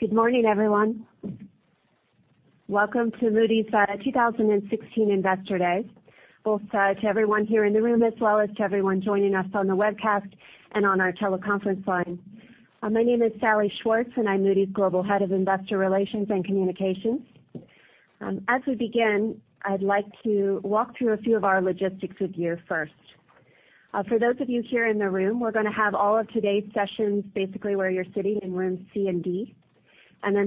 Good morning, everyone. Welcome to Moody's 2016 Investor Day, both to everyone here in the room, as well as to everyone joining us on the webcast and on our teleconference line. My name is Salli Schwartz, and I'm Moody's Global Head of Investor Relations and Communications. As we begin, I'd like to walk through a few of our logistics with you first. For those of you here in the room, we're going to have all of today's sessions basically where you're sitting in rooms C and D.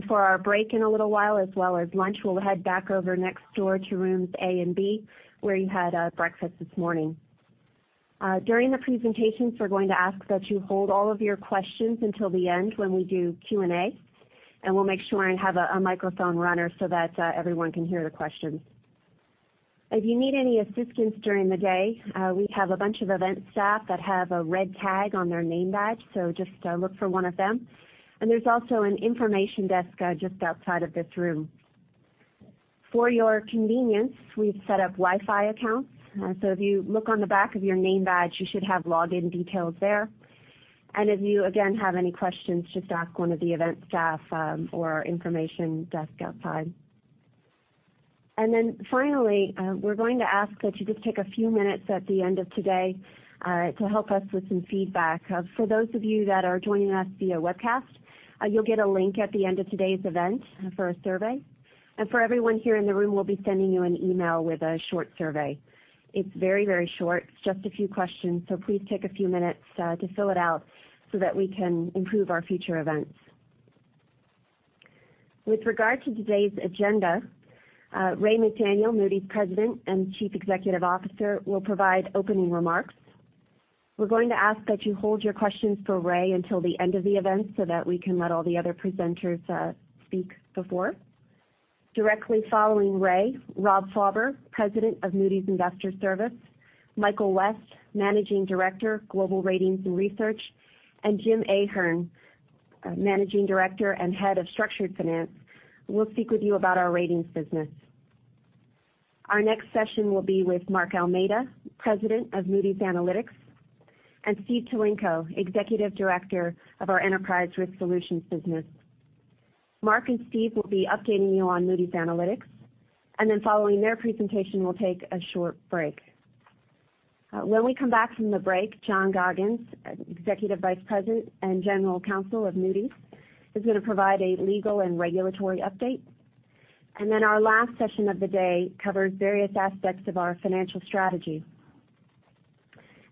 For our break in a little while, as well as lunch, we'll head back over next door to rooms A and B, where you had breakfast this morning. During the presentations, we're going to ask that you hold all of your questions until the end when we do Q&A, we'll make sure and have a microphone runner so that everyone can hear the questions. If you need any assistance during the day, we have a bunch of event staff that have a red tag on their name badge, so just look for one of them. There's also an information desk just outside of this room. For your convenience, we've set up Wi-Fi accounts. If you look on the back of your name badge, you should have login details there. If you, again, have any questions, just ask one of the event staff or information desk outside. Finally, we're going to ask that you just take a few minutes at the end of today to help us with some feedback. For those of you that are joining us via webcast, you'll get a link at the end of today's event for a survey. For everyone here in the room, we'll be sending you an email with a short survey. It's very short. It's just a few questions. Please take a few minutes to fill it out so that we can improve our future events. With regard to today's agenda, Ray McDaniel, Moody's President and Chief Executive Officer, will provide opening remarks. We're going to ask that you hold your questions for Ray until the end of the event so that we can let all the other presenters speak before. Directly following Ray, Rob Fauber, President of Moody's Investors Service, Michael West, Managing Director, Global Ratings and Research, and Jim Ahern, Managing Director and Head of Structured Finance, will speak with you about our ratings business. Our next session will be with Mark Almeida, President of Moody's Analytics, and Steve Tulenko, Executive Director of our Enterprise Risk Solutions business. Mark and Steve will be updating you on Moody's Analytics, following their presentation we'll take a short break. When we come back from the break, John Goggins, Executive Vice President and General Counsel of Moody's, is going to provide a legal and regulatory update. Our last session of the day covers various aspects of our financial strategy.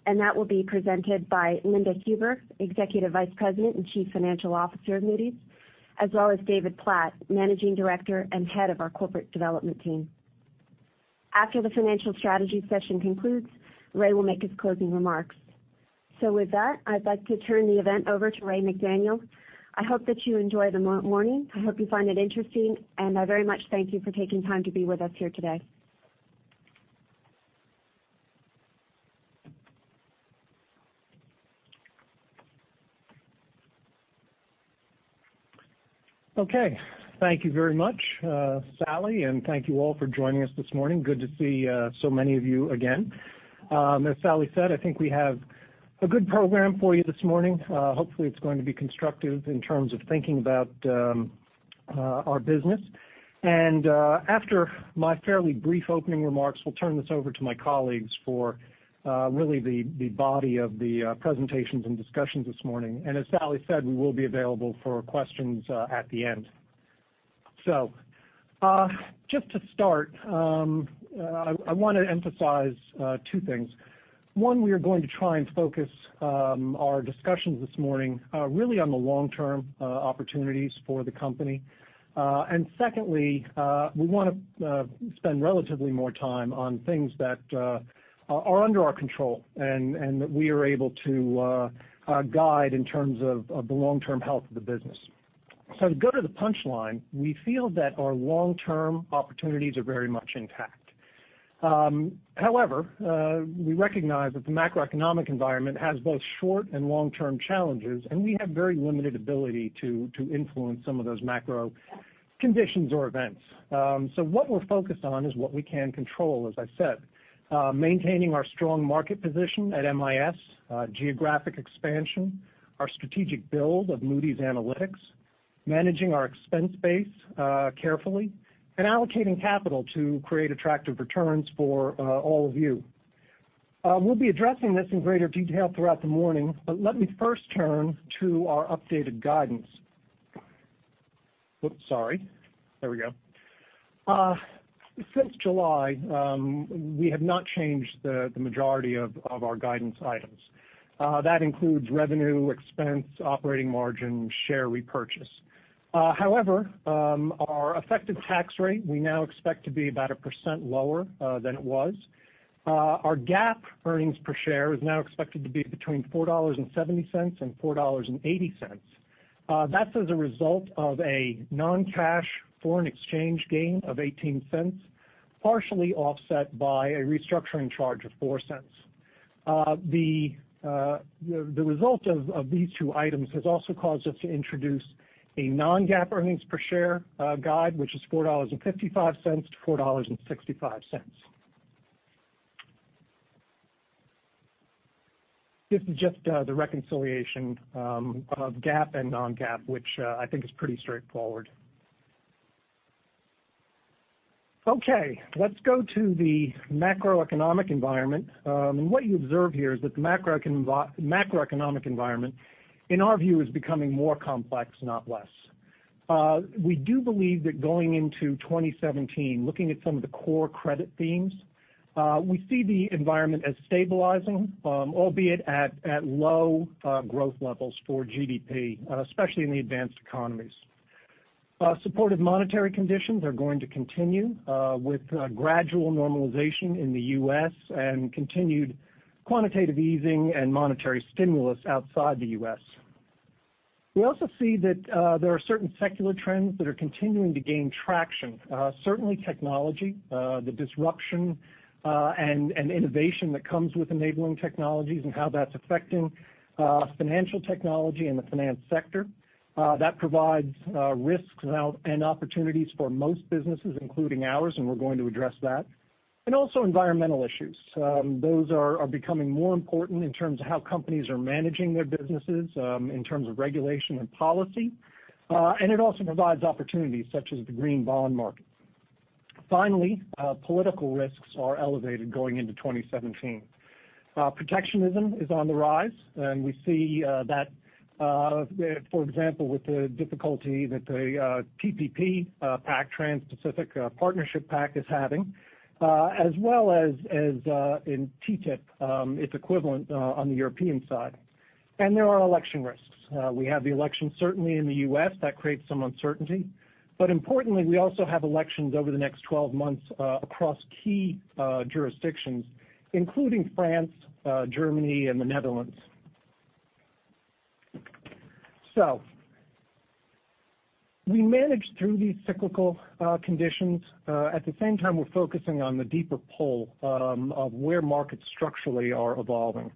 That will be presented by Linda Huber, Executive Vice President and Chief Financial Officer of Moody's, as well as David Platt, Managing Director and Head of our Corporate Development team. After the financial strategy session concludes, Ray will make his closing remarks. With that, I'd like to turn the event over to Ray McDaniel. I hope that you enjoy the morning. I hope you find it interesting. I very much thank you for taking time to be with us here today. Okay. Thank you very much, Salli, thank you all for joining us this morning. Good to see so many of you again. As Salli said, I think we have a good program for you this morning. Hopefully, it's going to be constructive in terms of thinking about our business. After my fairly brief opening remarks, we'll turn this over to my colleagues for really the body of the presentations and discussions this morning. As Salli said, we will be available for questions at the end. Just to start I want to emphasize two things. One, we are going to try and focus our discussions this morning really on the long-term opportunities for the company. Secondly, we want to spend relatively more time on things that are under our control and that we are able to guide in terms of the long-term health of the business. To go to the punchline, we feel that our long-term opportunities are very much intact. However, we recognize that the macroeconomic environment has both short and long-term challenges. We have very limited ability to influence some of those macro conditions or events. What we're focused on is what we can control, as I said. Maintaining our strong market position at MIS, geographic expansion, our strategic build of Moody's Analytics, managing our expense base carefully, and allocating capital to create attractive returns for all of you. We'll be addressing this in greater detail throughout the morning, but let me first turn to our updated guidance. Oops, sorry. There we go. Since July, we have not changed the majority of our guidance items. That includes revenue, expense, operating margin, share repurchase. However, our effective tax rate we now expect to be about 1% lower than it was. Our GAAP earnings per share is now expected to be between $4.70 and $4.80. That's as a result of a non-cash foreign exchange gain of $0.18, partially offset by a restructuring charge of $0.04. The result of these two items has also caused us to introduce a non-GAAP earnings per share guide, which is $4.55-$4.65. This is just the reconciliation of GAAP and non-GAAP, which I think is pretty straightforward. Okay, let's go to the macroeconomic environment. What you observe here is that the macroeconomic environment, in our view, is becoming more complex, not less. We do believe that going into 2017, looking at some of the core credit themes, we see the environment as stabilizing, albeit at low growth levels for GDP, especially in the advanced economies. Supportive monetary conditions are going to continue with gradual normalization in the U.S. and continued quantitative easing and monetary stimulus outside the U.S. We also see that there are certain secular trends that are continuing to gain traction. Certainly technology, the disruption and innovation that comes with enabling technologies and how that's affecting financial technology and the finance sector. That provides risks and opportunities for most businesses, including ours, and we're going to address that. Also environmental issues. Those are becoming more important in terms of how companies are managing their businesses, in terms of regulation and policy. It also provides opportunities such as the green bond market. Finally, political risks are elevated going into 2017. Protectionism is on the rise, and we see that, for example, with the difficulty that the TPP pact, Trans-Pacific Partnership pact is having, as well as in TTIP its equivalent on the European side. There are election risks. We have the election certainly in the U.S. That creates some uncertainty. Importantly, we also have elections over the next 12 months across key jurisdictions, including France, Germany, and the Netherlands. We manage through these cyclical conditions. At the same time, we're focusing on the deeper pull of where markets structurally are evolving.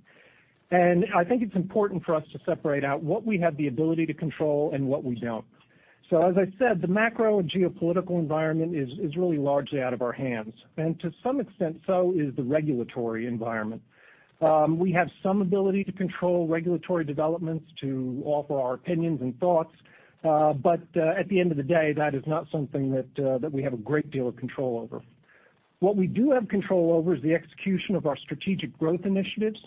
I think it's important for us to separate out what we have the ability to control and what we don't. As I said, the macro and geopolitical environment is really largely out of our hands. To some extent, so is the regulatory environment. We have some ability to control regulatory developments to offer our opinions and thoughts. At the end of the day, that is not something that we have a great deal of control over. What we do have control over is the execution of our strategic growth initiatives.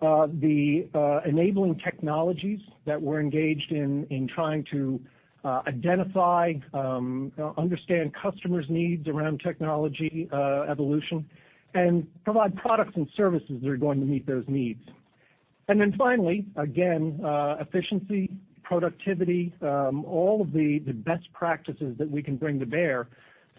The enabling technologies that we're engaged in trying to identify, understand customers' needs around technology evolution, and provide products and services that are going to meet those needs. Finally, again, efficiency, productivity, all of the best practices that we can bring to bear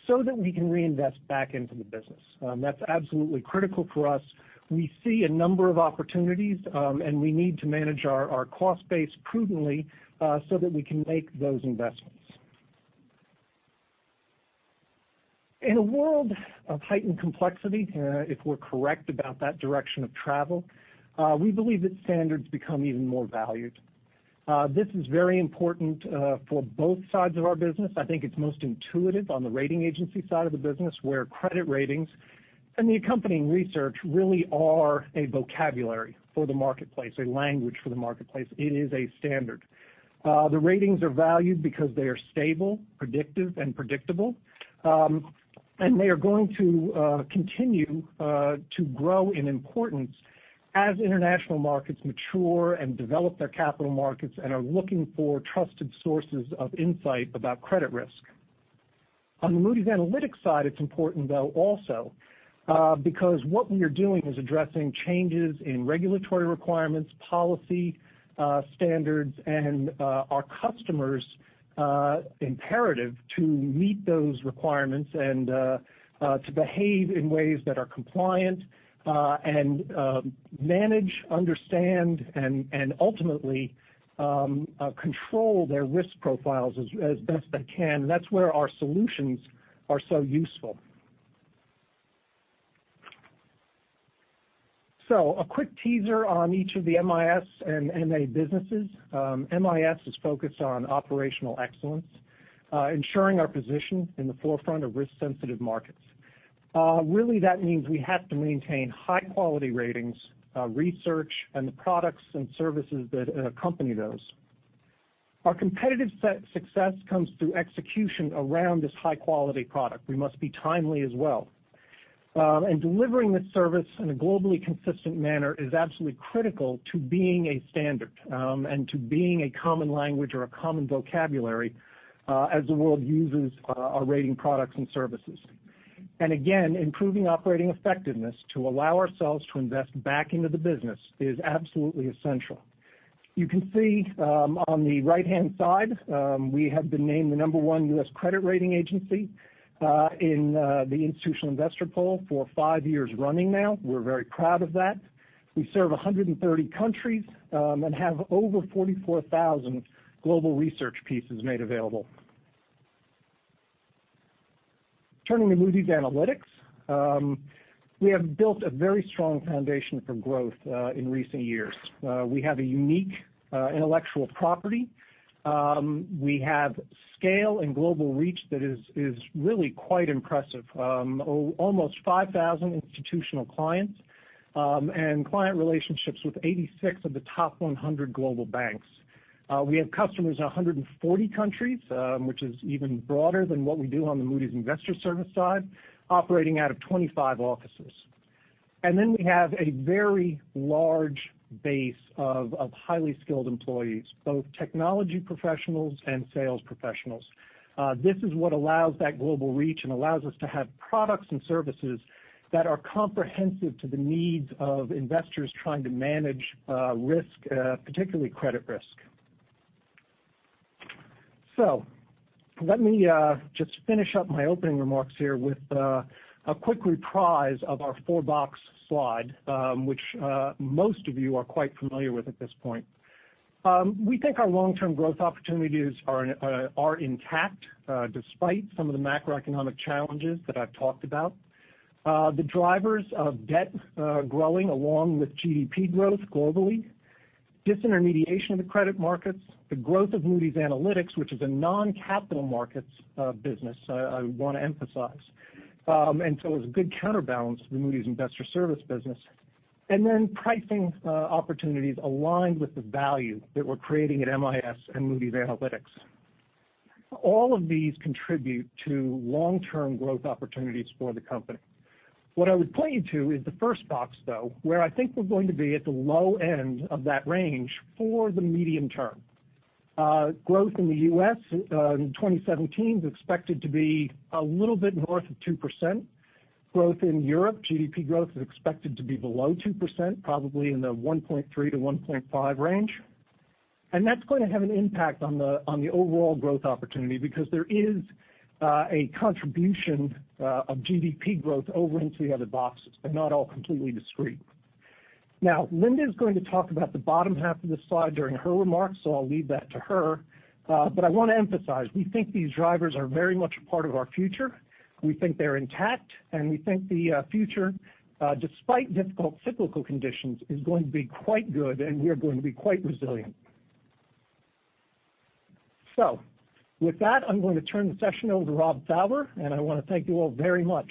so that we can reinvest back into the business. That's absolutely critical for us. We see a number of opportunities, and we need to manage our cost base prudently, so that we can make those investments. In a world of heightened complexity, if we're correct about that direction of travel, we believe that standards become even more valued. This is very important for both sides of our business. I think it's most intuitive on the rating agency side of the business, where credit ratings and the accompanying research really are a vocabulary for the marketplace, a language for the marketplace. It is a standard. The ratings are valued because they are stable, predictive, and predictable. They are going to continue to grow in importance as international markets mature and develop their capital markets and are looking for trusted sources of insight about credit risk. On the Moody's Analytics side, it's important though also because what we are doing is addressing changes in regulatory requirements, policy standards, and our customers' imperative to meet those requirements and to behave in ways that are compliant and manage, understand, and ultimately control their risk profiles as best they can. That's where our solutions are so useful. A quick teaser on each of the MIS and MA businesses. MIS is focused on operational excellence ensuring our position in the forefront of risk-sensitive markets. Really that means we have to maintain high-quality ratings, research, and the products and services that accompany those. Our competitive success comes through execution around this high-quality product. We must be timely as well. Delivering this service in a globally consistent manner is absolutely critical to being a standard and to being a common language or a common vocabulary as the world uses our rating products and services. Again, improving operating effectiveness to allow ourselves to invest back into the business is absolutely essential. You can see on the right-hand side, we have been named the number 1 U.S. credit rating agency in the Institutional Investor poll for five years running now. We're very proud of that. We serve 130 countries and have over 44,000 global research pieces made available. Turning to Moody's Analytics. We have built a very strong foundation for growth in recent years. We have a unique intellectual property. We have scale and global reach that is really quite impressive. Almost 5,000 institutional clients, and client relationships with 86 of the top 100 global banks. We have customers in 140 countries, which is even broader than what we do on the Moody's Investors Service side, operating out of 25 offices. We have a very large base of highly skilled employees, both technology professionals and sales professionals. This is what allows that global reach and allows us to have products and services that are comprehensive to the needs of investors trying to manage risk, particularly credit risk. Let me just finish up my opening remarks here with a quick reprise of our four box slide, which most of you are quite familiar with at this point. We think our long-term growth opportunities are intact, despite some of the macroeconomic challenges that I've talked about. The drivers of debt are growing along with GDP growth globally, disintermediation of the credit markets, the growth of Moody's Analytics, which is a non-capital markets business, I want to emphasize. It's a good counterbalance to the Moody's Investors Service business. Pricing opportunities aligned with the value that we're creating at MIS and Moody's Analytics. All of these contribute to long-term growth opportunities for the company. What I would point you to is the first box, though, where I think we're going to be at the low end of that range for the medium term. Growth in the U.S. in 2017 is expected to be a little bit north of 2%. Growth in Europe, GDP growth is expected to be below 2%, probably in the 1.3 to 1.5 range. That's going to have an impact on the overall growth opportunity because there is a contribution of GDP growth over into the other boxes, they're not all completely discrete. Linda is going to talk about the bottom half of this slide during her remarks, so I'll leave that to her. I want to emphasize, we think these drivers are very much a part of our future. We think they're intact, and we think the future, despite difficult cyclical conditions, is going to be quite good and we are going to be quite resilient. With that, I'm going to turn the session over to Rob Fauber, and I want to thank you all very much.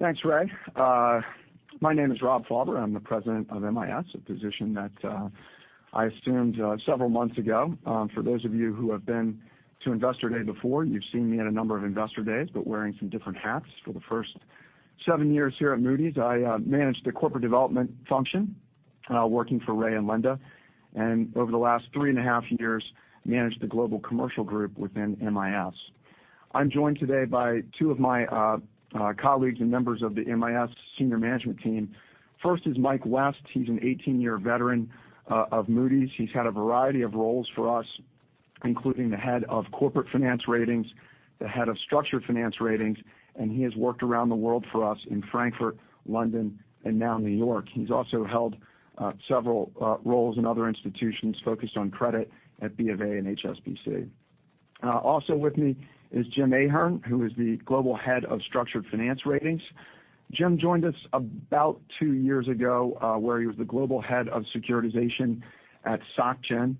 Thanks, Ray. My name is Rob Fauber. I'm the president of MIS, a position that I assumed several months ago. For those of you who have been to Investor Day before, you've seen me at a number of investor days, but wearing some different hats. For the first 7 years here at Moody's, I managed the corporate development function, working for Ray and Linda. Over the last 3 and a half years, managed the global commercial group within MIS. I'm joined today by two of my colleagues and members of the MIS senior management team. First is Mike West. He's an 18-year veteran of Moody's. He's had a variety of roles for us, including the head of corporate finance ratings, the head of structured finance ratings, and he has worked around the world for us in Frankfurt, London, and now New York. He's also held several roles in other institutions focused on credit at B of A and HSBC. Also with me is Jim Ahern, who is the global head of structured finance ratings. Jim joined us about 2 years ago, where he was the global head of securitization at Soc Gen.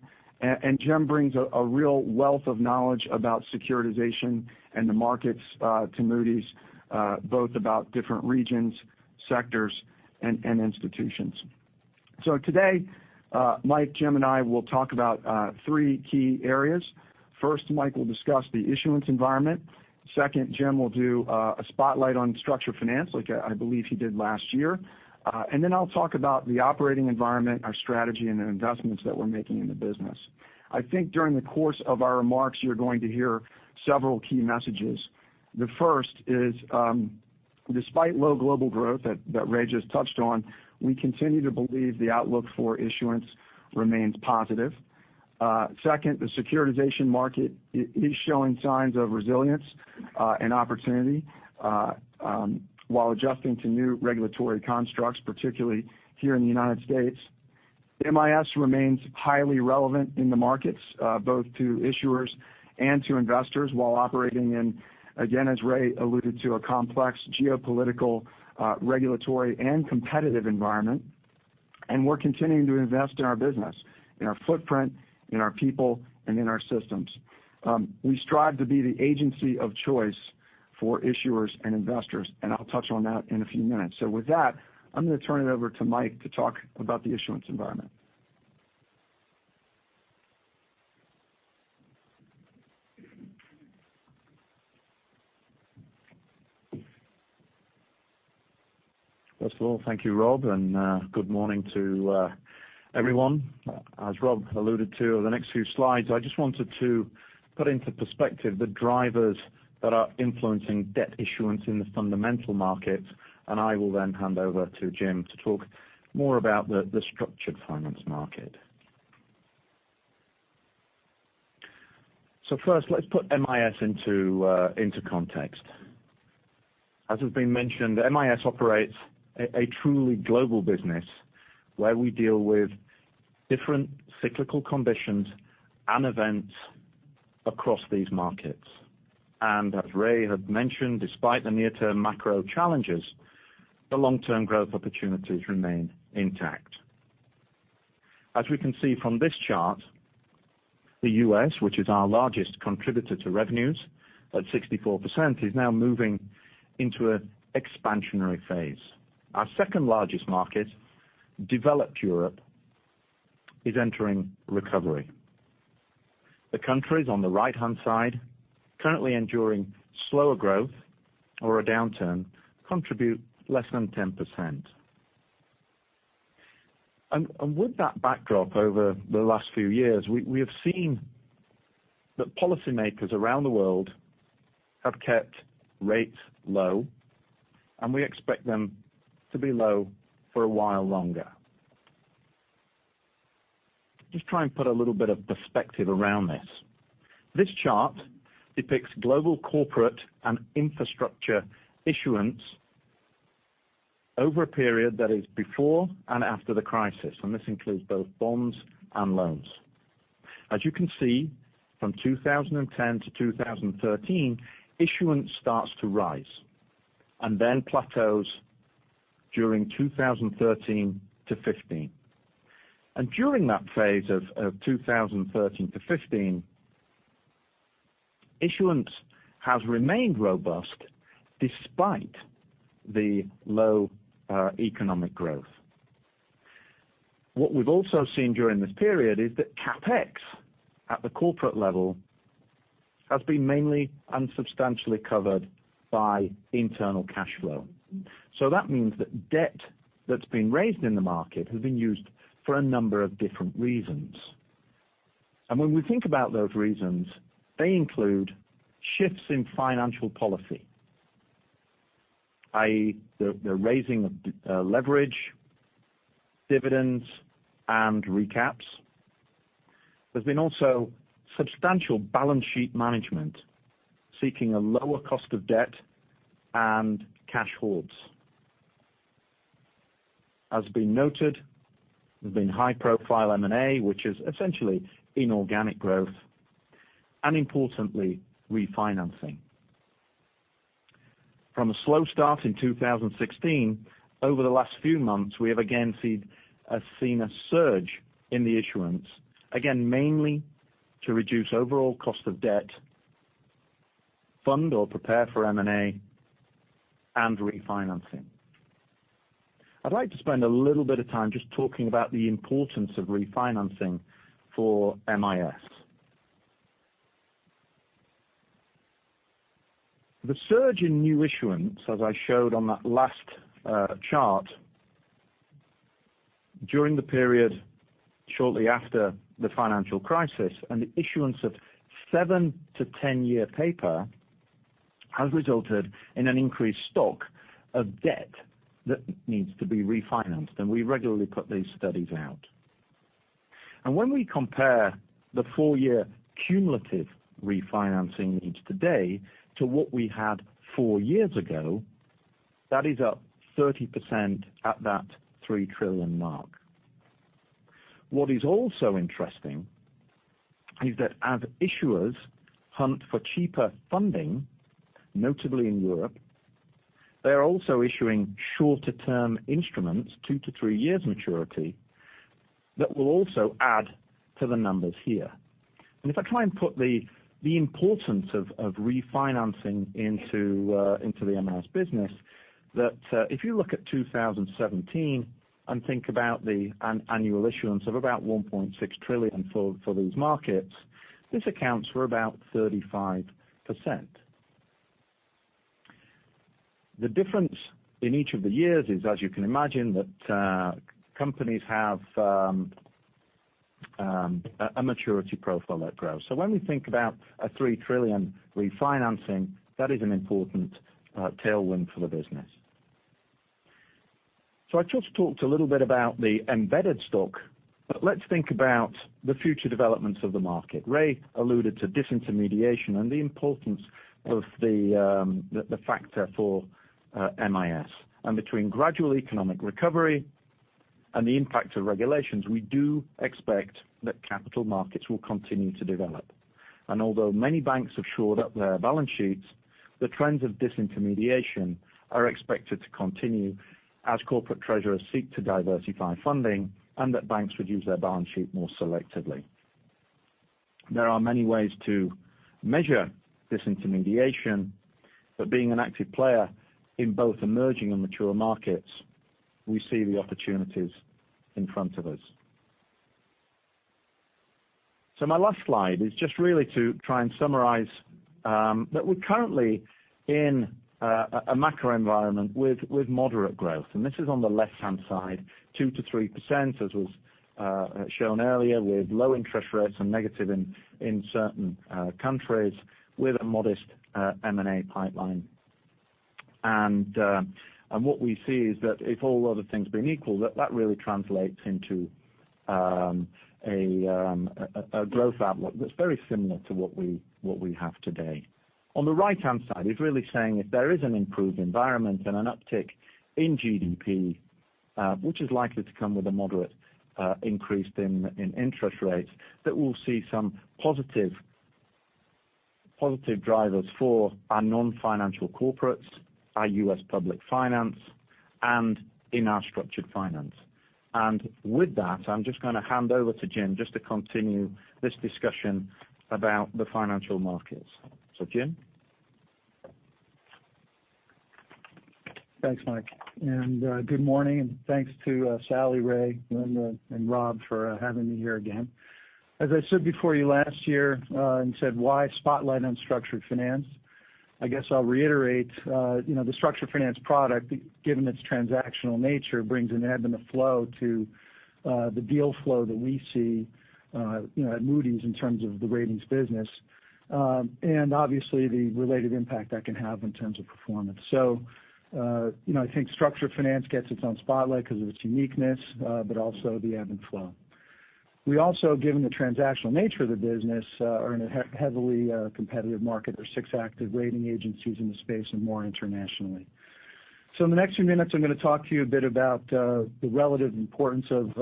Jim brings a real wealth of knowledge about securitization and the markets to Moody's, both about different regions, sectors, and institutions. Today, Mike, Jim, and I will talk about three key areas. First, Mike will discuss the issuance environment. Second, Jim will do a spotlight on structured finance, like I believe he did last year. Then I'll talk about the operating environment, our strategy, and the investments that we're making in the business. I think during the course of our remarks, you're going to hear several key messages. The first is, despite low global growth that Ray just touched on, we continue to believe the outlook for issuance remains positive. Second, the securitization market is showing signs of resilience and opportunity while adjusting to new regulatory constructs, particularly here in the United States. MIS remains highly relevant in the markets both to issuers and to investors while operating in, again, as Ray alluded to, a complex geopolitical, regulatory, and competitive environment. We're continuing to invest in our business, in our footprint, in our people, and in our systems. We strive to be the agency of choice for issuers and investors, and I'll touch on that in a few minutes. With that, I'm going to turn it over to Mike to talk about the issuance environment. First of all, thank you, Rob, good morning to everyone. As Rob alluded to, over the next few slides, I just wanted to put into perspective the drivers that are influencing debt issuance in the fundamental markets. I will then hand over to Jim to talk more about the structured finance market. First, let's put MIS into context. As has been mentioned, MIS operates a truly global business where we deal with different cyclical conditions and events across these markets. As Ray had mentioned, despite the near-term macro challenges, the long-term growth opportunities remain intact. As we can see from this chart, the U.S., which is our largest contributor to revenues at 64%, is now moving into an expansionary phase. Our second-largest market, developed Europe, is entering recovery. The countries on the right-hand side, currently enduring slower growth or a downturn, contribute less than 10%. With that backdrop over the last few years, we have seen that policymakers around the world have kept rates low, we expect them to be low for a while longer. Just try and put a little bit of perspective around this. This chart depicts global corporate and infrastructure issuance over a period that is before and after the crisis, this includes both bonds and loans. As you can see, from 2010 to 2013, issuance starts to rise and then plateaus during 2013 to 2015. During that phase of 2013 to 2015, issuance has remained robust despite the low economic growth. What we've also seen during this period is that CapEx at the corporate level has been mainly unsubstantially covered by internal cash flow. That means that debt that's been raised in the market has been used for a number of different reasons. When we think about those reasons, they include shifts in financial policy, i.e., the raising of leverage, dividends, and recaps. There's been also substantial balance sheet management seeking a lower cost of debt and cash hoards. As been noted, there's been high-profile M&A, which is essentially inorganic growth, importantly, refinancing. From a slow start in 2016, over the last few months, we have again seen a surge in the issuance, again, mainly to reduce overall cost of debt, fund or prepare for M&A, and refinancing. I'd like to spend a little bit of time just talking about the importance of refinancing for MIS. The surge in new issuance, as I showed on that last chart, during the period shortly after the financial crisis, and the issuance of seven to 10-year paper has resulted in an increased stock of debt that needs to be refinanced, and we regularly put these studies out. When we compare the full-year cumulative refinancing needs today to what we had four years ago, that is up 30% at that $3 trillion mark. What is also interesting is that as issuers hunt for cheaper funding, notably in Europe, they are also issuing shorter-term instruments, two to three years maturity, that will also add to the numbers here. If I try and put the importance of refinancing into the MIS business, that if you look at 2017 and think about the annual issuance of about $1.6 trillion for these markets, this accounts for about 35%. The difference in each of the years is, as you can imagine, that companies have a maturity profile at growth. When we think about a $3 trillion refinancing, that is an important tailwind for the business. I just talked a little bit about the embedded stock, but let's think about the future developments of the market. Ray McDaniel alluded to disintermediation and the importance of the factor for MIS. Between gradual economic recovery and the impact of regulations, we do expect that capital markets will continue to develop. Although many banks have shored up their balance sheets, the trends of disintermediation are expected to continue as corporate treasurers seek to diversify funding and that banks reduce their balance sheet more selectively. There are many ways to measure disintermediation, but being an active player in both emerging and mature markets, we see the opportunities in front of us. My last slide is just really to try and summarize that we're currently in a macro environment with moderate growth, and this is on the left-hand side, 2%-3%, as was shown earlier, with low interest rates and negative in certain countries, with a modest M&A pipeline. What we see is that if all other things being equal, that that really translates into a growth outlook that's very similar to what we have today. On the right-hand side is really saying if there is an improved environment and an uptick in GDP, which is likely to come with a moderate increase in interest rates, that we'll see some positive drivers for our non-financial corporates, our U.S. public finance, and in our structured finance. With that, I'm just going to hand over to Jim Ahern just to continue this discussion about the financial markets. Jim Ahern? Thanks, Michael West, and good morning, and thanks to Salli Schwartz, Ray McDaniel, Linda Huber, and Rob Fauber for having me here again. As I said before you last year, and said why spotlight on structured finance, I guess I'll reiterate the structured finance product, given its transactional nature, brings an ebb and a flow to the deal flow that we see at Moody's in terms of the ratings business. And obviously the related impact that can have in terms of performance. I think structured finance gets its own spotlight because of its uniqueness, but also the ebb and flow. We also, given the transactional nature of the business, are in a heavily competitive market. There's six active rating agencies in the space and more internationally. In the next few minutes, I'm going to talk to you a bit about the relative importance of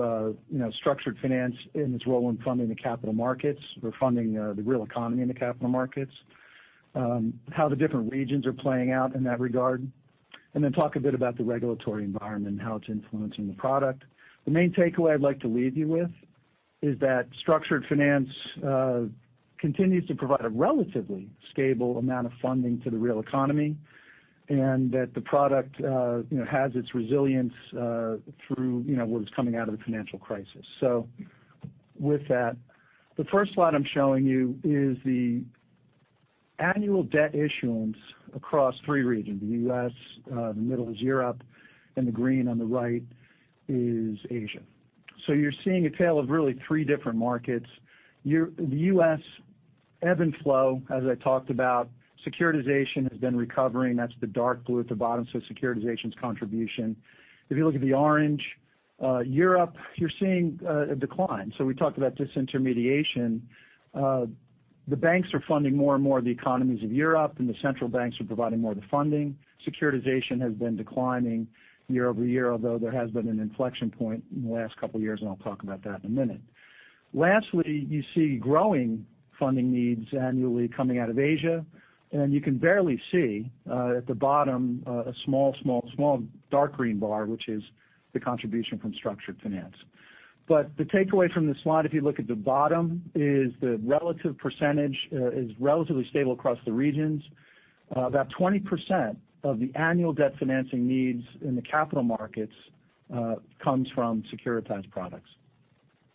structured finance in its role in funding the capital markets or funding the real economy in the capital markets, how the different regions are playing out in that regard, then talk a bit about the regulatory environment and how it's influencing the product. The main takeaway I'd like to leave you with is that structured finance continues to provide a relatively stable amount of funding to the real economy, that the product has its resilience through what was coming out of the financial crisis. With that, the first slide I'm showing you is the annual debt issuance across three regions, the U.S., the middle is Europe, and the green on the right is Asia. You're seeing a tale of really three different markets. The U.S. ebb and flow, as I talked about, securitization has been recovering. That's the dark blue at the bottom, so securitization's contribution. If you look at the orange, Europe, you're seeing a decline. We talked about disintermediation. The banks are funding more and more of the economies of Europe, and the central banks are providing more of the funding. Securitization has been declining year-over-year, although there has been an inflection point in the last couple of years, and I'll talk about that in a minute. Lastly, you see growing funding needs annually coming out of Asia, and you can barely see at the bottom, a small, small dark green bar, which is the contribution from structured finance. The takeaway from this slide, if you look at the bottom, is the relative percentage is relatively stable across the regions. About 20% of the annual debt financing needs in the capital markets comes from securitized products.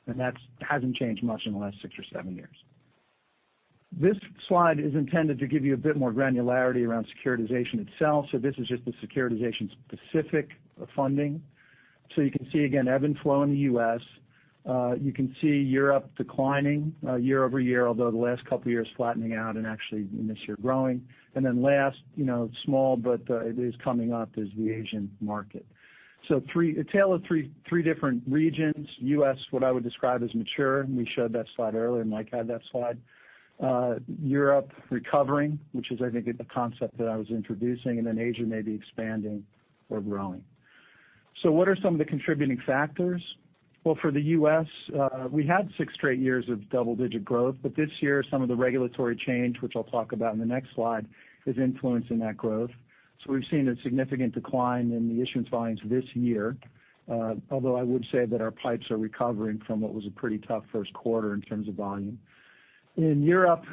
That hasn't changed much in the last six or seven years. This slide is intended to give you a bit more granularity around securitization itself. This is just the securitization-specific funding. You can see, again, ebb and flow in the U.S. You can see Europe declining year-over-year, although the last couple of years flattening out and actually this year growing. Then last, small, but it is coming up, is the Asian market. A tale of three different regions. U.S., what I would describe as mature, and we showed that slide earlier, Mike had that slide. Europe recovering, which is, I think, the concept that I was introducing, and then Asia maybe expanding or growing. What are some of the contributing factors? Well, for the U.S., we had six straight years of double-digit growth, this year, some of the regulatory change, which I'll talk about in the next slide, is influencing that growth. We've seen a significant decline in the issuance volumes this year. Although I would say that our pipes are recovering from what was a pretty tough first quarter in terms of volume. In Europe,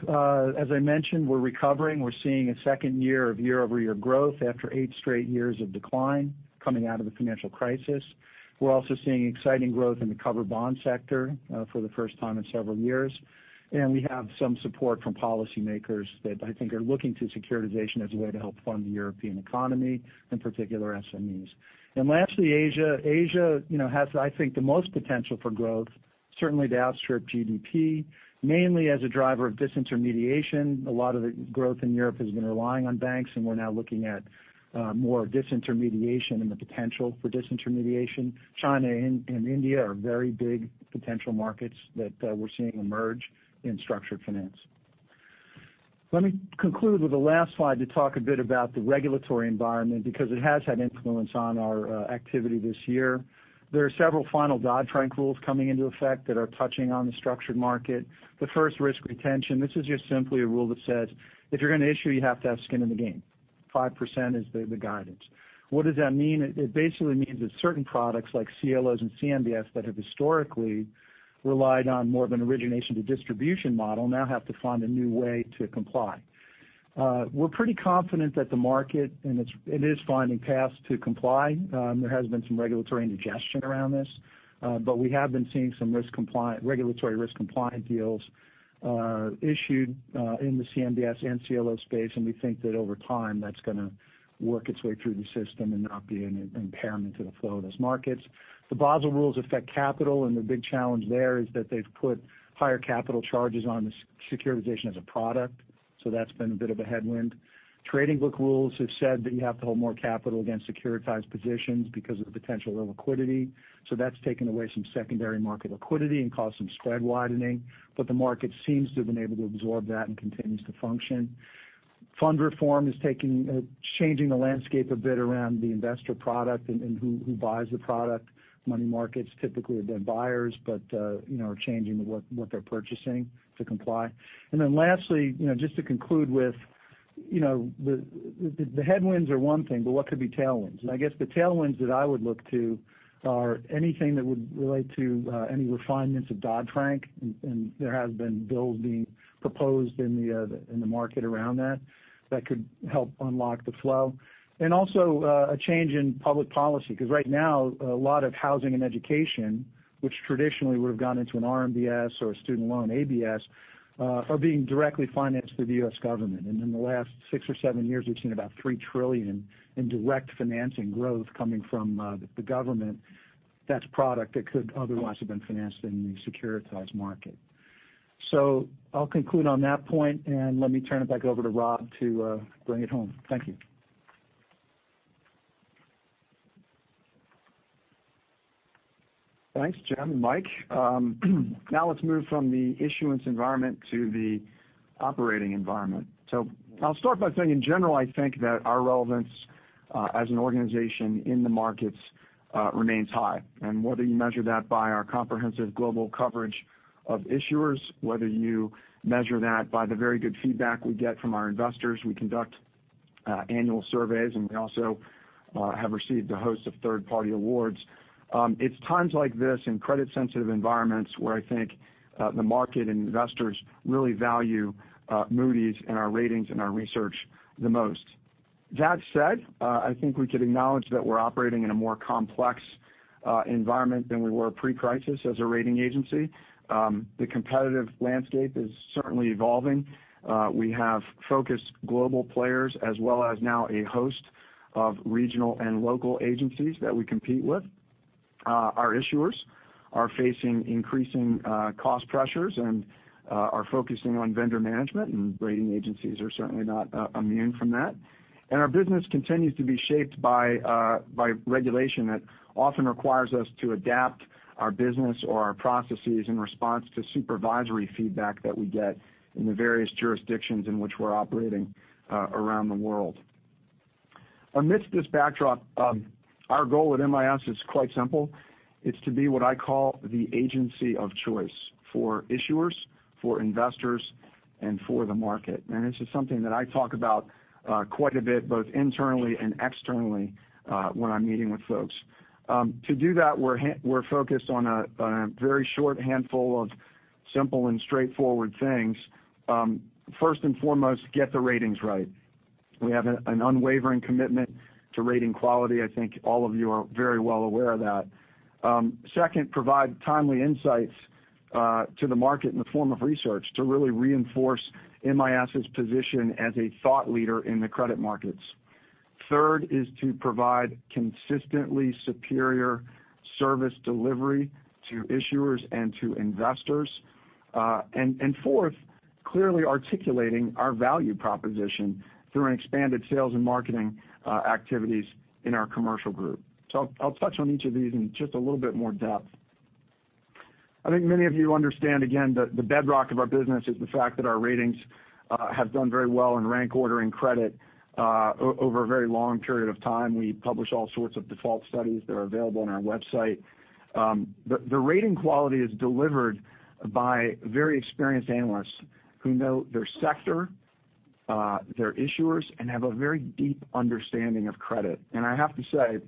as I mentioned, we're recovering. We're seeing a second year of year-over-year growth after eight straight years of decline coming out of the financial crisis. We're also seeing exciting growth in the cover bond sector for the first time in several years. We have some support from policymakers that I think are looking to securitization as a way to help fund the European economy, in particular SMEs. Lastly, Asia. Asia has, I think, the most potential for growth, certainly to outstrip GDP, mainly as a driver of disintermediation. A lot of the growth in Europe has been relying on banks, and we're now looking at more disintermediation and the potential for disintermediation. China and India are very big potential markets that we're seeing emerge in structured finance. Let me conclude with the last slide to talk a bit about the regulatory environment because it has had influence on our activity this year. There are several final Dodd-Frank rules coming into effect that are touching on the structured market. The first, risk retention. This is just simply a rule that says if you're going to issue, you have to have skin in the game. 5% is the guidance. What does that mean? It basically means that certain products like CLOs and CMBS that have historically relied on more of an origination to distribution model now have to find a new way to comply. We're pretty confident that the market, and it is finding paths to comply. There has been some regulatory indigestion around this. We have been seeing some regulatory risk-compliant deals issued in the CMBS and CLO space, and we think that over time, that's going to work its way through the system and not be an impairment to the flow of those markets. The Basel rules affect capital, and the big challenge there is that they've put higher capital charges on the securitization as a product. That's been a bit of a headwind. Trading book rules have said that you have to hold more capital against securitized positions because of the potential illiquidity. That's taken away some secondary market liquidity and caused some spread widening. The market seems to have been able to absorb that and continues to function. Fund reform is changing the landscape a bit around the investor product and who buys the product. Money markets typically have been buyers, but are changing what they're purchasing to comply. Lastly, just to conclude with, the headwinds are one thing, but what could be tailwinds? I guess the tailwinds that I would look to are anything that would relate to any refinements of Dodd-Frank, and there have been bills being proposed in the market around that could help unlock the flow. Also a change in public policy, because right now a lot of housing and education, which traditionally would've gone into an RMBS or a student loan ABS, are being directly financed through the U.S. government. In the last six or seven years, we've seen about $3 trillion in direct financing growth coming from the government. That's product that could otherwise have been financed in the securitized market. I'll conclude on that point and let me turn it back over to Rob to bring it home. Thank you. Thanks, Jim and Mike. Let's move from the issuance environment to the operating environment. I'll start by saying, in general, I think that our relevance as an organization in the markets remains high. Whether you measure that by our comprehensive global coverage of issuers, whether you measure that by the very good feedback we get from our investors. We conduct annual surveys, and we also have received a host of third-party awards. It's times like this in credit sensitive environments where I think the market and investors really value Moody's and our ratings and our research the most. That said, I think we could acknowledge that we're operating in a more complex environment than we were pre-crisis as a rating agency. The competitive landscape is certainly evolving. We have focused global players as well as now a host of regional and local agencies that we compete with. Our issuers are facing increasing cost pressures and are focusing on vendor management, rating agencies are certainly not immune from that. Our business continues to be shaped by regulation that often requires us to adapt our business or our processes in response to supervisory feedback that we get in the various jurisdictions in which we're operating around the world. Amidst this backdrop, our goal at MIS is quite simple. It's to be what I call the agency of choice for issuers, for investors, and for the market. This is something that I talk about quite a bit, both internally and externally when I'm meeting with folks. To do that, we're focused on a very short handful of simple and straightforward things. First and foremost, get the ratings right. We have an unwavering commitment to rating quality. I think all of you are very well aware of that. Second, provide timely insights to the market in the form of research to really reinforce MIS's position as a thought leader in the credit markets. Third is to provide consistently superior service delivery to issuers and to investors. Fourth, clearly articulating our value proposition through an expanded sales and marketing activities in our commercial group. I'll touch on each of these in just a little bit more depth. I think many of you understand, again, the bedrock of our business is the fact that our ratings have done very well in rank ordering credit, over a very long period of time. We publish all sorts of default studies that are available on our website. The rating quality is delivered by very experienced analysts who know their sector, their issuers, and have a very deep understanding of credit. I have to say,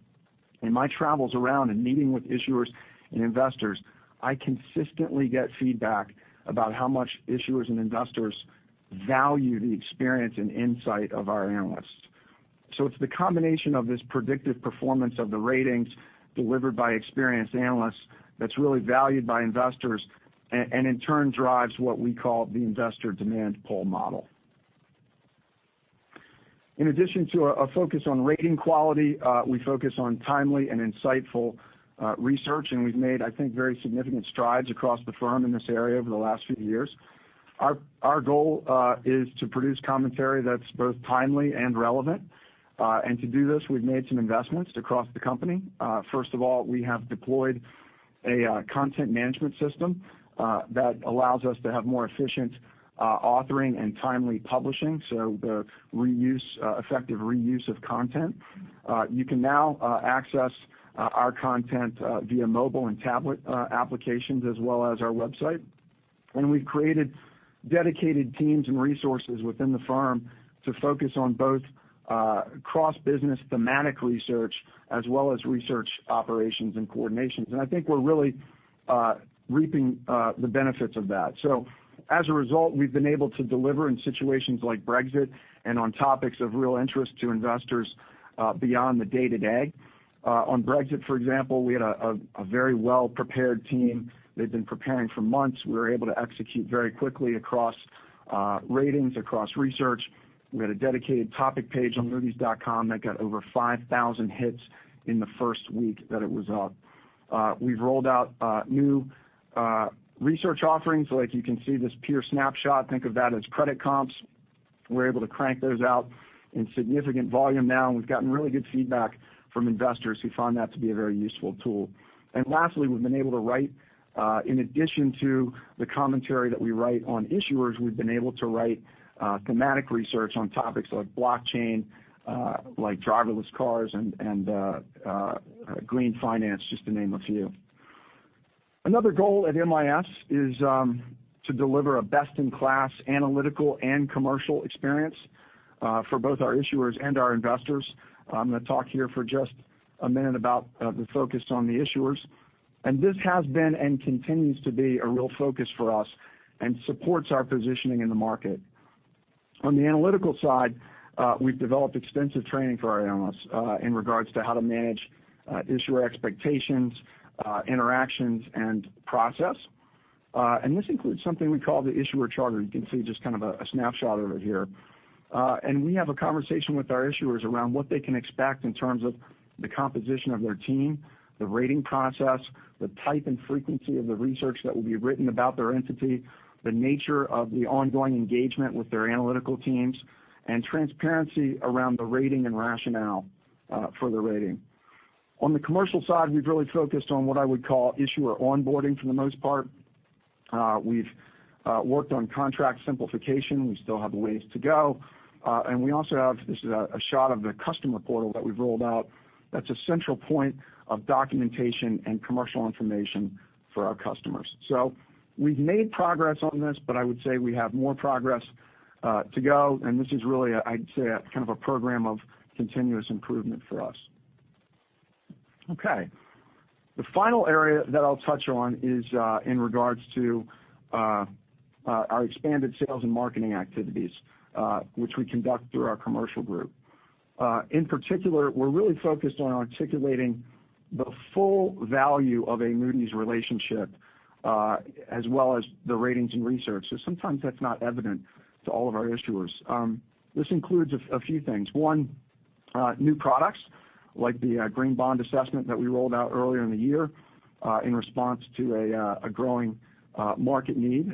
in my travels around and meeting with issuers and investors, I consistently get feedback about how much issuers and investors value the experience and insight of our analysts. It's the combination of this predictive performance of the ratings delivered by experienced analysts that's really valued by investors, and in turn drives what we call the investor demand pull model. In addition to a focus on rating quality, we focus on timely and insightful research, and we've made, I think, very significant strides across the firm in this area over the last few years. Our goal is to produce commentary that's both timely and relevant. To do this, we've made some investments across the company. First of all, we have deployed a content management system that allows us to have more efficient authoring and timely publishing, so the effective reuse of content. You can now access our content via mobile and tablet applications as well as our website. We've created dedicated teams and resources within the firm to focus on both cross-business thematic research as well as research operations and coordinations. I think we're really reaping the benefits of that. As a result, we've been able to deliver in situations like Brexit and on topics of real interest to investors beyond the day-to-day. On Brexit, for example, we had a very well-prepared team. They'd been preparing for months. We were able to execute very quickly across ratings, across research. We had a dedicated topic page on moodys.com that got over 5,000 hits in the first week that it was up. We've rolled out new research offerings. Like you can see this Peer Snapshot. Think of that as credit comps. We're able to crank those out. We've gotten really good feedback from investors who find that to be a very useful tool. Lastly, we've been able to write, in addition to the commentary that we write on issuers, we've been able to write thematic research on topics like blockchain, like driverless cars, and green finance, just to name a few. Another goal at MIS is to deliver a best-in-class analytical and commercial experience for both our issuers and our investors. I'm going to talk here for just a minute about the focus on the issuers. This has been and continues to be a real focus for us and supports our positioning in the market. On the analytical side, we've developed extensive training for our analysts in regards to how to manage issuer expectations, interactions, and process. This includes something we call the issuer charter. You can see just kind of a snapshot of it here. We have a conversation with our issuers around what they can expect in terms of the composition of their team, the rating process, the type and frequency of the research that will be written about their entity, the nature of the ongoing engagement with their analytical teams, and transparency around the rating and rationale for the rating. On the commercial side, we've really focused on what I would call issuer onboarding for the most part. We've worked on contract simplification. We still have a ways to go. We also have, this is a shot of the customer portal that we've rolled out. That's an essential point of documentation and commercial information for our customers. We've made progress on this, but I would say we have more progress to go, and this is really a, I'd say, a kind of a program of continuous improvement for us. Okay. The final area that I'll touch on is in regards to our expanded sales and marketing activities, which we conduct through our commercial group. In particular, we're really focused on articulating the full value of a Moody's relationship, as well as the ratings and research. Sometimes that's not evident to all of our issuers. This includes a few things. One, new products like the Green Bond Assessment that we rolled out earlier in the year in response to a growing market need.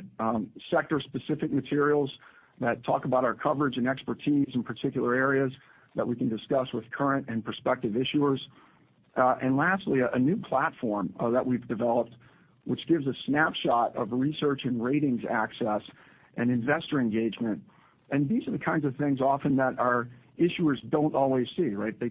Sector-specific materials that talk about our coverage and expertise in particular areas that we can discuss with current and prospective issuers. Lastly, a new platform that we've developed which gives a snapshot of research and ratings access and investor engagement. These are the kinds of things often that our issuers don't always see, right? They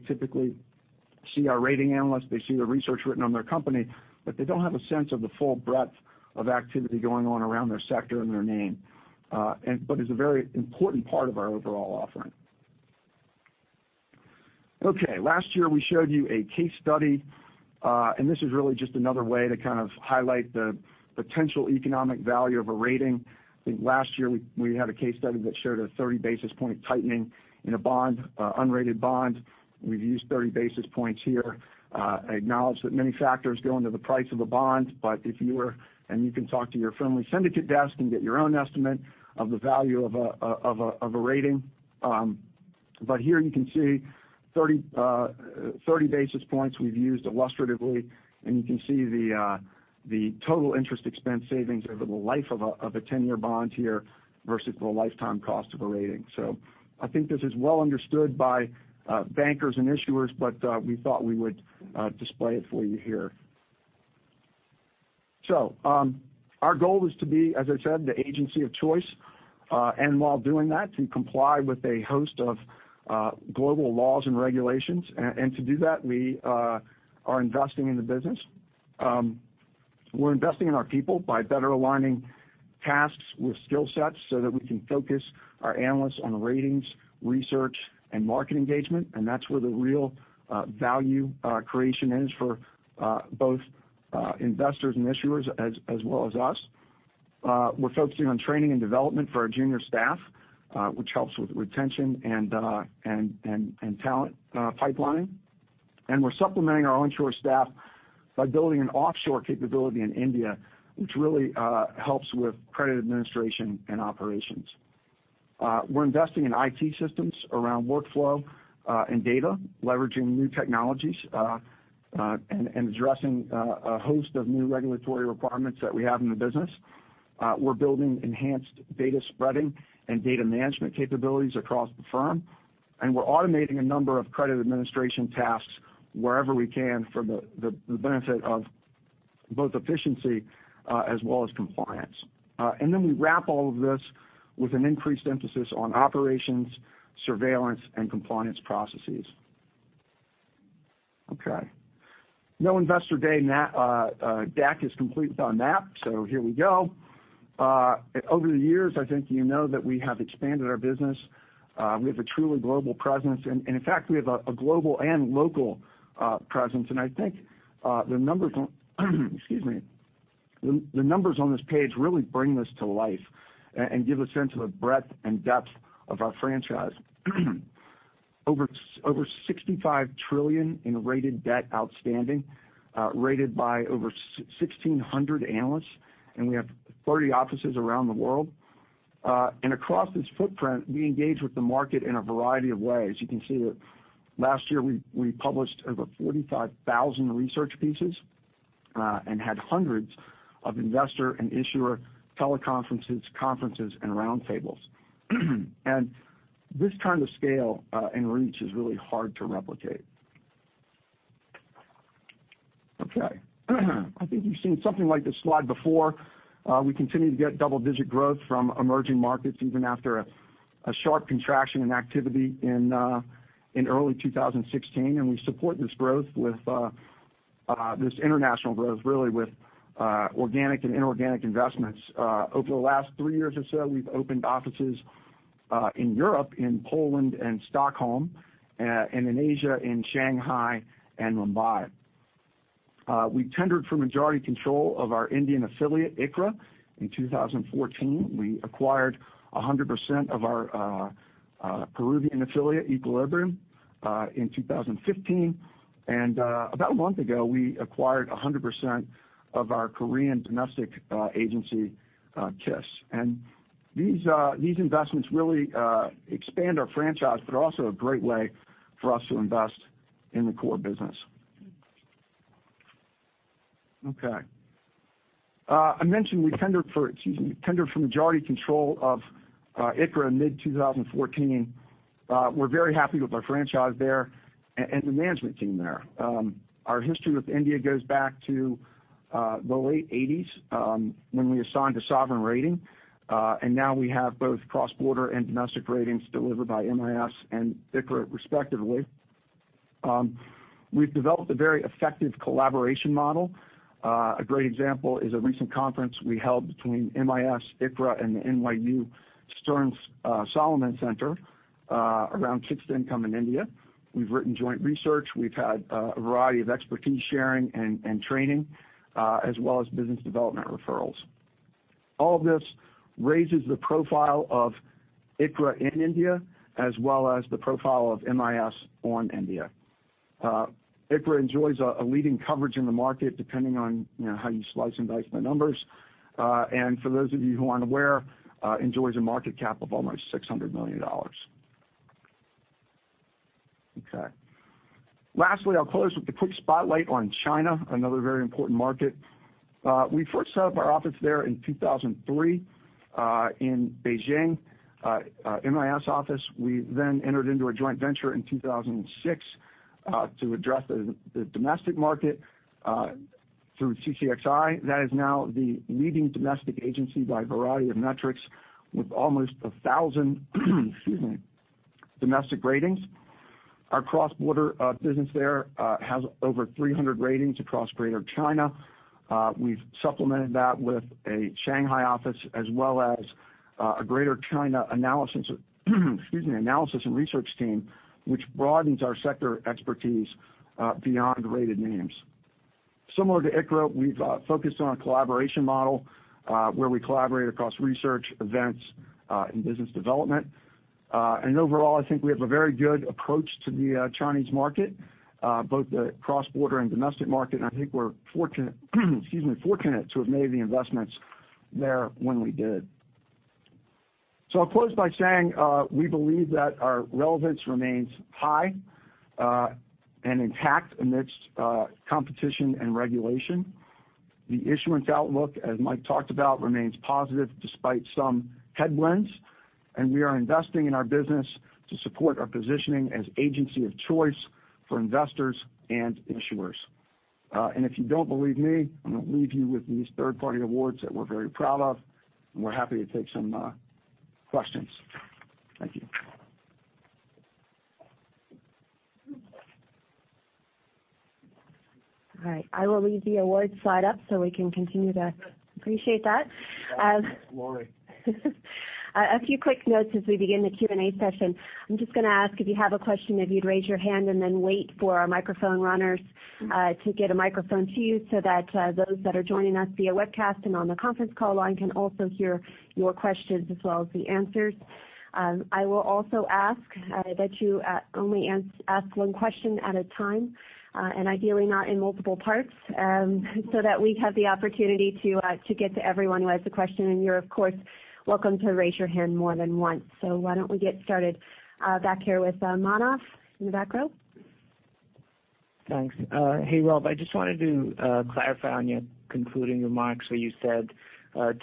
typically see our rating analysts, they see the research written on their company, but they don't have a sense of the full breadth of activity going on around their sector and their name. It's a very important part of our overall offering. Okay, last year we showed you a case study. This is really just another way to kind of highlight the potential economic value of a rating. I think last year we had a case study that showed a 30 basis point tightening in a bond, unrated bond. We've used 30 basis points here. I acknowledge that many factors go into the price of a bond, if you were, you can talk to your friendly syndicate desk and get your own estimate of the value of a rating. Here you can see 30 basis points we've used illustratively, and you can see the total interest expense savings over the life of a 10-year bond here versus the lifetime cost of a rating. I think this is well understood by bankers and issuers, but we thought we would display it for you here. Our goal is to be, as I said, the agency of choice, and while doing that, to comply with a host of global laws and regulations. To do that, we are investing in the business. We're investing in our people by better aligning tasks with skill sets so that we can focus our analysts on ratings, research, and market engagement. That's where the real value creation is for both investors and issuers as well as us. We're focusing on training and development for our junior staff, which helps with retention and talent pipelining. We're supplementing our onshore staff by building an offshore capability in India, which really helps with credit administration and operations. We're investing in IT systems around workflow and data, leveraging new technologies, and addressing a host of new regulatory requirements that we have in the business. We're building enhanced data spreading and data management capabilities across the firm. We're automating a number of credit administration tasks wherever we can for the benefit of both efficiency as well as compliance. We wrap all of this with an increased emphasis on operations, surveillance, and compliance processes. Okay. No Investor Day deck is complete without a map. Here we go. Over the years, I think you know that we have expanded our business. We have a truly global presence. In fact, we have a global and local presence. I think the numbers on this page really bring this to life and give a sense of the breadth and depth of our franchise. Over $65 trillion in rated debt outstanding, rated by over 1,600 analysts, and we have 30 offices around the world. Across this footprint, we engage with the market in a variety of ways. You can see that last year we published over 45,000 research pieces. Had hundreds of investor and issuer teleconferences, conferences, and round tables. This kind of scale and reach is really hard to replicate. Okay. I think you've seen something like this slide before. We continue to get double-digit growth from emerging markets, even after a sharp contraction in activity in early 2016. We support this international growth, really with organic and inorganic investments. Over the last three years or so, we've opened offices in Europe, in Poland and Stockholm, and in Asia, in Shanghai and Mumbai. We tendered for majority control of our Indian affiliate, ICRA, in 2014. We acquired 100% of our Peruvian affiliate, Equilibrium, in 2015. About a month ago, we acquired 100% of our Korean domestic agency, KIS. These investments really expand our franchise, but also a great way for us to invest in the core business. Okay. I mentioned we tendered for majority control of ICRA in mid-2014. We're very happy with our franchise there and the management team there. Our history with India goes back to the late 1980s, when we assigned a sovereign rating. Now we have both cross-border and domestic ratings delivered by MIS and ICRA respectively. We've developed a very effective collaboration model. A great example is a recent conference we held between MIS, ICRA, and the NYU Stern Salomon Center around fixed income in India. We've written joint research. We've had a variety of expertise sharing and training, as well as business development referrals. All of this raises the profile of ICRA in India as well as the profile of MIS on India. ICRA enjoys a leading coverage in the market, depending on how you slice and dice the numbers. For those of you who aren't aware, enjoys a market cap of almost $600 million. Okay. Lastly, I'll close with a quick spotlight on China, another very important market. We first set up our office there in 2003 in Beijing, MIS office. We entered into a joint venture in 2006 to address the domestic market through CCXI. That is now the leading domestic agency by a variety of metrics with almost 1,000 domestic ratings. Our cross-border business there has over 300 ratings across Greater China. We've supplemented that with a Shanghai office as well as a Greater China analysis and research team, which broadens our sector expertise beyond rated names. Similar to ICRA, we've focused on a collaboration model where we collaborate across research, events, and business development. Overall, I think we have a very good approach to the Chinese market, both the cross-border and domestic market, and I think we're fortunate to have made the investments there when we did. I'll close by saying we believe that our relevance remains high and intact amidst competition and regulation. The issuance outlook, as Mike talked about, remains positive despite some headwinds, we are investing in our business to support our positioning as agency of choice for investors and issuers. If you don't believe me, I'm going to leave you with these third-party awards that we're very proud of, we're happy to take some questions. Thank you. All right. I will leave the awards slide up so we can continue to appreciate that. Glory. A few quick notes as we begin the Q&A session. I'm just going to ask if you have a question, if you'd raise your hand and then wait for our microphone runners to get a microphone to you so that those that are joining us via webcast and on the conference call line can also hear your questions as well as the answers. I will also ask that you only ask one question at a time, and ideally not in multiple parts, so that we have the opportunity to get to everyone who has a question. You're, of course, welcome to raise your hand more than once. Why don't we get started back here with Manav in the back row? Thanks. Hey, Rob, I just wanted to clarify on your concluding remarks where you said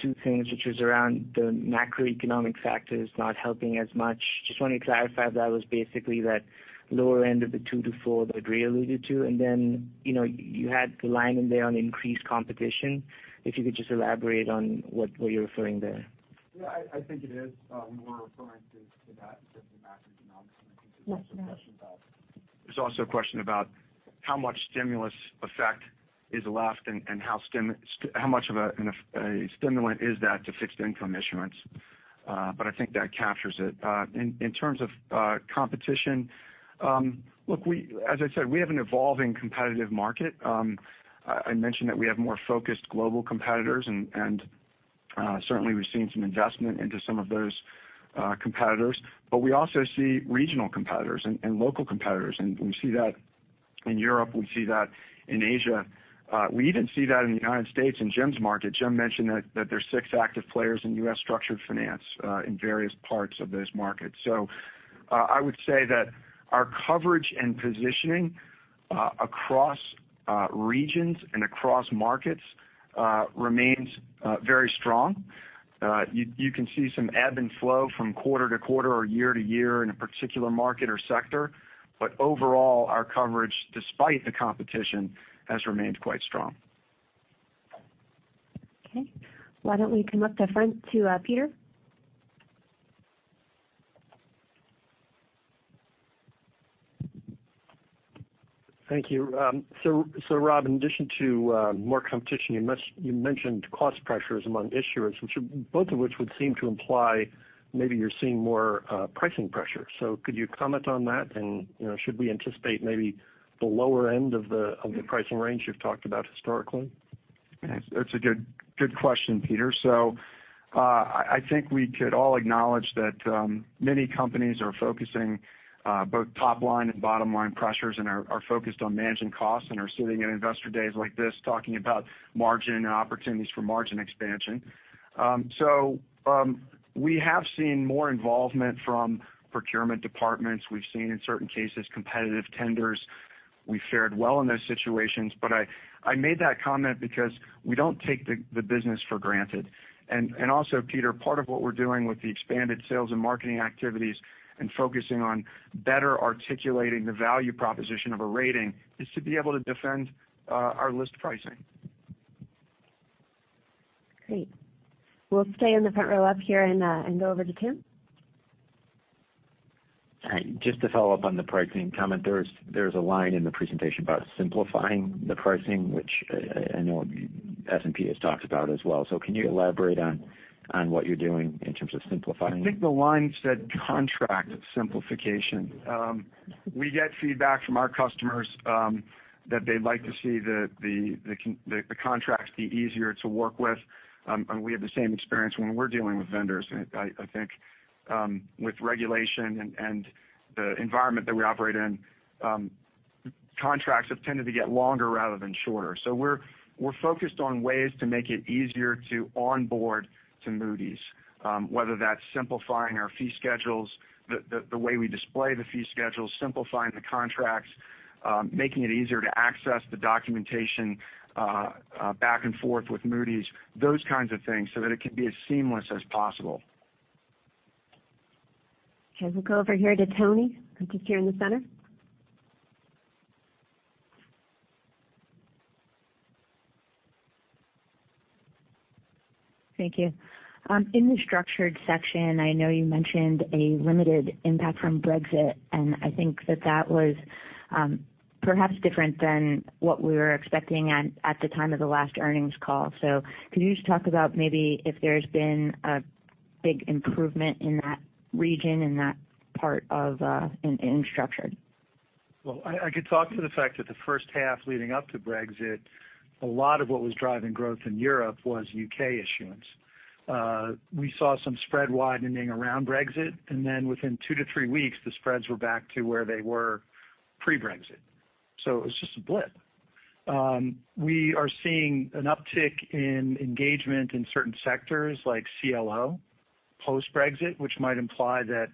two things, which was around the macroeconomic factors not helping as much. Just wanted to clarify if that was basically that lower end of the two to four that Ray alluded to. Then you had the line in there on increased competition. If you could just elaborate on what you're referring there. Yeah, I think it is. We were referring to that in terms of the macroeconomics. I think there's also a question about how much stimulus effect is left and how much of a stimulant is that to fixed income issuance. I think that captures it. In terms of competition, look, as I said, we have an evolving competitive market. I mentioned that we have more focused global competitors, and certainly we've seen some investment into some of those competitors. We also see regional competitors and local competitors, and we see that in Europe, we see that in Asia. We even see that in the U.S. in Jim's market. Jim mentioned that there's six active players in U.S. structured finance in various parts of those markets. I would say that our coverage and positioning across regions and across markets remains very strong. You can see some ebb and flow from quarter to quarter or year to year in a particular market or sector. Overall, our coverage, despite the competition, has remained quite strong. Okay. Why don't we come up the front to Peter? Thank you. Rob, in addition to more competition, you mentioned cost pressures among issuers, both of which would seem to imply maybe you're seeing more pricing pressure. Could you comment on that? Should we anticipate maybe the lower end of the pricing range you've talked about historically? That's a good question, Peter. I think we could all acknowledge that many companies are focusing both top line and bottom line pressures and are focused on managing costs and are sitting in investor days like this talking about margin and opportunities for margin expansion. We have seen more involvement from procurement departments. We've seen, in certain cases, competitive tenders. We fared well in those situations. I made that comment because we don't take the business for granted. Also, Peter, part of what we're doing with the expanded sales and marketing activities and focusing on better articulating the value proposition of a rating is to be able to defend our list pricing. Great. We'll stay in the front row up here and go over to Tim. Just to follow up on the pricing comment. There's a line in the presentation about simplifying the pricing, which I know S&P has talked about as well. Can you elaborate on what you're doing in terms of simplifying? I think the line said contract simplification. We get feedback from our customers that they'd like to see the contracts be easier to work with. We have the same experience when we're dealing with vendors. I think with regulation and the environment that we operate in, contracts have tended to get longer rather than shorter. We're focused on ways to make it easier to onboard to Moody's, whether that's simplifying our fee schedules, the way we display the fee schedules, simplifying the contracts, making it easier to access the documentation back and forth with Moody's, those kinds of things so that it can be as seamless as possible. Okay, we'll go over here to Toni, just here in the center. Thank you. In the structured section, I know you mentioned a limited impact from Brexit, I think that that was perhaps different than what we were expecting at the time of the last earnings call. Could you just talk about maybe if there's been a big improvement in that region, in that part in structured? I could talk to the fact that the first half leading up to Brexit, a lot of what was driving growth in Europe was U.K. issuance. We saw some spread widening around Brexit, and then within 2 to 3 weeks, the spreads were back to where they were pre-Brexit. It was just a blip. We are seeing an uptick in engagement in certain sectors like CLO post-Brexit, which might imply that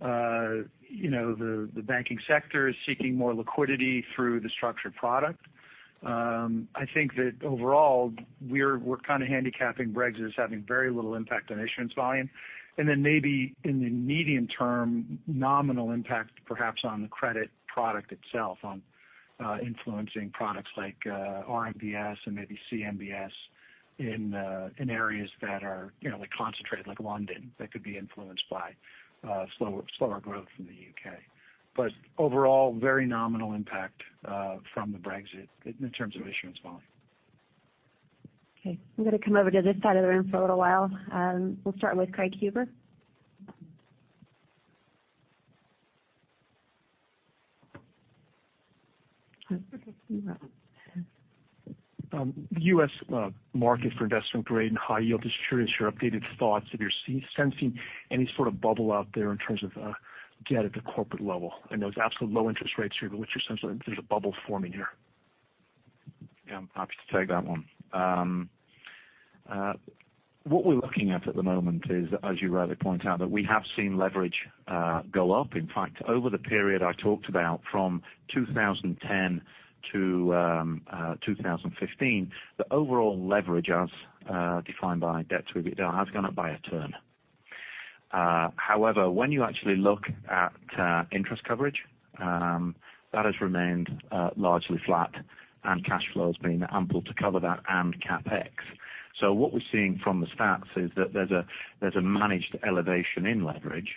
the banking sector is seeking more liquidity through the structured product. I think that overall, we're handicapping Brexit as having very little impact on issuance volume, and then maybe in the medium term, nominal impact perhaps on the credit product itself, on influencing products like RMBS and maybe CMBS in areas that are concentrated like London that could be influenced by slower growth in the U.K. Overall, very nominal impact from the Brexit in terms of issuance volume. Okay. I'm going to come over to this side of the room for a little while. We'll start with Craig Huber. The U.S. market for investment grade and high yield is curious. Your updated thoughts if you're sensing any sort of bubble out there in terms of debt at the corporate level. I know there's absolute low interest rates here, but what you're sensing there's a bubble forming here. I'm happy to take that one. What we're looking at the moment is, as you rightly point out, that we have seen leverage go up. In fact, over the period I talked about from 2010 to 2015, the overall leverage as defined by debt to EBITDA has gone up by a turn. However, when you actually look at interest coverage, that has remained largely flat and cash flow has been ample to cover that and CapEx. What we're seeing from the stats is that there's a managed elevation in leverage.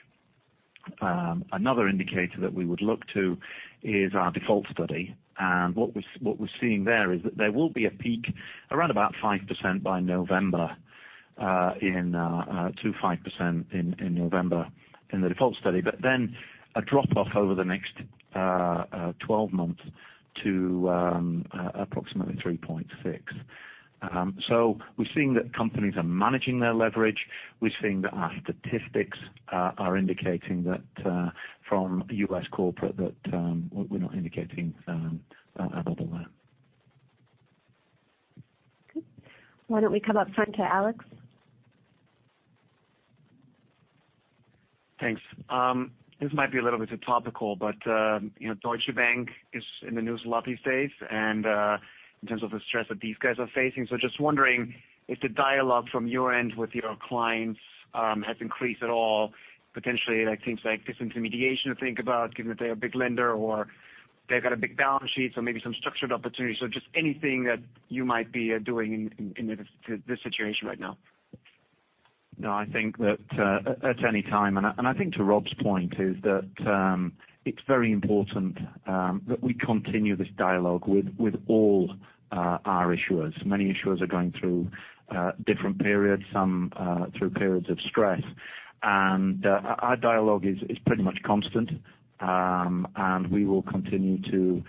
Another indicator that we would look to is our default study. What we're seeing there is that there will be a peak around about 5% by November in the default study, but then a drop off over the next 12 months to approximately 3.6. We're seeing that companies are managing their leverage. We're seeing that our statistics are indicating that from U.S. corporate that we're not indicating a bubble there. Why don't we come up front to Alex? Thanks. This might be a little bit too topical, Deutsche Bank is in the news a lot these days, and in terms of the stress that these guys are facing. Just wondering if the dialogue from your end with your clients has increased at all, potentially things like disintermediation to think about, given that they're a big lender or they've got a big balance sheet, maybe some structured opportunities. Just anything that you might be doing in this situation right now. I think that at any time, and I think to Rob's point, it's very important that we continue this dialogue with all our issuers. Many issuers are going through different periods, some through periods of stress. Our dialogue is pretty much constant. We will continue to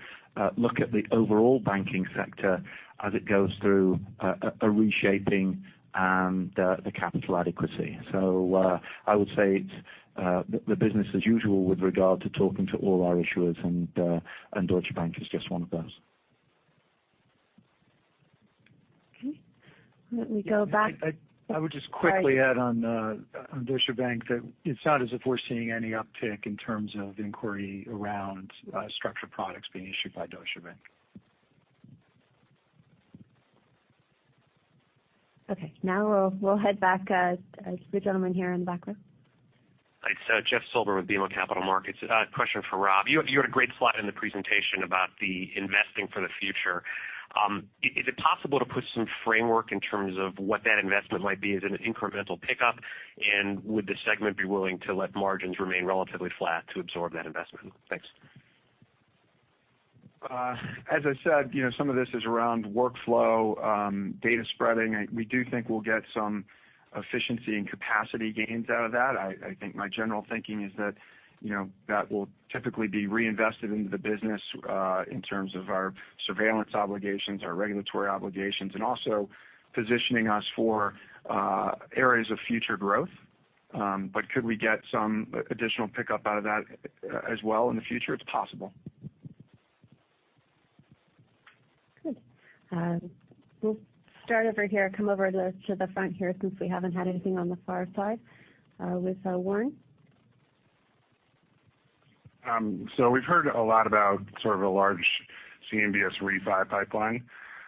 look at the overall banking sector as it goes through a reshaping and the capital adequacy. I would say it's the business as usual with regard to talking to all our issuers and Deutsche Bank is just one of those. Okay. Let me go back. I would just quickly add on Deutsche Bank that it's not as if we're seeing any uptick in terms of inquiry around structured products being issued by Deutsche Bank. Okay. We'll head back. The gentleman here in the back row. Thanks. Jeff Silber with BMO Capital Markets. A question for Rob. You had a great slide in the presentation about the investing for the future. Is it possible to put some framework in terms of what that investment might be as an incremental pickup? Would the segment be willing to let margins remain relatively flat to absorb that investment? Thanks. As I said, some of this is around workflow, data spreading. We do think we'll get some efficiency and capacity gains out of that. I think my general thinking is that will typically be reinvested into the business in terms of our surveillance obligations, our regulatory obligations, and also positioning us for areas of future growth. Could we get some additional pickup out of that as well in the future? It's possible. Good. We'll start over here, come over to the front here since we haven't had anything on the far side with Warren. We've heard a lot about sort of a large CMBS refi pipeline.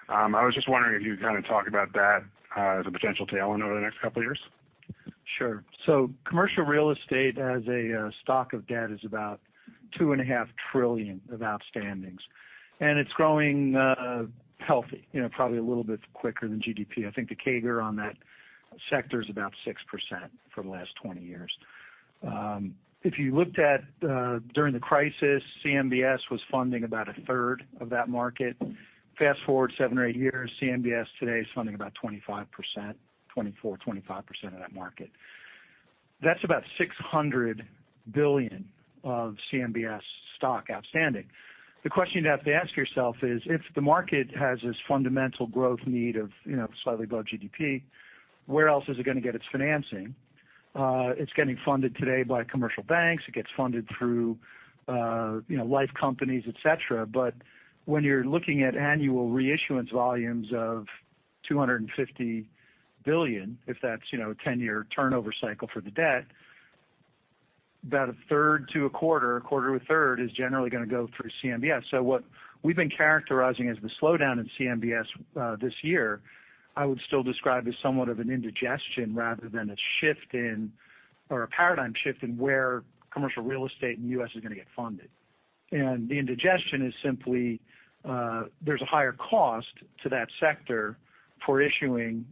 I was just wondering if you could kind of talk about that as a potential tailwind over the next couple of years. Sure. Commercial real estate as a stock of debt is about two and a half trillion of outstandings, and it's growing healthy, probably a little bit quicker than GDP. I think the CAGR on that sector is about 6% for the last 20 years. If you looked at during the crisis, CMBS was funding about a third of that market. Fast-forward seven or eight years, CMBS today is funding about 24%, 25% of that market. That's about $600 billion of CMBS stock outstanding. The question you have to ask yourself is, if the market has this fundamental growth need of slightly above GDP, where else is it going to get its financing? It's getting funded today by commercial banks. It gets funded through life companies, et cetera. When you're looking at annual reissuance volumes of $250 billion, if that's a 10-year turnover cycle for the debt, about a third to a quarter, a quarter to a third is generally going to go through CMBS. What we've been characterizing as the slowdown in CMBS this year, I would still describe as somewhat of an indigestion rather than a shift in or a paradigm shift in where commercial real estate in the U.S. is going to get funded. The indigestion is simply there's a higher cost to that sector for issuing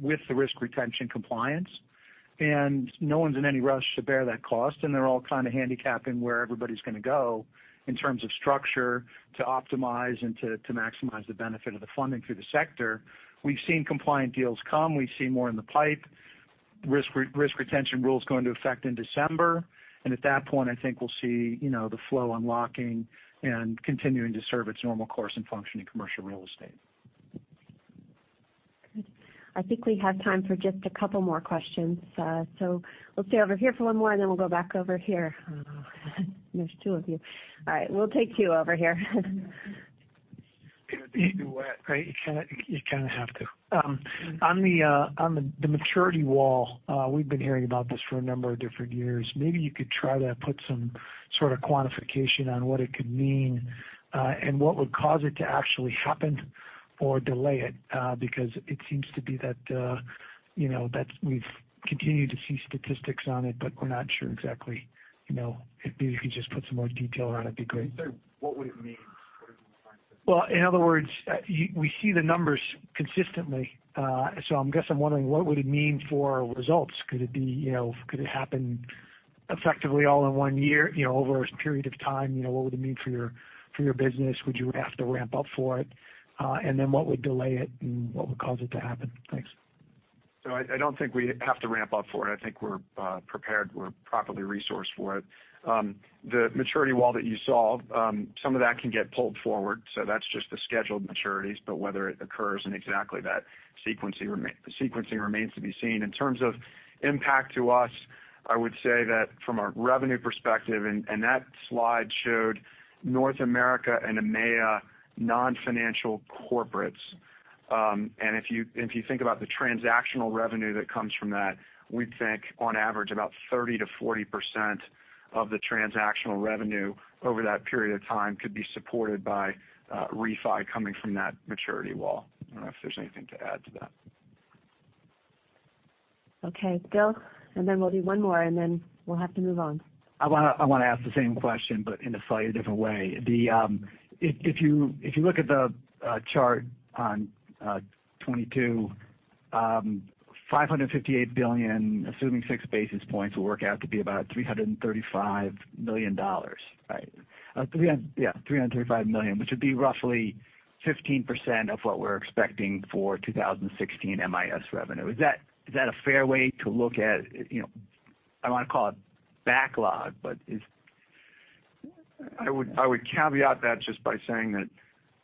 with the risk retention compliance, and no one's in any rush to bear that cost, and they're all kind of handicapping where everybody's going to go in terms of structure to optimize and to maximize the benefit of the funding through the sector. We've seen compliant deals come. We see more in the pipe. Risk retention rule is going into effect in December. At that point, I think we'll see the flow unlocking and continuing to serve its normal course and function in commercial real estate. Good. I think we have time for just a couple more questions. We'll stay over here for one more, and then we'll go back over here. There's two of you. All right, we'll take you over here. You kind of have to. On the maturity wall, we've been hearing about this for a number of different years. Maybe you could try to put some sort of quantification on what it could mean and what would cause it to actually happen or delay it because it seems to be that we've continued to see statistics on it, but we're not sure exactly. If you could just put some more detail on it'd be great. What would it mean? What are you implying? Well, in other words, we see the numbers consistently. I guess I'm wondering what would it mean for results? Could it happen effectively all in one year, over a period of time? What would it mean for your business? Would you have to ramp up for it? What would delay it, and what would cause it to happen? Thanks. I don't think we have to ramp up for it. I think we're prepared. We're properly resourced for it. The maturity wall that you saw, some of that can get pulled forward. That's just the scheduled maturities. Whether it occurs in exactly that sequencing remains to be seen. In terms of impact to us, I would say that from a revenue perspective, and that slide showed North America and EMEA non-financial corporates. If you think about the transactional revenue that comes from that, we think on average about 30%-40% of the transactional revenue over that period of time could be supported by refi coming from that maturity wall. I don't know if there's anything to add to that. Okay, Bill, we'll do one more, we'll have to move on. I want to ask the same question, in a slightly different way. If you look at the chart on 22, $558 billion, assuming six basis points will work out to be about $335 million. Right? Yeah, $335 million, which would be roughly 15% of what we're expecting for 2016 MIS revenue. Is that a fair way to look at, I don't want to call it backlog, I would caveat that just by saying that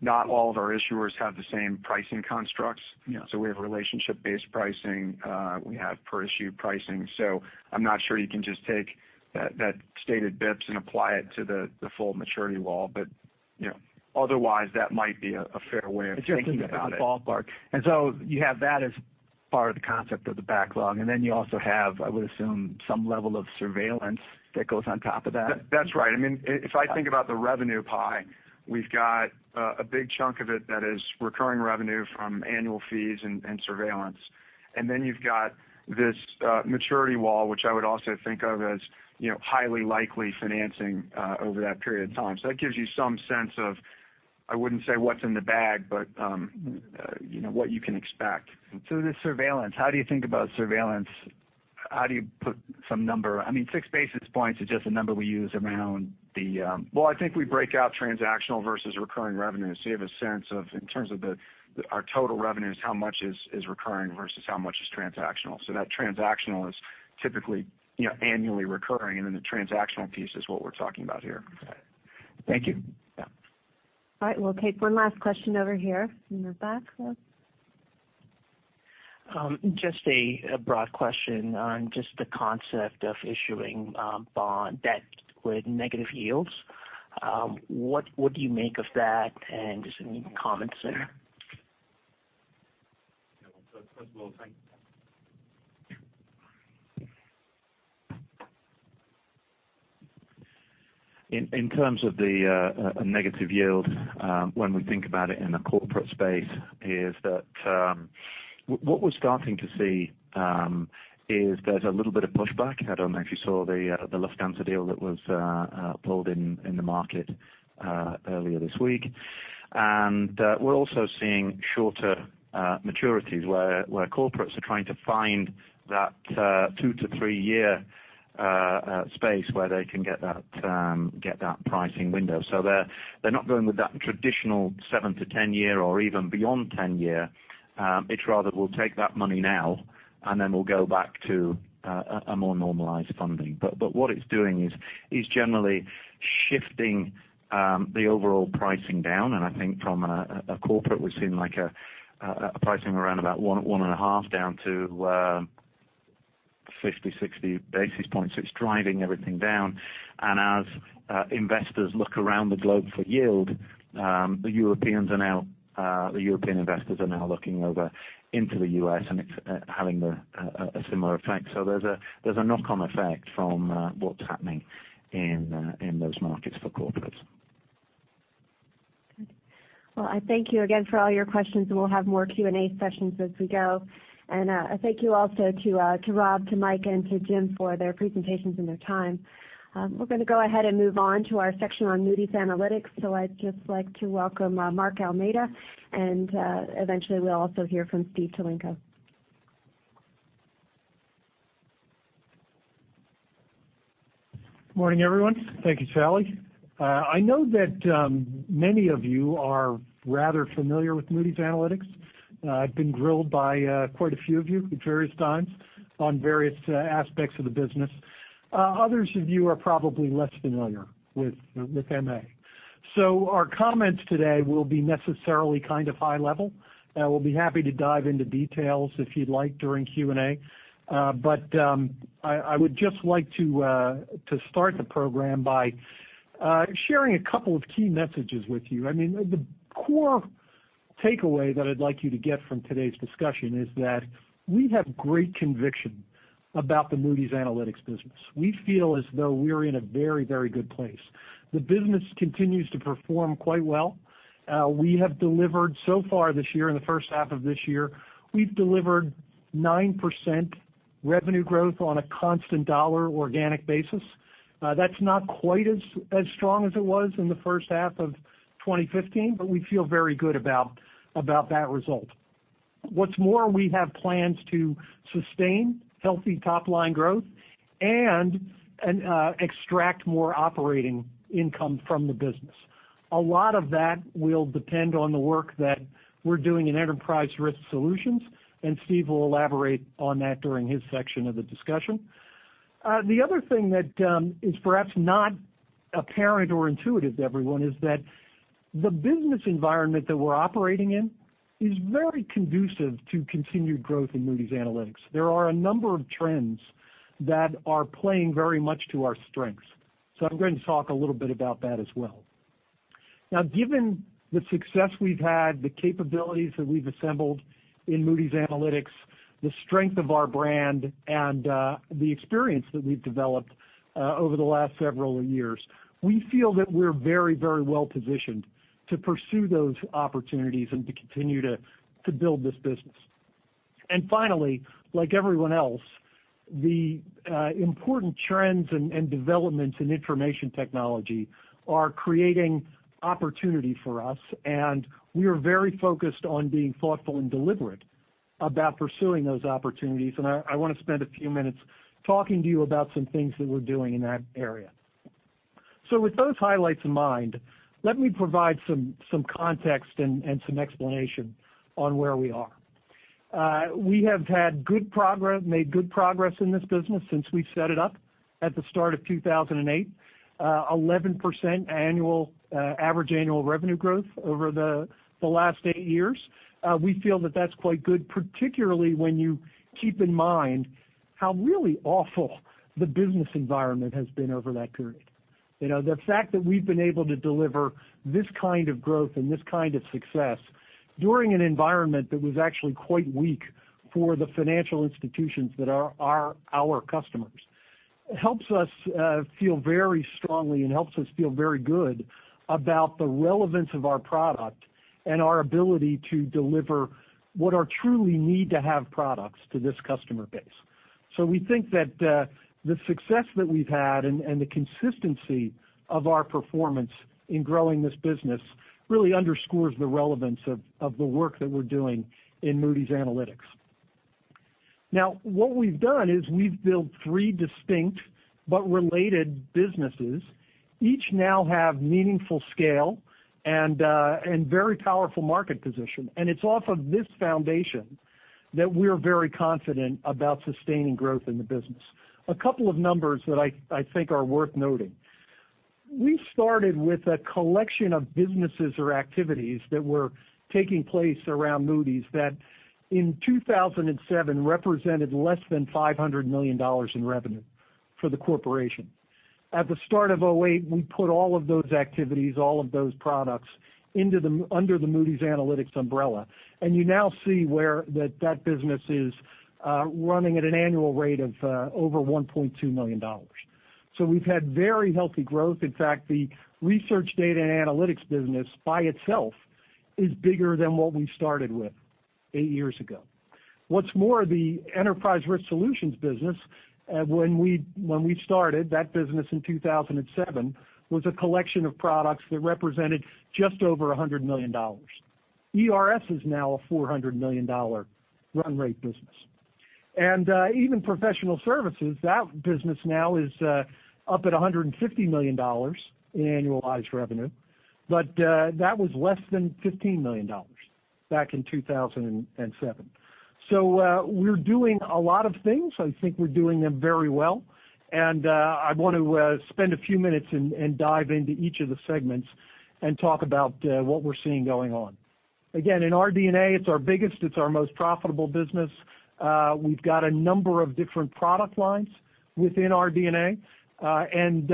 not all of our issuers have the same pricing constructs. Yeah. We have relationship-based pricing. We have per-issue pricing. I'm not sure you can just take that stated bips and apply it to the full maturity wall. Otherwise, that might be a fair way of thinking about it. It's just as a ballpark. You have that as part of the concept of the backlog, you also have, I would assume, some level of surveillance that goes on top of that. That's right. If I think about the revenue pie, we've got a big chunk of it that is recurring revenue from annual fees and surveillance. You've got this maturity wall, which I would also think of as highly likely financing over that period of time. That gives you some sense of, I wouldn't say what's in the bag, but what you can expect. This surveillance, how do you think about surveillance? How do you put some number? Six basis points is just a number we use around the- Well, I think we break out transactional versus recurring revenue, you have a sense of, in terms of our total revenues, how much is recurring versus how much is transactional. That transactional is typically annually recurring, the transactional piece is what we're talking about here. Got it. Thank you. Yeah. We'll take one last question over here in the back. Just a broad question on just the concept of issuing bond debt with negative yields. What do you make of that, and just any comments there? First of all, thanks. In terms of the negative yield, when we think about it in the corporate space, is that what we're starting to see is there's a little bit of pushback. I don't know if you saw the Lufthansa deal that was pulled in the market earlier this week. We're also seeing shorter maturities where corporates are trying to find that two to three-year space where they can get that pricing window. They're not going with that traditional seven to 10 year or even beyond 10 year. It's rather, we'll take that money now. We'll go back to a more normalized funding. What it's doing is generally shifting the overall pricing down, and I think from a corporate, we've seen a pricing around about one and a half down to 50, 60 basis points. It's driving everything down. As investors look around the globe for yield, the European investors are now looking over into the U.S., and it's having a similar effect. There's a knock-on effect from what's happening in those markets for corporates. Well, I thank you again for all your questions, and we'll have more Q&A sessions as we go. A thank you also to Rob, to Mike, and to Jim for their presentations and their time. We're going to go ahead and move on to our section on Moody's Analytics. I'd just like to welcome Mark Almeida, and eventually, we'll also hear from Steve Tulenko. Morning, everyone. Thank you, Sallie. I know that many of you are rather familiar with Moody's Analytics. I've been grilled by quite a few of you at various times on various aspects of the business. Others of you are probably less familiar with MA. Our comments today will be necessarily kind of high level. We'll be happy to dive into details if you'd like during Q&A. I would just like to start the program by sharing a couple of key messages with you. The core takeaway that I'd like you to get from today's discussion is that we have great conviction about the Moody's Analytics business. We feel as though we're in a very good place. The business continues to perform quite well. We have delivered so far this year, in the first half of this year, we've delivered 9% revenue growth on a constant dollar organic basis. That's not quite as strong as it was in the first half of 2015, we feel very good about that result. What's more, we have plans to sustain healthy top-line growth and extract more operating income from the business. A lot of that will depend on the work that we're doing in Enterprise Risk Solutions, and Steve will elaborate on that during his section of the discussion. The other thing that is perhaps not apparent or intuitive to everyone is that the business environment that we're operating in is very conducive to continued growth in Moody's Analytics. There are a number of trends that are playing very much to our strengths. I'm going to talk a little bit about that as well. Now, given the success we've had, the capabilities that we've assembled in Moody's Analytics, the strength of our brand, and the experience that we've developed over the last several years, we feel that we're very well positioned to pursue those opportunities and to continue to build this business. Finally, like everyone else, the important trends and developments in information technology are creating opportunity for us, and we are very focused on being thoughtful and deliberate about pursuing those opportunities. I want to spend a few minutes talking to you about some things that we're doing in that area. With those highlights in mind, let me provide some context and some explanation on where we are. We have made good progress in this business since we set it up at the start of 2008. 11% average annual revenue growth over the last eight years. We feel that that's quite good, particularly when you keep in mind how really awful the business environment has been over that period. The fact that we've been able to deliver this kind of growth and this kind of success during an environment that was actually quite weak for the financial institutions that are our customers helps us feel very strongly, and helps us feel very good about the relevance of our product and our ability to deliver what are truly need to have products to this customer base. We think that the success that we've had and the consistency of our performance in growing this business really underscores the relevance of the work that we're doing in Moody's Analytics. Now, what we've done is we've built three distinct but related businesses. Each now have meaningful scale and very powerful market position. It's off of this foundation that we're very confident about sustaining growth in the business. A couple of numbers that I think are worth noting. We started with a collection of businesses or activities that were taking place around Moody's that in 2007 represented less than $500 million in revenue for the corporation. At the start of 2008, we put all of those activities, all of those products under the Moody's Analytics umbrella, and you now see where that business is running at an annual rate of over $1.2 billion What's more, the Enterprise Risk Solutions business, when we started that business in 2007, was a collection of products that represented just over $100 million. ERS is now a $400 million run rate business. Even professional services, that business now is up at $150 million in annualized revenue. That was less than $15 million back in 2007. We're doing a lot of things. I think we're doing them very well. I want to spend a few minutes and dive into each of the segments and talk about what we're seeing going on. Again, in RD&A, it's our biggest, it's our most profitable business. We've got a number of different product lines within RD&A, and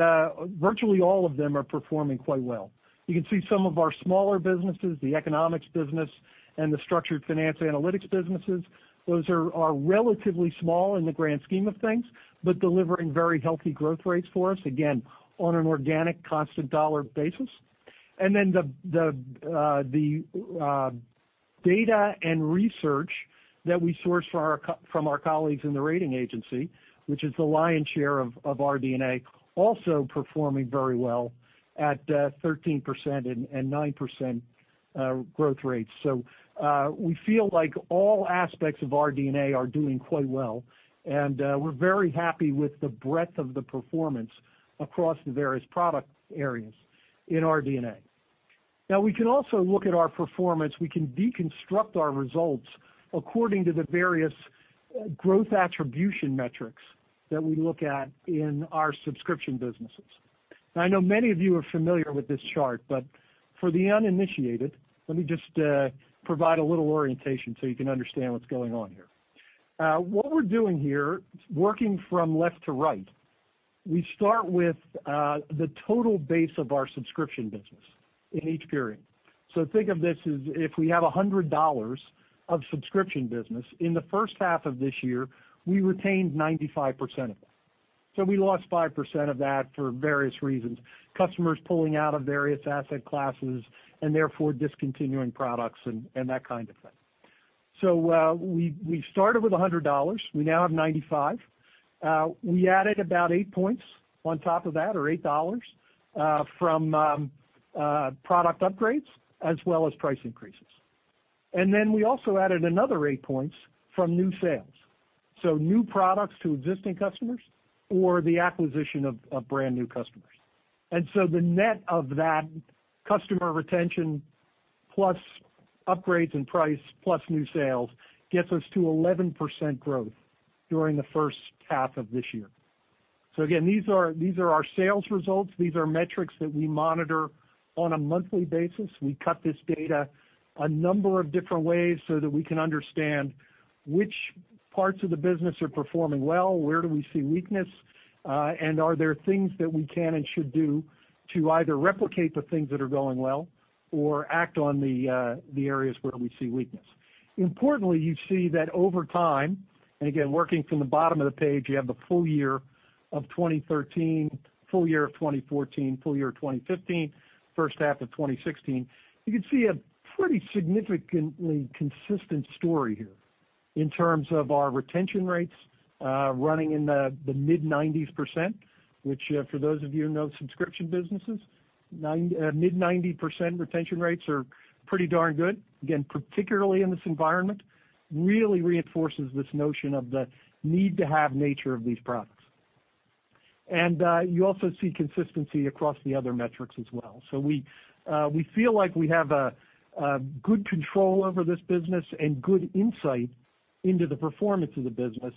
virtually all of them are performing quite well. You can see some of our smaller businesses, the economics business, and the structured finance analytics businesses. Those are relatively small in the grand scheme of things, but delivering very healthy growth rates for us, again, on an organic constant dollar basis. The data and research that we source from our colleagues in the rating agency, which is the lion's share of RD&A, also performing very well at 13% and 9% growth rates. We feel like all aspects of RD&A are doing quite well, and we're very happy with the breadth of the performance across the various product areas in RD&A. We can also look at our performance. We can deconstruct our results according to the various growth attribution metrics that we look at in our subscription businesses. I know many of you are familiar with this chart, but for the uninitiated, let me just provide a little orientation so you can understand what's going on here. What we're doing here, working from left to right, we start with the total base of our subscription business in each period. Think of this as if we have $100 of subscription business, in the first half of this year, we retained 95% of it. We lost 5% of that for various reasons, customers pulling out of various asset classes and therefore discontinuing products and that kind of thing. We started with $100. We now have $95. We added about eight points on top of that or $8 from product upgrades as well as price increases. We also added another eight points from new sales. New products to existing customers or the acquisition of brand new customers. The net of that customer retention plus upgrades in price plus new sales gets us to 11% growth during the first half of this year. Again, these are our sales results. These are metrics that we monitor on a monthly basis. We cut this data a number of different ways so that we can understand which parts of the business are performing well. Where do we see weakness? Are there things that we can and should do to either replicate the things that are going well or act on the areas where we see weakness? Importantly, you see that over time, again, working from the bottom of the page, you have the full year of 2013, full year of 2014, full year of 2015, first half of 2016. You can see a pretty significantly consistent story here in terms of our retention rates running in the mid-90s%, which for those of you who know subscription businesses, mid-90% retention rates are pretty darn good. Again, particularly in this environment, really reinforces this notion of the need to have nature of these products. You also see consistency across the other metrics as well. We feel like we have a good control over this business and good insight into the performance of the business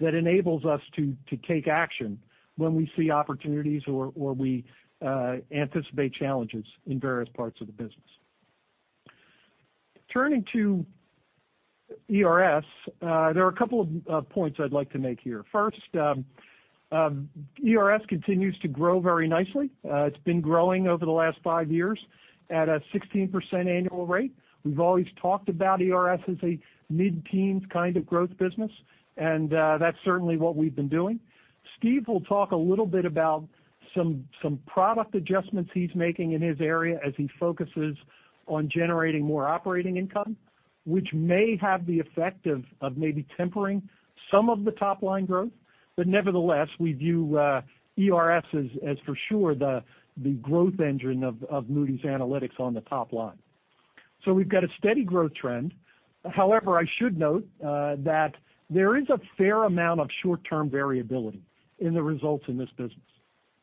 that enables us to take action when we see opportunities or we anticipate challenges in various parts of the business. Turning to ERS, there are a couple of points I'd like to make here. First, ERS continues to grow very nicely. It's been growing over the last five years at a 16% annual rate. We've always talked about ERS as a mid-teens kind of growth business, and that's certainly what we've been doing. Steve will talk a little bit about some product adjustments he's making in his area as he focuses on generating more operating income, which may have the effect of maybe tempering some of the top-line growth. Nevertheless, we view ERS as for sure the growth engine of Moody's Analytics on the top-line. We've got a steady growth trend. However, I should note that there is a fair amount of short-term variability in the results in this business.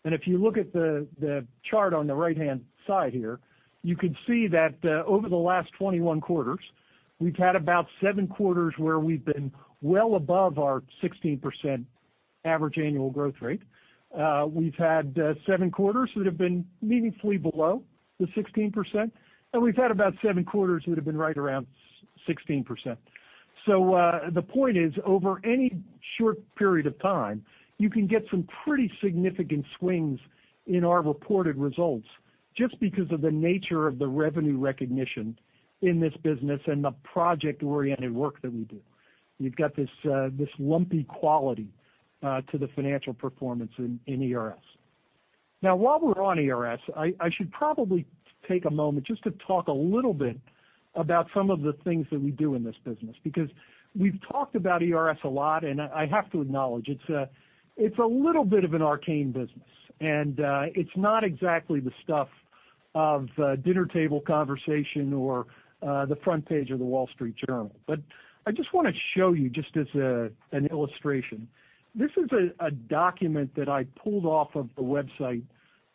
If you look at the chart on the right-hand side here, you can see that over the last 21 quarters, we've had about seven quarters where we've been well above our 16% average annual growth rate. We've had seven quarters that have been meaningfully below the 16%, and we've had about seven quarters that have been right around 16%. The point is, over any short period of time, you can get some pretty significant swings in our reported results just because of the nature of the revenue recognition in this business and the project-oriented work that we do. You've got this lumpy quality to the financial performance in ERS. While we're on ERS, I should probably take a moment just to talk a little bit about some of the things that we do in this business, because we've talked about ERS a lot, and I have to acknowledge it's a little bit of an arcane business, and it's not exactly the stuff of dinner table conversation or the front page of The Wall Street Journal. But I just want to show you, just as an illustration. This is a document that I pulled off of the website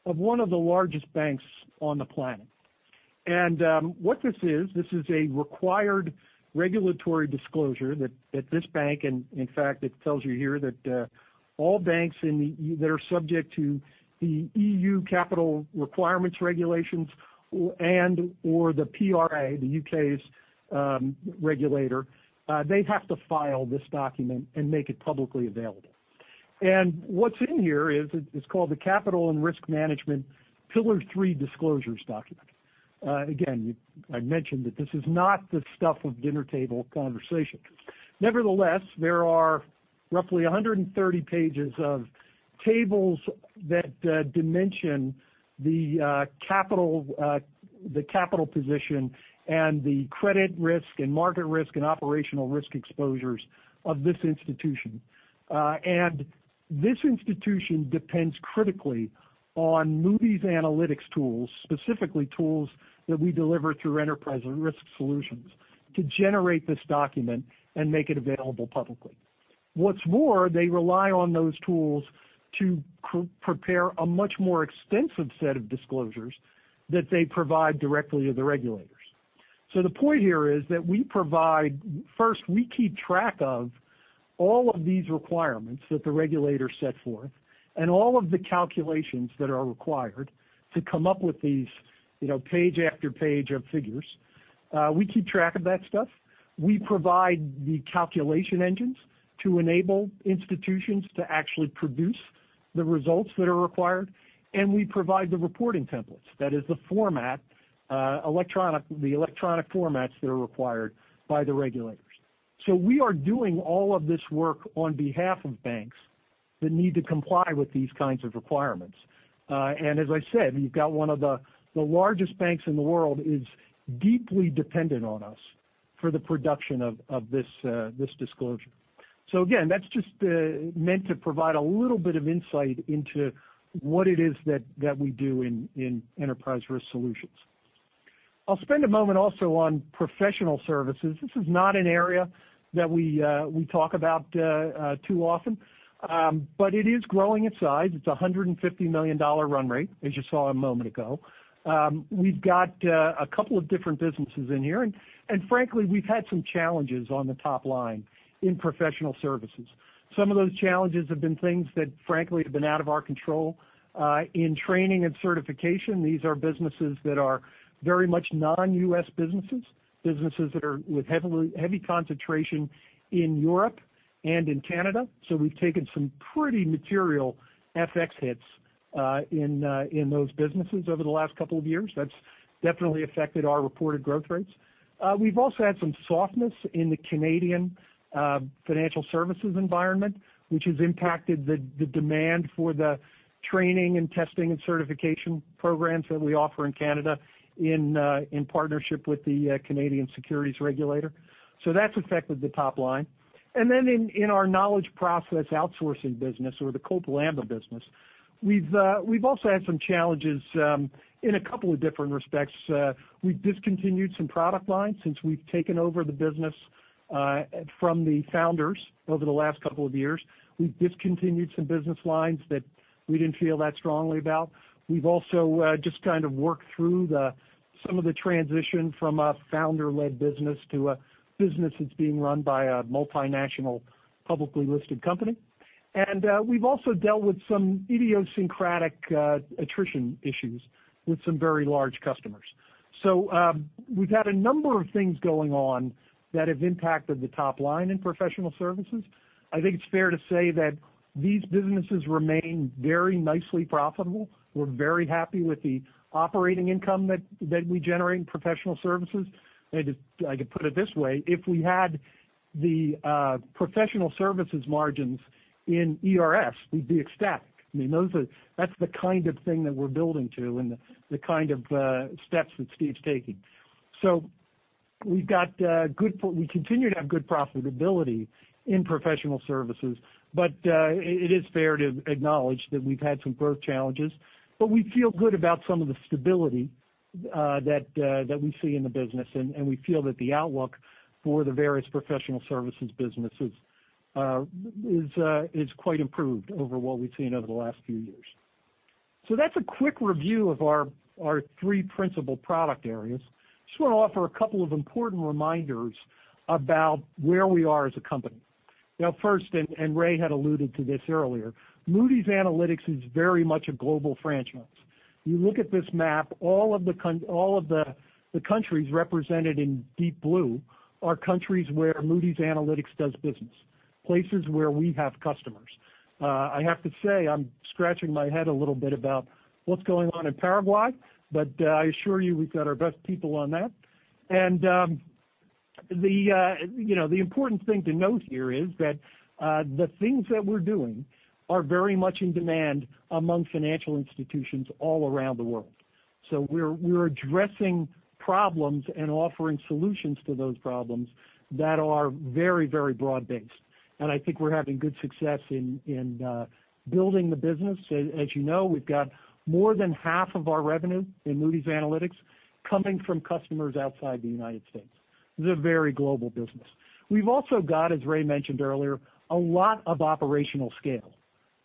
of one of the largest banks on the planet. What this is, this is a required regulatory disclosure that this bank, and in fact, it tells you here that all banks that are subject to the EU capital requirements regulations and/or the PRA, the U.K.'s regulator, they have to file this document and make it publicly available. What's in here is it's called the Capital and Risk Management Pillar 3 Disclosures document. I mentioned that this is not the stuff of dinner table conversations. Nevertheless, there are roughly 130 pages of tables that dimension the capital position and the credit risk and market risk and operational risk exposures of this institution. And this institution depends critically on Moody's Analytics tools, specifically tools that we deliver through Enterprise Risk Solutions, to generate this document and make it available publicly. What's more, they rely on those tools to prepare a much more extensive set of disclosures that they provide directly to the regulators. The point here is that we provide, first, we keep track of all of these requirements that the regulators set forth and all of the calculations that are required to come up with these page after page of figures. We keep track of that stuff. We provide the calculation engines to enable institutions to actually produce the results that are required, and we provide the reporting templates. That is the format, the electronic formats that are required by the regulators. We are doing all of this work on behalf of banks that need to comply with these kinds of requirements. As I said, you've got one of the largest banks in the world is deeply dependent on us for the production of this disclosure. Again, that's just meant to provide a little bit of insight into what it is that we do in Enterprise Risk Solutions. I'll spend a moment also on professional services. This is not an area that we talk about too often, it is growing in size. It's $150 million run rate, as you saw a moment ago. We've got a couple of different businesses in here, frankly, we've had some challenges on the top line in professional services. Some of those challenges have been things that, frankly, have been out of our control. In training and certification, these are businesses that are very much non-U.S. businesses that are with heavy concentration in Europe and in Canada. We've taken some pretty material FX hits in those businesses over the last couple of years, that's definitely affected our reported growth rates. We've also had some softness in the Canadian financial services environment, which has impacted the demand for the training and testing and certification programs that we offer in Canada in partnership with the Canadian Securities Regulator. That's affected the top line. In our knowledge process outsourcing business or the Copal Amba business, we've also had some challenges in a couple of different respects. We've discontinued some product lines since we've taken over the business from the founders over the last couple of years. We've discontinued some business lines that we didn't feel that strongly about. We've also just kind of worked through some of the transition from a founder-led business to a business that's being run by a multinational, publicly listed company. We've also dealt with some idiosyncratic attrition issues with some very large customers. We've had a number of things going on that have impacted the top line in professional services. I think it's fair to say that these businesses remain very nicely profitable. We're very happy with the operating income that we generate in professional services. I could put it this way, if we had the professional services margins in ERS, we'd be ecstatic. I mean, that's the kind of thing that we're building to and the kind of steps that Steve's taking. We continue to have good profitability in professional services, it is fair to acknowledge that we've had some growth challenges. We feel good about some of the stability that we see in the business, and we feel that the outlook for the various professional services businesses is quite improved over what we've seen over the last few years. That's a quick review of our three principal product areas. I just want to offer a couple of important reminders about where we are as a company. Ray had alluded to this earlier, Moody's Analytics is very much a global franchise. You look at this map, all of the countries represented in deep blue are countries where Moody's Analytics does business, places where we have customers. I have to say, I'm scratching my head a little bit about what's going on in Paraguay, I assure you we've got our best people on that. The important thing to note here is that the things that we're doing are very much in demand among financial institutions all around the world. We're addressing problems and offering solutions to those problems that are very broad-based, I think we're having good success in building the business. As you know, we've got more than half of our revenue in Moody's Analytics coming from customers outside the United States. It's a very global business. We've also got, as Ray mentioned earlier, a lot of operational scale.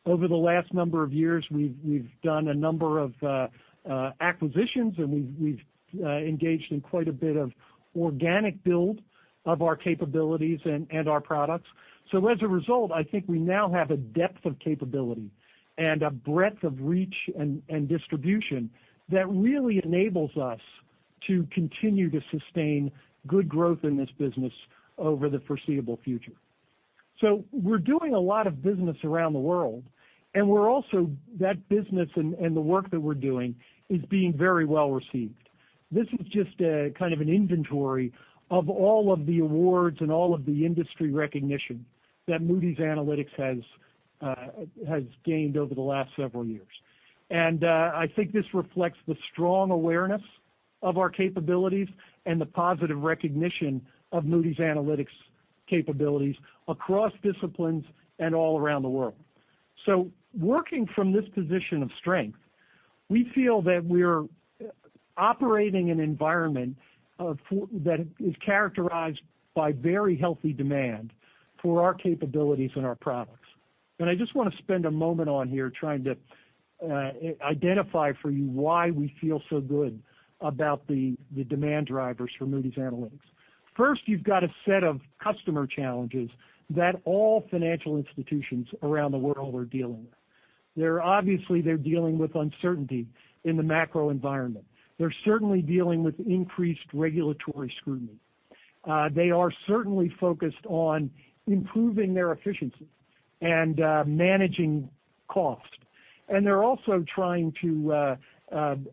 Over the last number of years, we've done a number of acquisitions, and we've engaged in quite a bit of organic build of our capabilities and our products. As a result, I think we now have a depth of capability and a breadth of reach and distribution that really enables us to continue to sustain good growth in this business over the foreseeable future. We're doing a lot of business around the world, and we're also, that business and the work that we're doing is being very well received. This is just kind of an inventory of all of the awards and all of the industry recognition that Moody's Analytics has gained over the last several years. I think this reflects the strong awareness of our capabilities and the positive recognition of Moody's Analytics capabilities across disciplines and all around the world. Working from this position of strength, we feel that we're operating an environment that is characterized by very healthy demand for our capabilities and our products. I just want to spend a moment on here trying to identify for you why we feel so good about the demand drivers for Moody's Analytics. First, you've got a set of customer challenges that all financial institutions around the world are dealing with. Obviously, they're dealing with uncertainty in the macro environment. They're certainly dealing with increased regulatory scrutiny. They are certainly focused on improving their efficiencies and managing cost. They're also trying to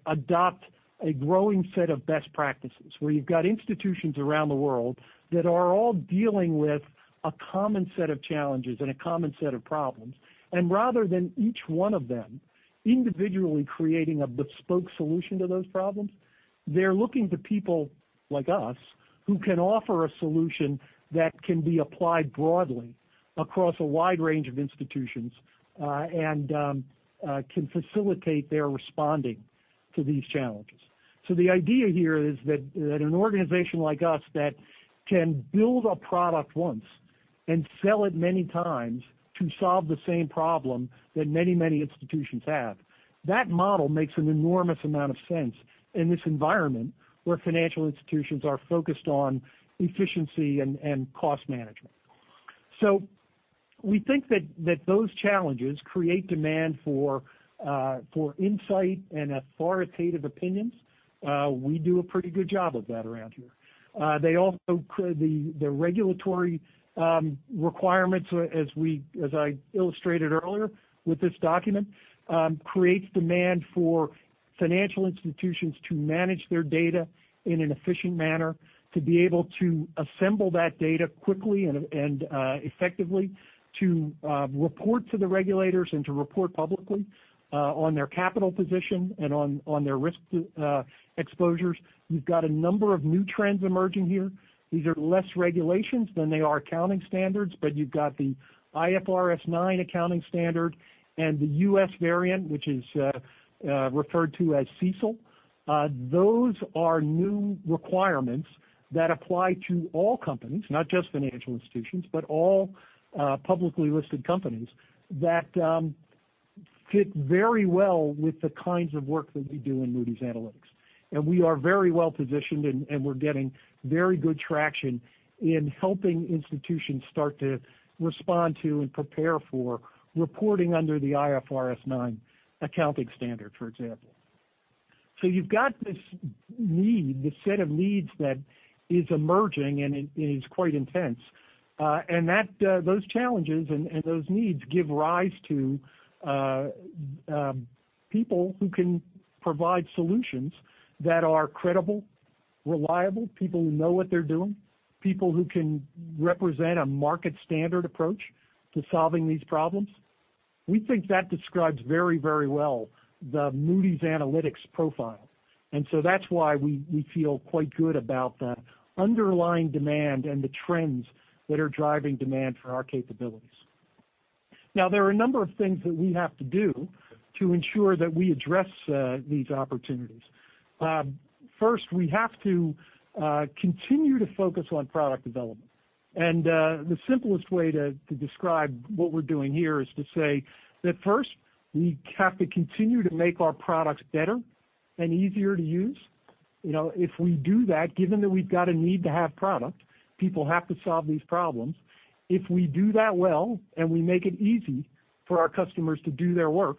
adopt a growing set of best practices where you've got institutions around the world that are all dealing with a common set of challenges and a common set of problems. Rather than each one of them individually creating a bespoke solution to those problems, they're looking to people like us who can offer a solution that can be applied broadly across a wide range of institutions, and can facilitate their responding to these challenges. The idea here is that an organization like us that can build a product once and sell it many times to solve the same problem that many institutions have. That model makes an enormous amount of sense in this environment where financial institutions are focused on efficiency and cost management. We think that those challenges create demand for insight and authoritative opinions. We do a pretty good job of that around here. They also create the regulatory requirements as I illustrated earlier with this document, creates demand for financial institutions to manage their data in an efficient manner, to be able to assemble that data quickly and effectively, to report to the regulators and to report publicly on their capital position and on their risk exposures. You've got a number of new trends emerging here. These are less regulations than they are accounting standards, but you've got the IFRS 9 accounting standard and the US variant, which is referred to as CECL. Those are new requirements that apply to all companies, not just financial institutions, but all publicly listed companies that fit very well with the kinds of work that we do in Moody's Analytics. We are very well positioned, and we're getting very good traction in helping institutions start to respond to and prepare for reporting under the IFRS 9 accounting standard, for example. You've got this need, this set of needs that is emerging, and it is quite intense. Those challenges and those needs give rise to people who can provide solutions that are credible, reliable, people who know what they're doing, people who can represent a market standard approach to solving these problems. We think that describes very well the Moody's Analytics profile. That's why we feel quite good about the underlying demand and the trends that are driving demand for our capabilities. There are a number of things that we have to do to ensure that we address these opportunities. First, we have to continue to focus on product development. The simplest way to describe what we're doing here is to say that first, we have to continue to make our products better and easier to use. If we do that, given that we've got a need to have product, people have to solve these problems. If we do that well, and we make it easy for our customers to do their work,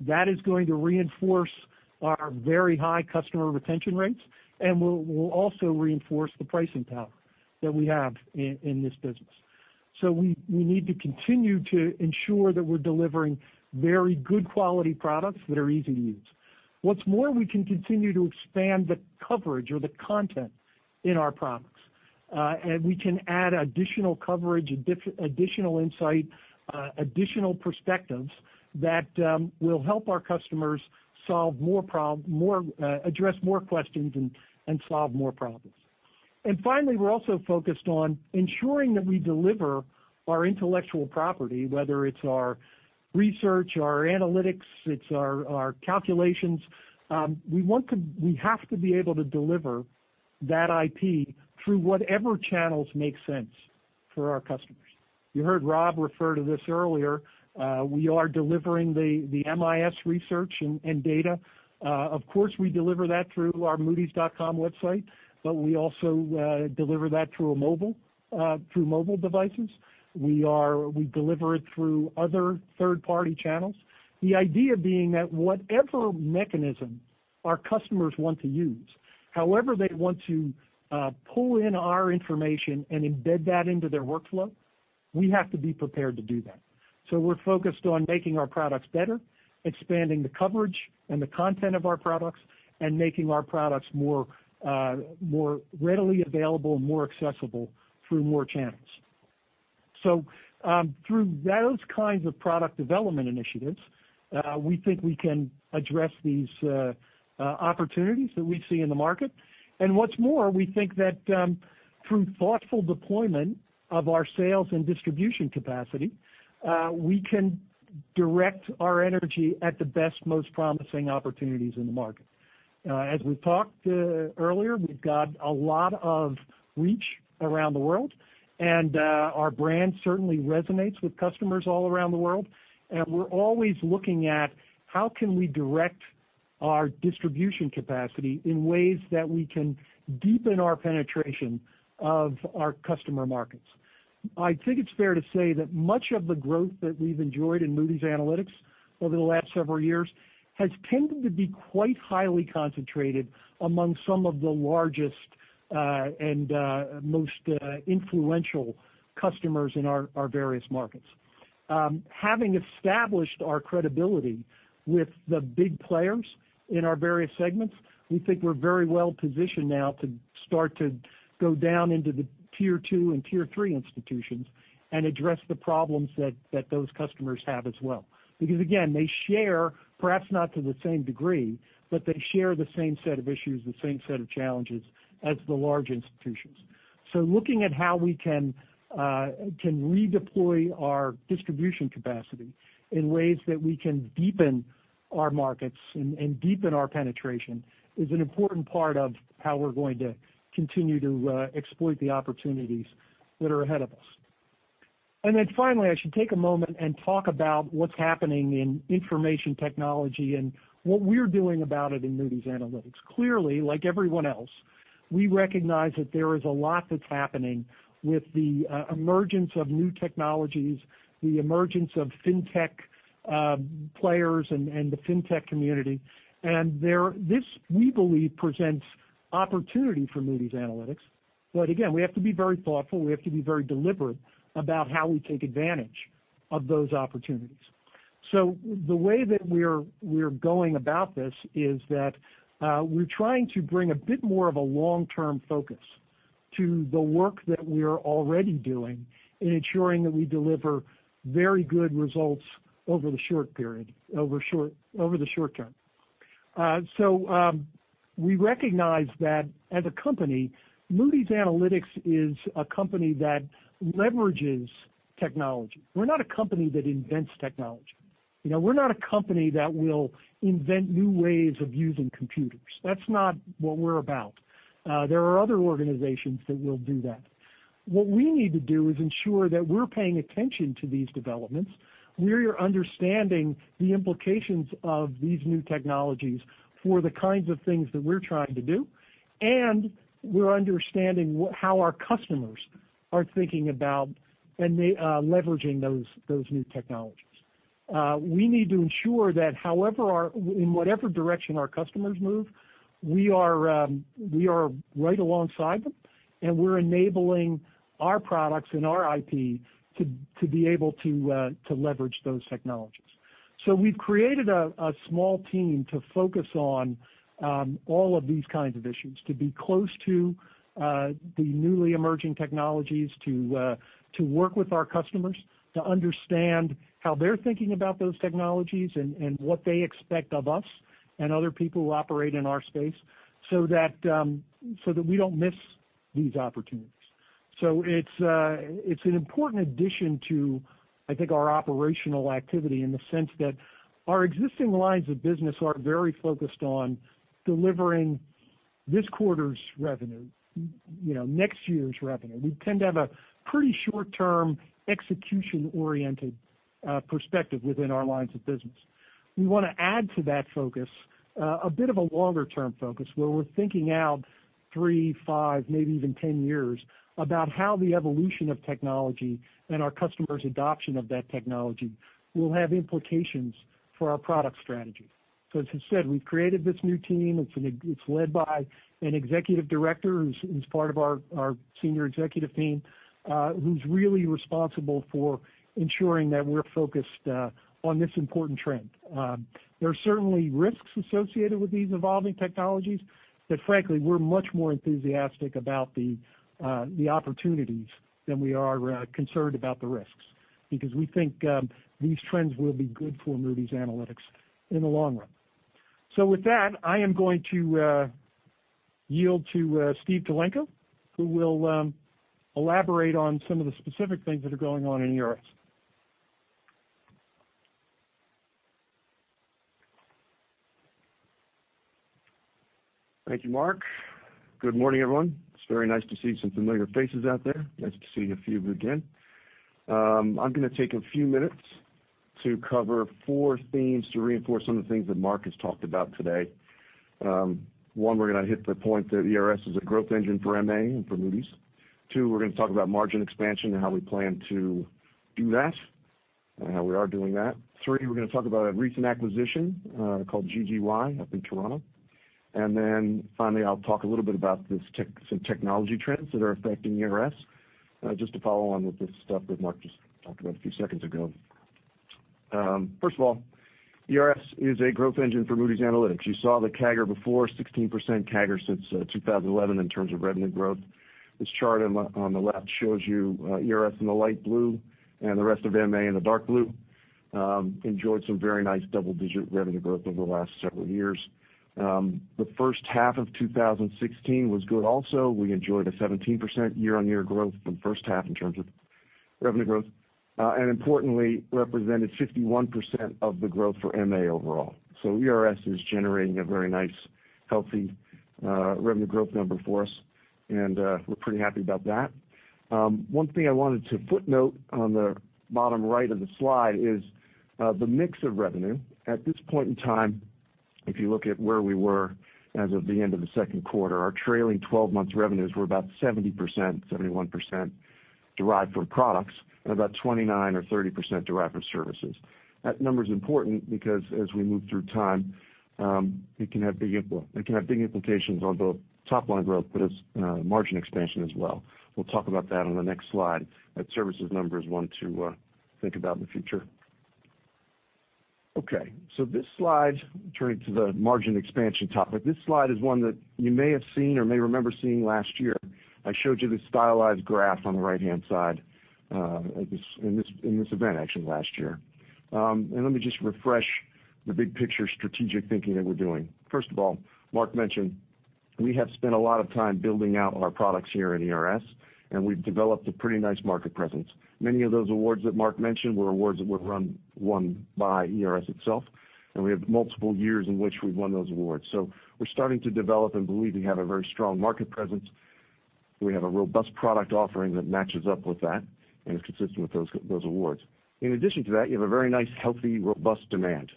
that is going to reinforce our very high customer retention rates, and will also reinforce the pricing power that we have in this business. We need to continue to ensure that we're delivering very good quality products that are easy to use. What's more, we can continue to expand the coverage or the content in our products. We can add additional coverage, additional insight, additional perspectives that will help our customers address more questions and solve more problems. Finally, we're also focused on ensuring that we deliver our intellectual property, whether it's our research, our analytics, it's our calculations. We have to be able to deliver that IP through whatever channels make sense for our customers. You heard Rob refer to this earlier. We are delivering the MIS research and data. Of course, we deliver that through our moodys.com website, but we also deliver that through mobile devices. We deliver it through other third-party channels. The idea being that whatever mechanism our customers want to use, however they want to pull in our information and embed that into their workflow, we have to be prepared to do that. We're focused on making our products better, expanding the coverage and the content of our products, and making our products more readily available, more accessible through more channels. Through those kinds of product development initiatives, we think we can address these opportunities that we see in the market. What's more, we think that through thoughtful deployment of our sales and distribution capacity, we can direct our energy at the best, most promising opportunities in the market. As we talked earlier, we've got a lot of reach around the world, and our brand certainly resonates with customers all around the world. We're always looking at how can we direct our distribution capacity in ways that we can deepen our penetration of our customer markets. I think it's fair to say that much of the growth that we've enjoyed in Moody's Analytics over the last several years has tended to be quite highly concentrated among some of the largest and most influential customers in our various markets. Having established our credibility with the big players in our various segments, we think we're very well positioned now to start to go down into the tier 2 and tier 3 institutions and address the problems that those customers have as well. Again, they share, perhaps not to the same degree, but they share the same set of issues, the same set of challenges as the large institutions. Looking at how we can redeploy our distribution capacity in ways that we can deepen our markets and deepen our penetration is an important part of how we're going to continue to exploit the opportunities that are ahead of us. Finally, I should take a moment and talk about what's happening in information technology and what we're doing about it in Moody's Analytics. Clearly, like everyone else, we recognize that there is a lot that's happening with the emergence of new technologies, the emergence of fintech players and the fintech community. This, we believe, presents opportunity for Moody's Analytics. Again, we have to be very thoughtful. We have to be very deliberate about how we take advantage of those opportunities. The way that we're going about this is that we're trying to bring a bit more of a long-term focus to the work that we are already doing in ensuring that we deliver very good results over the short period, over the short term. We recognize that as a company, Moody's Analytics is a company that leverages technology. We're not a company that invents technology. We're not a company that will invent new ways of using computers. That's not what we're about. There are other organizations that will do that. What we need to do is ensure that we're paying attention to these developments, we are understanding the implications of these new technologies for the kinds of things that we're trying to do, and we're understanding how our customers are thinking about and leveraging those new technologies. We need to ensure that in whatever direction our customers move, we are right alongside them, and we're enabling our products and our IP to be able to leverage those technologies. We've created a small team to focus on all of these kinds of issues, to be close to the newly emerging technologies, to work with our customers, to understand how they're thinking about those technologies and what they expect of us and other people who operate in our space so that we don't miss these opportunities. It's an important addition to, I think, our operational activity in the sense that our existing lines of business are very focused on delivering this quarter's revenue, next year's revenue. We tend to have a pretty short-term, execution-oriented perspective within our lines of business. We want to add to that focus a bit of a longer-term focus, where we're thinking out three, five, maybe even 10 years about how the evolution of technology and our customers' adoption of that technology will have implications for our product strategy. As I said, we've created this new team. It's led by an Executive Director who's part of our senior executive team, who's really responsible for ensuring that we're focused on this important trend. There are certainly risks associated with these evolving technologies. Frankly, we're much more enthusiastic about the opportunities than we are concerned about the risks because we think these trends will be good for Moody's Analytics in the long run. With that, I am going to yield to Steve Tulenko, who will elaborate on some of the specific things that are going on in ERS. Thank you, Mark. Good morning, everyone. It is very nice to see some familiar faces out there. Nice to see a few of you again. I am going to take a few minutes to cover four themes to reinforce some of the things that Mark has talked about today. One, we are going to hit the point that ERS is a growth engine for MA and for Moody's. Two, we are going to talk about margin expansion and how we plan to do that, and how we are doing that. Three, we are going to talk about a recent acquisition called GGY up in Toronto. Then finally, I will talk a little bit about some technology trends that are affecting ERS, just to follow on with the stuff that Mark just talked about a few seconds ago. First of all, ERS is a growth engine for Moody's Analytics. You saw the CAGR before, 16% CAGR since 2011 in terms of revenue growth. This chart on the left shows you ERS in the light blue and the rest of MA in the dark blue. Enjoyed some very nice double-digit revenue growth over the last several years. The first half of 2016 was good also. We enjoyed a 17% year-on-year growth in the first half in terms of revenue growth. Importantly, represented 51% of the growth for MA overall. ERS is generating a very nice, healthy revenue growth number for us, and we are pretty happy about that. One thing I wanted to footnote on the bottom right of the slide is the mix of revenue. At this point in time, if you look at where we were as of the end of the second quarter, our trailing 12 months revenues were about 70%, 71% derived from products, and about 29% or 30% derived from services. That number is important because as we move through time, it can have big implications on both top-line growth but as margin expansion as well. We will talk about that on the next slide. That services number is one to think about in the future. Okay. This slide, turning to the margin expansion topic. This slide is one that you may have seen or may remember seeing last year. I showed you this stylized graph on the right-hand side in this event, actually, last year. Let me just refresh the big-picture strategic thinking that we are doing. First of all, Mark mentioned we have spent a lot of time building out our products here in ERS, and we've developed a pretty nice market presence. Many of those awards that Mark mentioned were awards that were won by ERS itself, and we have multiple years in which we've won those awards. We're starting to develop and believe we have a very strong market presence. We have a robust product offering that matches up with that and is consistent with those awards. In addition to that, you have a very nice, healthy, robust demand.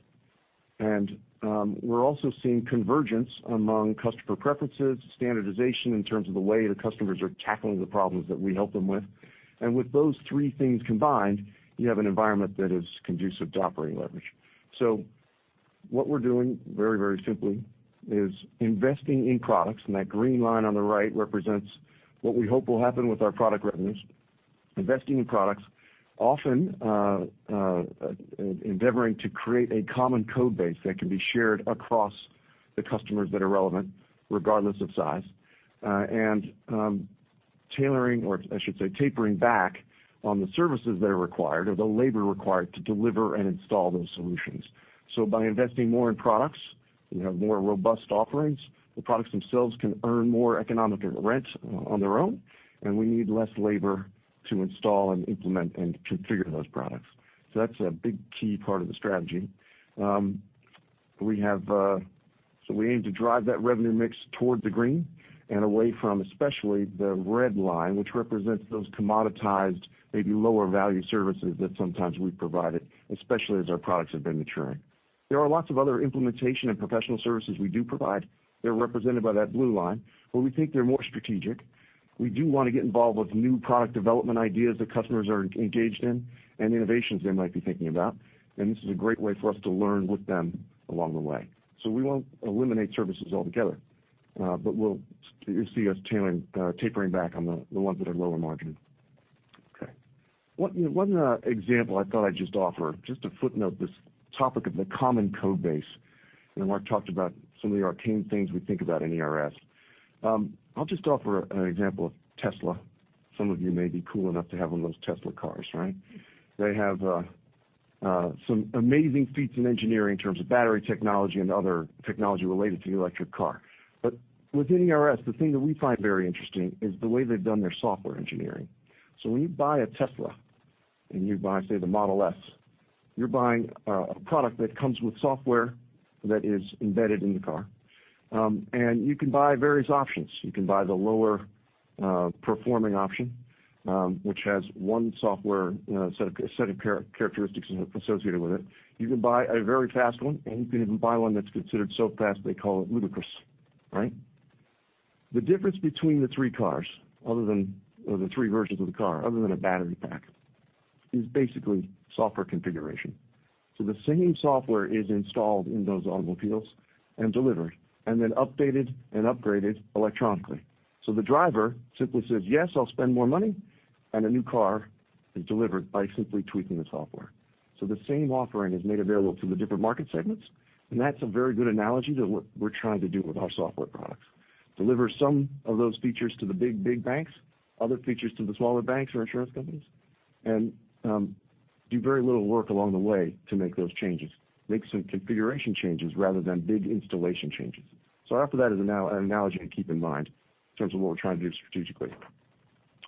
We're also seeing convergence among customer preferences, standardization in terms of the way the customers are tackling the problems that we help them with. With those three things combined, you have an environment that is conducive to operating leverage. What we're doing very simply is investing in products, and that green line on the right represents what we hope will happen with our product revenues. Investing in products, often endeavoring to create a common code base that can be shared across the customers that are relevant, regardless of size. Tailoring, or I should say tapering back on the services that are required or the labor required to deliver and install those solutions. By investing more in products, we have more robust offerings. The products themselves can earn more economic rent on their own, and we need less labor to install and implement and configure those products. That's a big key part of the strategy. We aim to drive that revenue mix towards the green and away from especially the red line, which represents those commoditized, maybe lower-value services that sometimes we've provided, especially as our products have been maturing. There are lots of other implementation and professional services we do provide. They're represented by that blue line, where we think they're more strategic. We do want to get involved with new product development ideas that customers are engaged in and innovations they might be thinking about, and this is a great way for us to learn with them along the way. We won't eliminate services altogether, but you'll see us tapering back on the ones that are lower margin. Okay. One example I thought I'd just offer, just to footnote this topic of the common code base, and Mark talked about some of the arcane things we think about in ERS. I'll just offer an example of Tesla. Some of you may be cool enough to have one of those Tesla cars, right? They have some amazing feats in engineering in terms of battery technology and other technology related to the electric car. But within ERS, the thing that we find very interesting is the way they've done their software engineering. When you buy a Tesla, and you buy, say, the Model S, you're buying a product that comes with software that is embedded in the car. You can buy various options. You can buy the lower-performing option, which has one software set of characteristics associated with it. You can buy a very fast one, and you can even buy one that's considered so fast, they call it ludicrous, right? The difference between the three cars, or the three versions of the car, other than a battery pack, is basically software configuration. The same software is installed in those automobiles and delivered, and then updated and upgraded electronically. The driver simply says, "Yes, I'll spend more money," and a new car is delivered by simply tweaking the software. The same offering is made available to the different market segments, and that's a very good analogy to what we're trying to do with our software products. Deliver some of those features to the big banks, other features to the smaller banks or insurance companies, and do very little work along the way to make those changes. Make some configuration changes rather than big installation changes. I offer that as an analogy to keep in mind in terms of what we're trying to do strategically.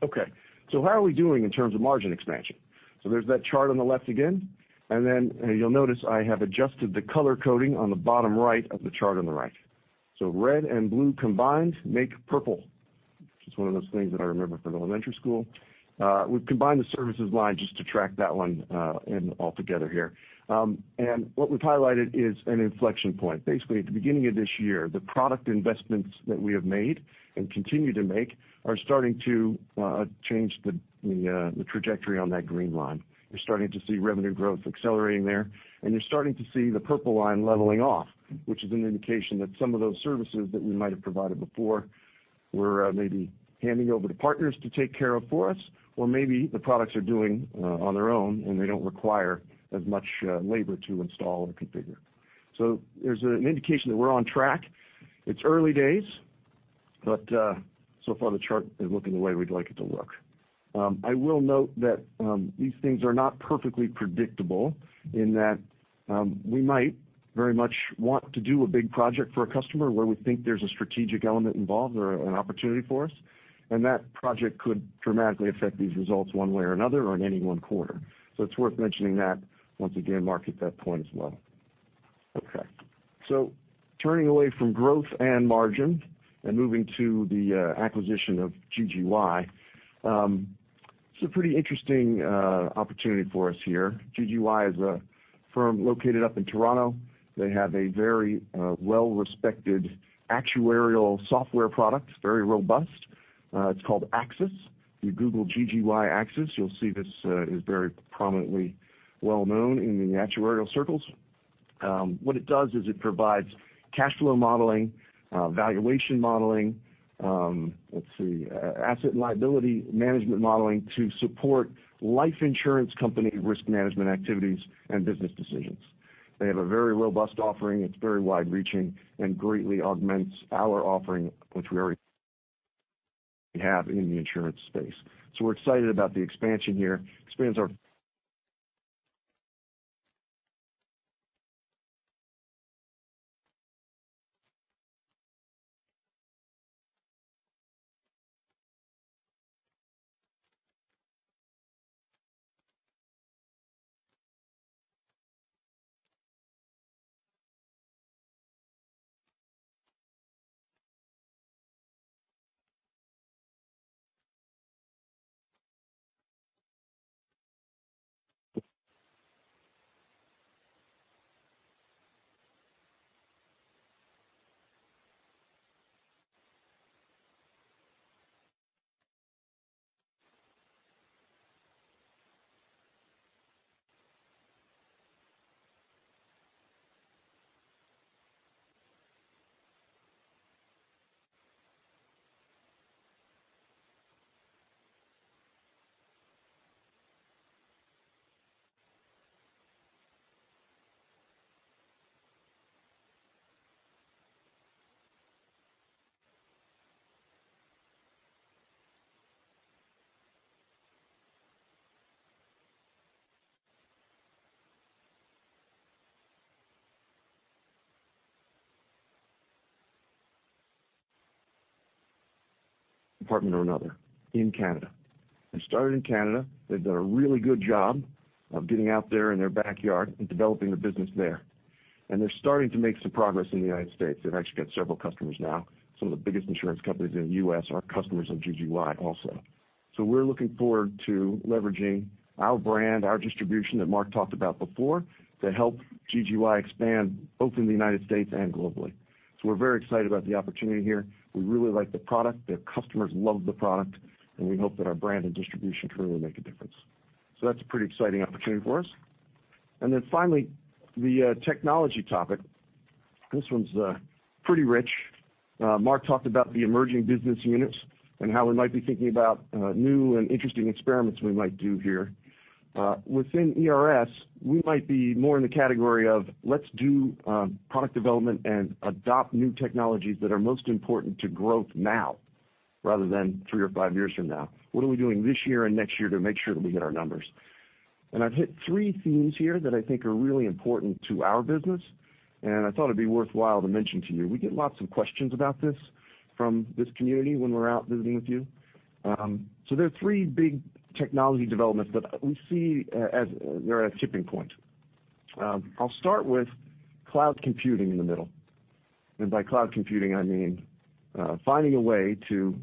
How are we doing in terms of margin expansion? There's that chart on the left again, and then you'll notice I have adjusted the color coding on the bottom right of the chart on the right. Red and blue combined make purple. It's one of those things that I remember from elementary school. We've combined the services line just to track that one in altogether here. What we've highlighted is an inflection point. Basically, at the beginning of this year, the product investments that we have made and continue to make are starting to change the trajectory on that green line. You're starting to see revenue growth accelerating there, you're starting to see the purple line leveling off, which is an indication that some of those services that we might have provided before, we're maybe handing over to partners to take care of for us. Maybe the products are doing on their own, and they don't require as much labor to install or configure. There's an indication that we're on track. It's early days, but so far the chart is looking the way we'd like it to look. I will note that these things are not perfectly predictable in that we might very much want to do a big project for a customer where we think there's a strategic element involved or an opportunity for us, and that project could dramatically affect these results one way or another or in any one quarter. It's worth mentioning that, once again, Mark hit that point as well. Turning away from growth and margin and moving to the acquisition of GGY. It's a pretty interesting opportunity for us here. GGY is a firm located up in Toronto. They have a very well-respected actuarial software product, very robust. It's called AXIS. If you Google GGY AXIS, you'll see this is very prominently well-known in the actuarial circles. What it does is it provides cash flow modeling, valuation modeling, let's see, asset and liability management modeling to support life insurance company risk management activities and business decisions. They have a very robust offering. It's very wide-reaching and greatly augments our offering, which we already have in the insurance space. We're excited about the expansion here, expands our Department or another in Canada. They started in Canada. They've done a really good job of getting out there in their backyard and developing the business there. They're starting to make some progress in the U.S. They've actually got several customers now. Some of the biggest insurance companies in the U.S. are customers of GGY also. We're looking forward to leveraging our brand, our distribution that Mark talked about before, to help GGY expand both in the U.S. and globally. We're very excited about the opportunity here. We really like the product. Their customers love the product, and we hope that our brand and distribution truly make a difference. That's a pretty exciting opportunity for us. Then finally, the technology topic. This one's pretty rich. Mark talked about the emerging business units and how we might be thinking about new and interesting experiments we might do here. Within ERS, we might be more in the category of let's do product development and adopt new technologies that are most important to growth now rather than three or five years from now. What are we doing this year and next year to make sure that we hit our numbers? I've hit three themes here that I think are really important to our business, and I thought it'd be worthwhile to mention to you. We get lots of questions about this from this community when we're out visiting with you. There are three big technology developments that we see as they're at a tipping point. I'll start with cloud computing in the middle. By cloud computing, I mean finding a way to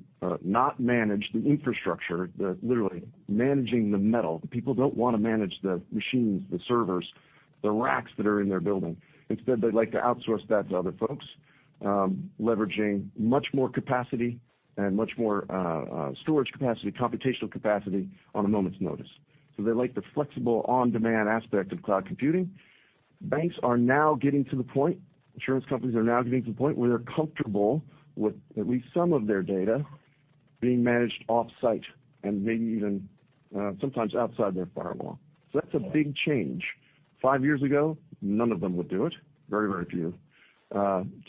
not manage the infrastructure, literally managing the metal. People don't want to manage the machines, the servers, the racks that are in their building. Instead, they'd like to outsource that to other folks, leveraging much more capacity and much more storage capacity, computational capacity on a moment's notice. They like the flexible on-demand aspect of cloud computing. Banks are now getting to the point, insurance companies are now getting to the point where they're comfortable with at least some of their data being managed off-site and maybe even sometimes outside their firewall. That's a big change. Five years ago, none of them would do it. Very, very few.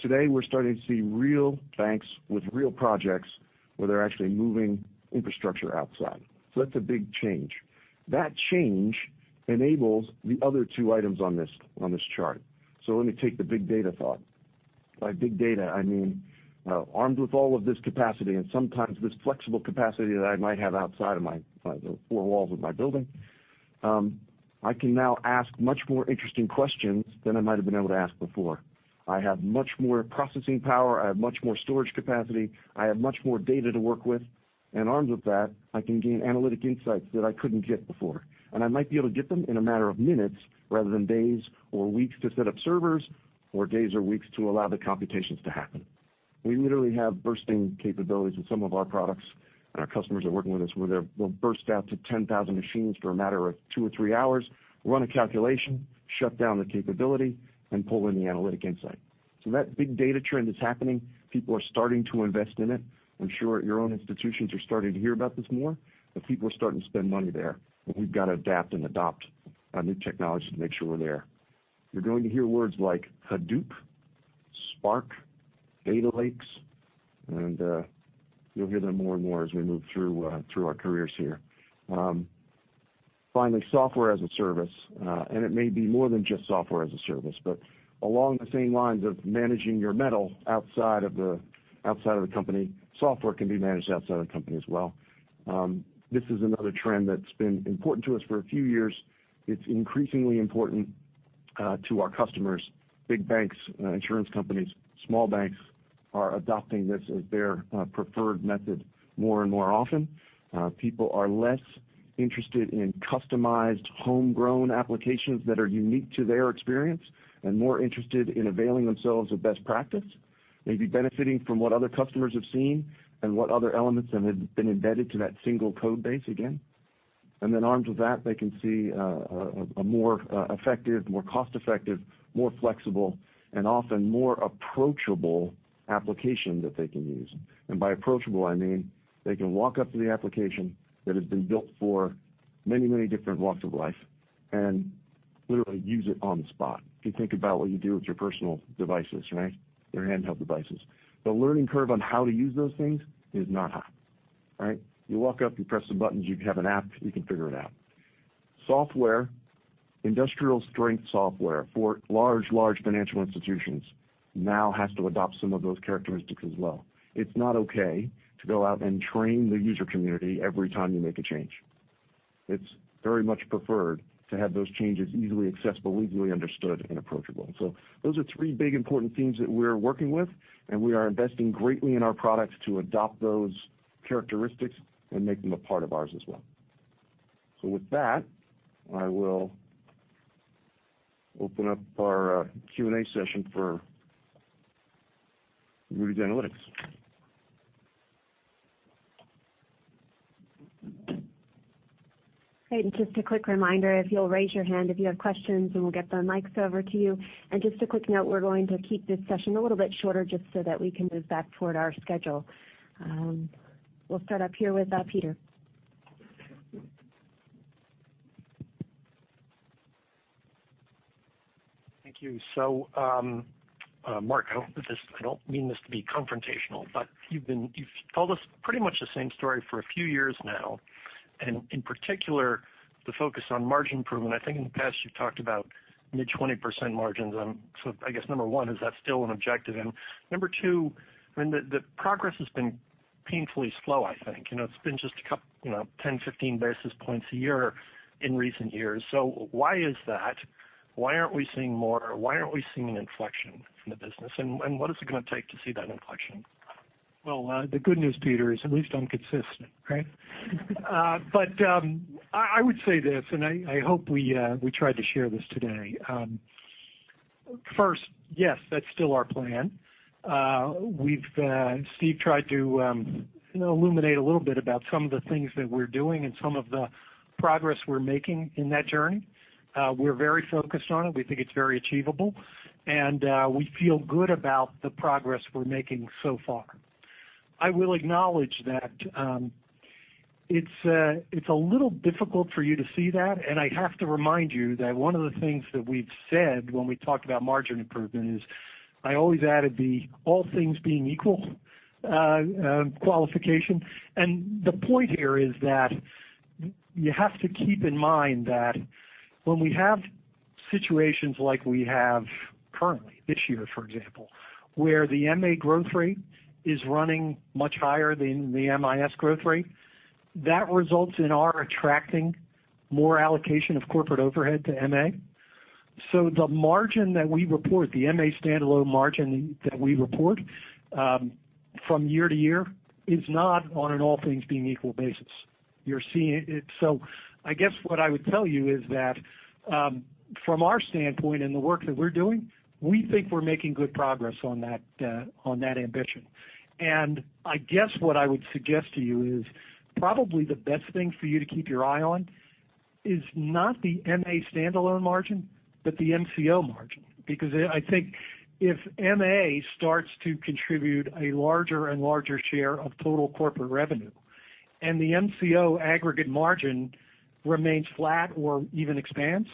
Today, we're starting to see real banks with real projects where they're actually moving infrastructure outside. That's a big change. That change enables the other two items on this chart. Let me take the big data thought. By big data, I mean armed with all of this capacity and sometimes this flexible capacity that I might have outside of the four walls of my building, I can now ask much more interesting questions than I might have been able to ask before. I have much more processing power. I have much more storage capacity. I have much more data to work with, and armed with that, I can gain analytic insights that I couldn't get before. I might be able to get them in a matter of minutes rather than days or weeks to set up servers or days or weeks to allow the computations to happen. We literally have bursting capabilities with some of our products and our customers are working with us where they will burst out to 10,000 machines for a matter of two or three hours, run a calculation, shut down the capability, and pull in the analytic insight. That big data trend is happening. People are starting to invest in it. I'm sure your own institutions are starting to hear about this more, but people are starting to spend money there, and we've got to adapt and adopt new technology to make sure we're there. You're going to hear words like Hadoop, Spark, Data Lakes, and you'll hear them more and more as we move through our careers here. Finally, software as a service, it may be more than just software as a service, but along the same lines of managing your metal outside of the company, software can be managed outside of the company as well. This is another trend that's been important to us for a few years. It's increasingly important to our customers. Big banks, insurance companies, small banks are adopting this as their preferred method more and more often. People are less interested in customized homegrown applications that are unique to their experience and more interested in availing themselves of best practice, maybe benefiting from what other customers have seen and what other elements have been embedded to that single code base again. Armed with that, they can see a more effective, more cost-effective, more flexible, and often more approachable application that they can use. By approachable, I mean they can walk up to the application that has been built for many different walks of life and literally use it on the spot. If you think about what you do with your personal devices, right. Your handheld devices. The learning curve on how to use those things is not high. Right. You walk up, you press the buttons, you have an app, you can figure it out. Software, industrial-strength software for large financial institutions now has to adopt some of those characteristics as well. It's not okay to go out and train the user community every time you make a change. It's very much preferred to have those changes easily accessible, easily understood, and approachable. Those are three big important themes that we're working with, and we are investing greatly in our products to adopt those characteristics and make them a part of ours as well. With that, I will Open up our Q&A session for Moody's Analytics. Great. Just a quick reminder, if you'll raise your hand if you have questions and we'll get the mics over to you. Just a quick note, we're going to keep this session a little bit shorter just so that we can move back toward our schedule. We'll start up here with Peter. Thank you. Mark, I don't mean this to be confrontational, but you've told us pretty much the same story for a few years now, and in particular, the focus on margin improvement. I think in the past, you've talked about mid-20% margins. I guess number one, is that still an objective? Number two, the progress has been painfully slow, I think. It's been just 10, 15 basis points a year in recent years. Why is that? Why aren't we seeing more? Why aren't we seeing an inflection in the business? What is it going to take to see that inflection? Well, the good news, Peter, is at least I'm consistent, right? I would say this, I hope we tried to share this today. First, yes, that's still our plan. Steve tried to illuminate a little bit about some of the things that we're doing and some of the progress we're making in that journey. We're very focused on it. We think it's very achievable, and we feel good about the progress we're making so far. I will acknowledge that it's a little difficult for you to see that. I have to remind you that one of the things that we've said when we talked about margin improvement is I always added the all things being equal qualification. The point here is that you have to keep in mind that when we have situations like we have currently, this year, for example, where the MA growth rate is running much higher than the MIS growth rate, that results in our attracting more allocation of corporate overhead to MA. The margin that we report, the MA standalone margin that we report from year to year is not on an all-things-being-equal basis. I guess what I would tell you is that from our standpoint and the work that we're doing, we think we're making good progress on that ambition. I guess what I would suggest to you is probably the best thing for you to keep your eye on is not the MA standalone margin, but the MCO margin. I think if MA starts to contribute a larger and larger share of total corporate revenue and the MCO aggregate margin remains flat or even expands,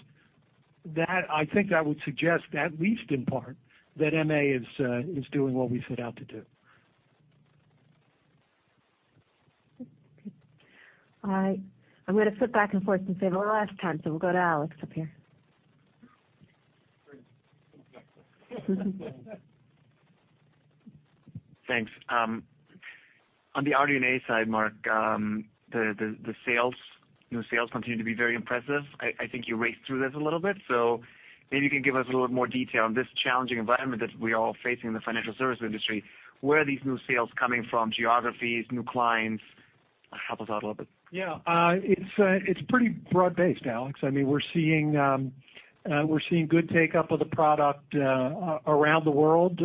that I think I would suggest, at least in part, that MA is doing what we set out to do. I'm going to flip back and forth since we have a last time, we'll go to Alex up here. Great. Thanks. On the RD&A side, Mark, the new sales continue to be very impressive. I think you raced through this a little bit, maybe you can give us a little bit more detail on this challenging environment that we all face in the financial service industry. Where are these new sales coming from, geographies, new clients? Help us out a little bit. It's pretty broad-based, Alex. We're seeing good take-up of the product around the world,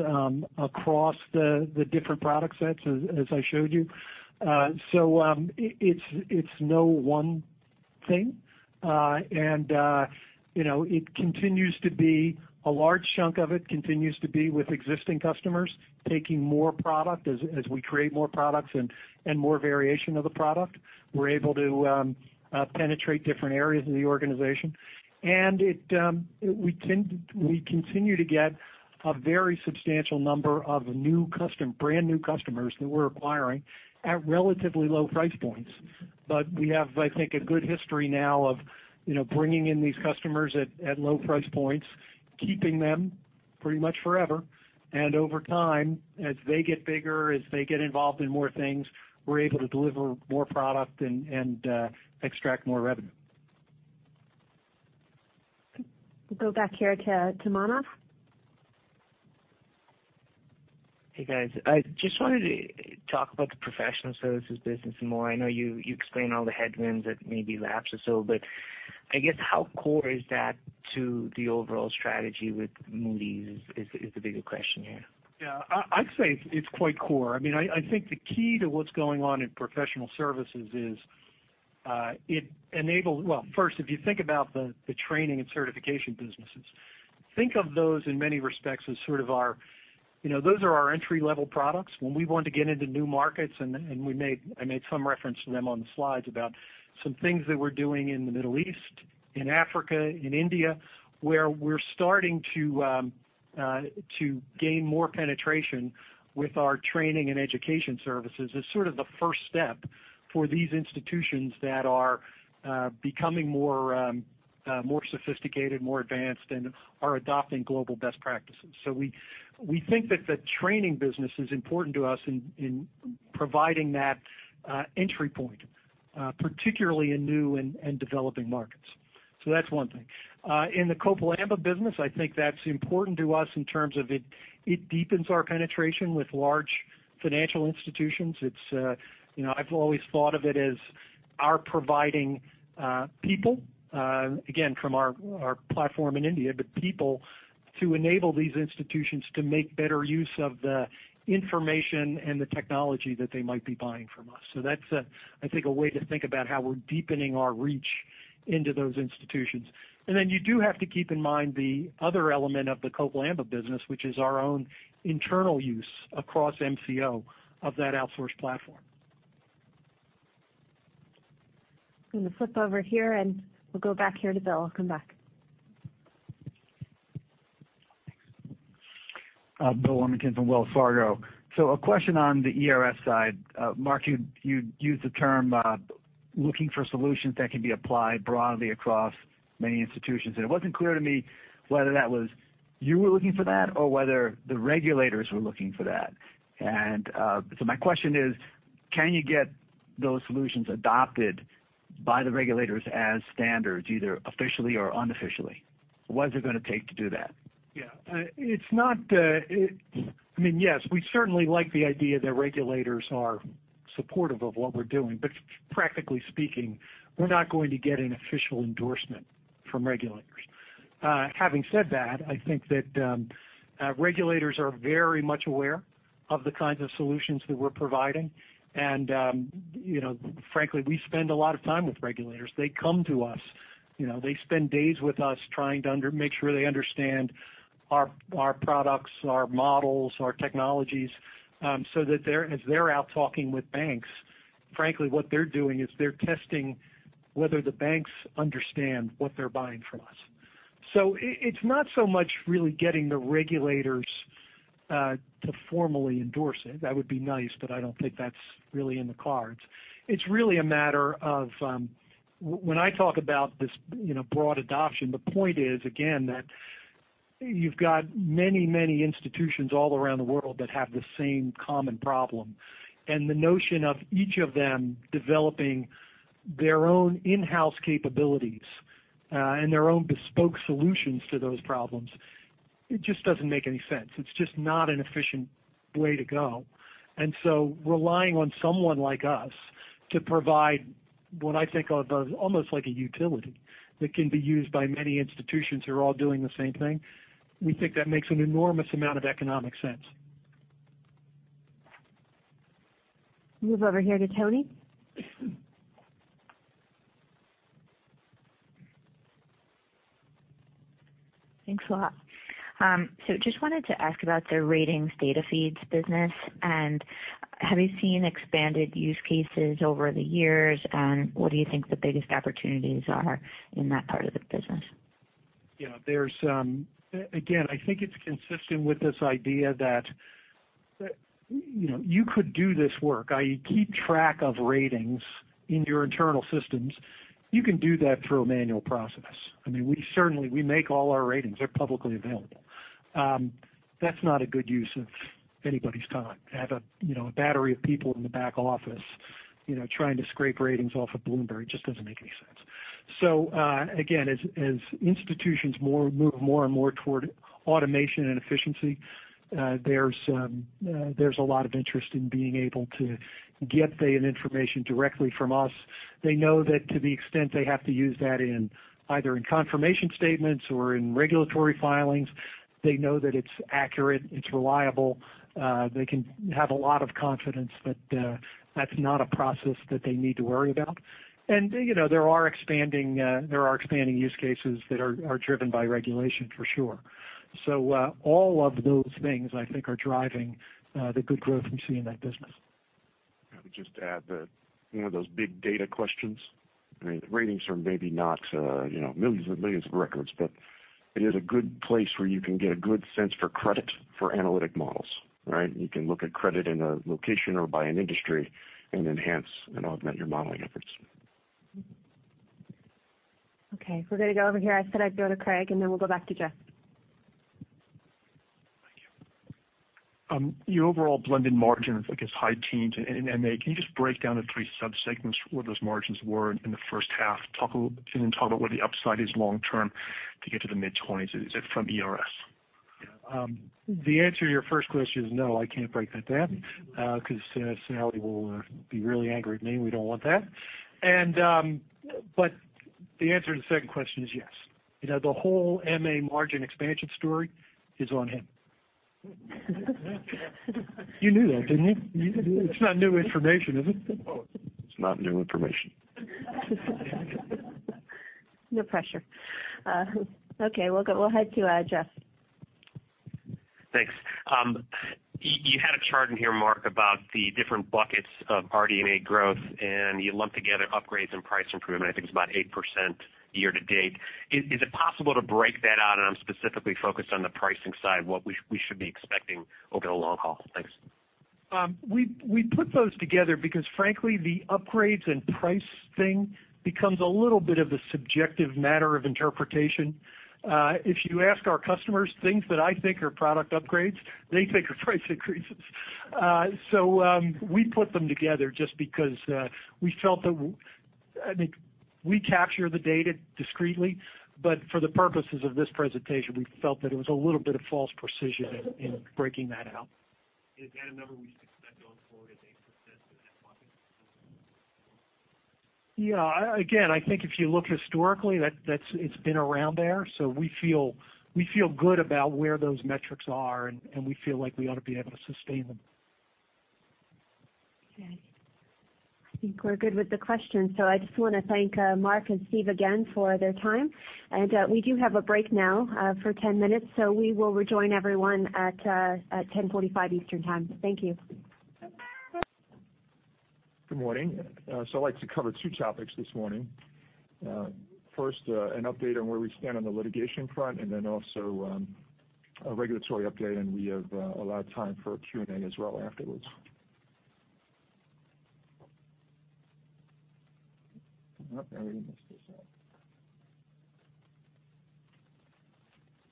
across the different product sets, as I showed you. It's no one thing. A large chunk of it continues to be with existing customers taking more product. As we create more products and more variation of the product, we're able to penetrate different areas of the organization. We continue to get a very substantial number of brand new customers that we're acquiring at relatively low price points. We have, I think, a good history now of bringing in these customers at low price points, keeping them pretty much forever, and over time, as they get bigger, as they get involved in more things, we're able to deliver more product and extract more revenue. Go back here to Manaf. Hey, guys. I just wanted to talk about the professional services business some more. I know you explained all the headwinds at maybe laps or so, I guess how core is that to the overall strategy with Moody's is the bigger question here. I'd say it's quite core. I think the key to what's going on in professional services is it enables Well, first, if you think about the training and certification businesses, think of those in many respects as sort of our entry-level products when we want to get into new markets. I made some reference to them on the slides about some things that we're doing in the Middle East, in Africa, in India, where we're starting to gain more penetration with our training and education services as sort of the first step for these institutions that are becoming more sophisticated, more advanced, and are adopting global best practices. We think that the training business is important to us in providing that entry point, particularly in new and developing markets. That's one thing. In the Copal Amba business, I think that's important to us in terms of it deepens our penetration with large financial institutions. I've always thought of it as our providing people, again, from our platform in India, but people to enable these institutions to make better use of the information and the technology that they might be buying from us. That's, I think, a way to think about how we're deepening our reach into those institutions. You do have to keep in mind the other element of the Bill Warmington from Wells Fargo. A question on the ERS side. Mark, you used the term looking for solutions that can be applied broadly across many institutions, it wasn't clear to me whether that was you were looking for that or whether the regulators were looking for that. My question is: Can you get those solutions adopted by the regulators as standards, either officially or unofficially? What's it going to take to do that? Yes, we certainly like the idea that regulators are supportive of what we're doing. Practically speaking, we're not going to get an official endorsement from regulators. Having said that, I think that regulators are very much aware of the kinds of solutions that we're providing. Frankly, we spend a lot of time with regulators. They come to us. They spend days with us trying to make sure they understand our products, our models, our technologies. That as they're out talking with banks, frankly, what they're doing is they're testing whether the banks understand what they're buying from us. It's not so much really getting the regulators to formally endorse it. That would be nice, but I don't think that's really in the cards. It's really a matter of when I talk about this broad adoption, the point is, again, that you've got many institutions all around the world that have the same common problem. The notion of each of them developing their own in-house capabilities and their own bespoke solutions to those problems, it just doesn't make any sense. It's just not an efficient way to go. Relying on someone like us to provide what I think of as almost like a utility that can be used by many institutions who are all doing the same thing, we think that makes an enormous amount of economic sense. Move over here to Toni. Thanks a lot. Just wanted to ask about the ratings data feeds business, have you seen expanded use cases over the years, what do you think the biggest opportunities are in that part of the business? Again, I think it's consistent with this idea that you could do this work, i.e., keep track of ratings in your internal systems. You can do that through a manual process. We make all our ratings. They're publicly available. That's not a good use of anybody's time to have a battery of people in the back office trying to scrape ratings off of Bloomberg. It just doesn't make any sense. Again, as institutions move more and more toward automation and efficiency, there's a lot of interest in being able to get the information directly from us. They know that to the extent they have to use that either in confirmation statements or in regulatory filings, they know that it's accurate, it's reliable. They can have a lot of confidence that that's not a process that they need to worry about. There are expanding use cases that are driven by regulation, for sure. All of those things, I think, are driving the good growth we see in that business. I would just add that those big data questions, the ratings are maybe not millions of records, but it is a good place where you can get a good sense for credit for analytic models, right? You can look at credit in a location or by an industry and enhance and augment your modeling efforts. Okay, we're going to go over here. I said I'd go to Craig, and then we'll go back to Jeff. Thank you. Your overall blended margin is against high teens in MA. Can you just break down the three subsegments, where those margins were in the first half? Can you talk about where the upside is long term to get to the mid-20s? Is it from ERS? The answer to your first question is no, I can't break that down because Salli will be really angry at me, and we don't want that. The answer to the second question is yes. The whole MA margin expansion story is on him. You knew that, didn't you? It's not new information, is it? It's not new information. No pressure. Okay. We'll head to Jeff. Thanks. You had a chart in here, Mark, about the different buckets of RD&A growth, and you lump together upgrades and price improvement. I think it's about 8% year to date. Is it possible to break that out, and I'm specifically focused on the pricing side, what we should be expecting over the long haul? Thanks. We put those together because frankly, the upgrades and price thing becomes a little bit of a subjective matter of interpretation. If you ask our customers, things that I think are product upgrades, they think are price increases. We put them together just because we felt that I think we capture the data discreetly, but for the purposes of this presentation, we felt that it was a little bit of false precision in breaking that out. Is that a number we should expect going forward as a success in that market? Yeah. Again, I think if you look historically, it's been around there. We feel good about where those metrics are, and we feel like we ought to be able to sustain them. Okay. I think we're good with the questions. I just want to thank Mark and Steve again for their time. We do have a break now for 10 minutes, we will rejoin everyone at 10:45 A.M. Eastern Time. Thank you. Good morning. I'd like to cover two topics this morning. First, an update on where we stand on the litigation front, also a regulatory update, and we have allotted time for Q&A as well afterwards. Nope, I already missed this slide.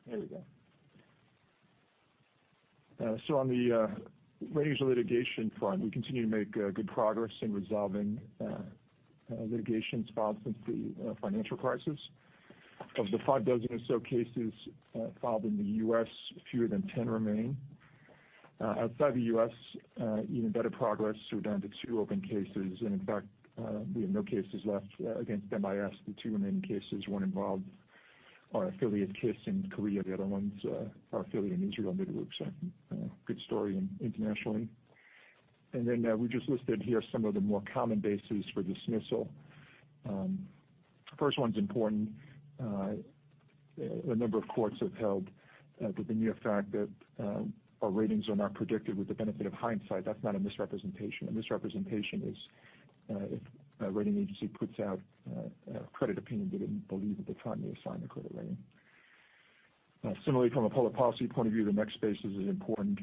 There we go. On the ratings litigation front, we continue to make good progress in resolving litigations filed since the financial crisis. Of the five dozen or so cases filed in the U.S., fewer than 10 remain. Outside the U.S., even better progress. We're down to two open cases and in fact we have no cases left against MIS. The two remaining cases, one involved our affiliate KIS in Korea, the other one's our affiliate in Israel, Midroog. Good story internationally. We just listed here some of the more common bases for dismissal. First one's important. A number of courts have held that the mere fact that our ratings are not predicted with the benefit of hindsight, that's not a misrepresentation. A misrepresentation is if a rating agency puts out a credit opinion they didn't believe at the time they assigned the credit rating. Similarly, from a public policy point of view, the next basis is important.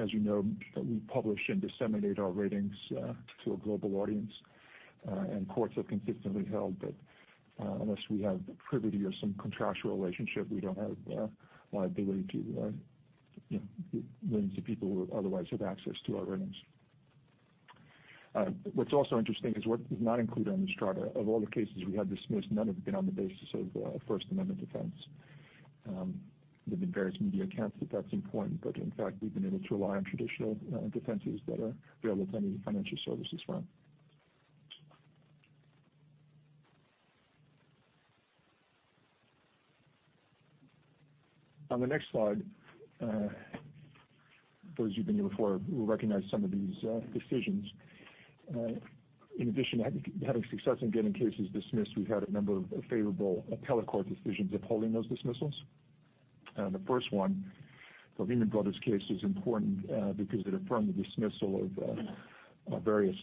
As you know, we publish and disseminate our ratings to a global audience, and courts have consistently held that unless we have privity or some contractual relationship, we don't have liability to millions of people who otherwise have access to our ratings. What's also interesting is what is not included on this chart. Of all the cases we had dismissed, none have been on the basis of First Amendment defense. There have been various media accounts that that's important. In fact, we've been able to rely on traditional defenses that are available to any financial services firm. On the next slide, those of you who've been here before will recognize some of these decisions. In addition to having success in getting cases dismissed, we've had a number of favorable appellate court decisions upholding those dismissals. The first one, the Lehman Brothers case, is important because it affirmed the dismissal of various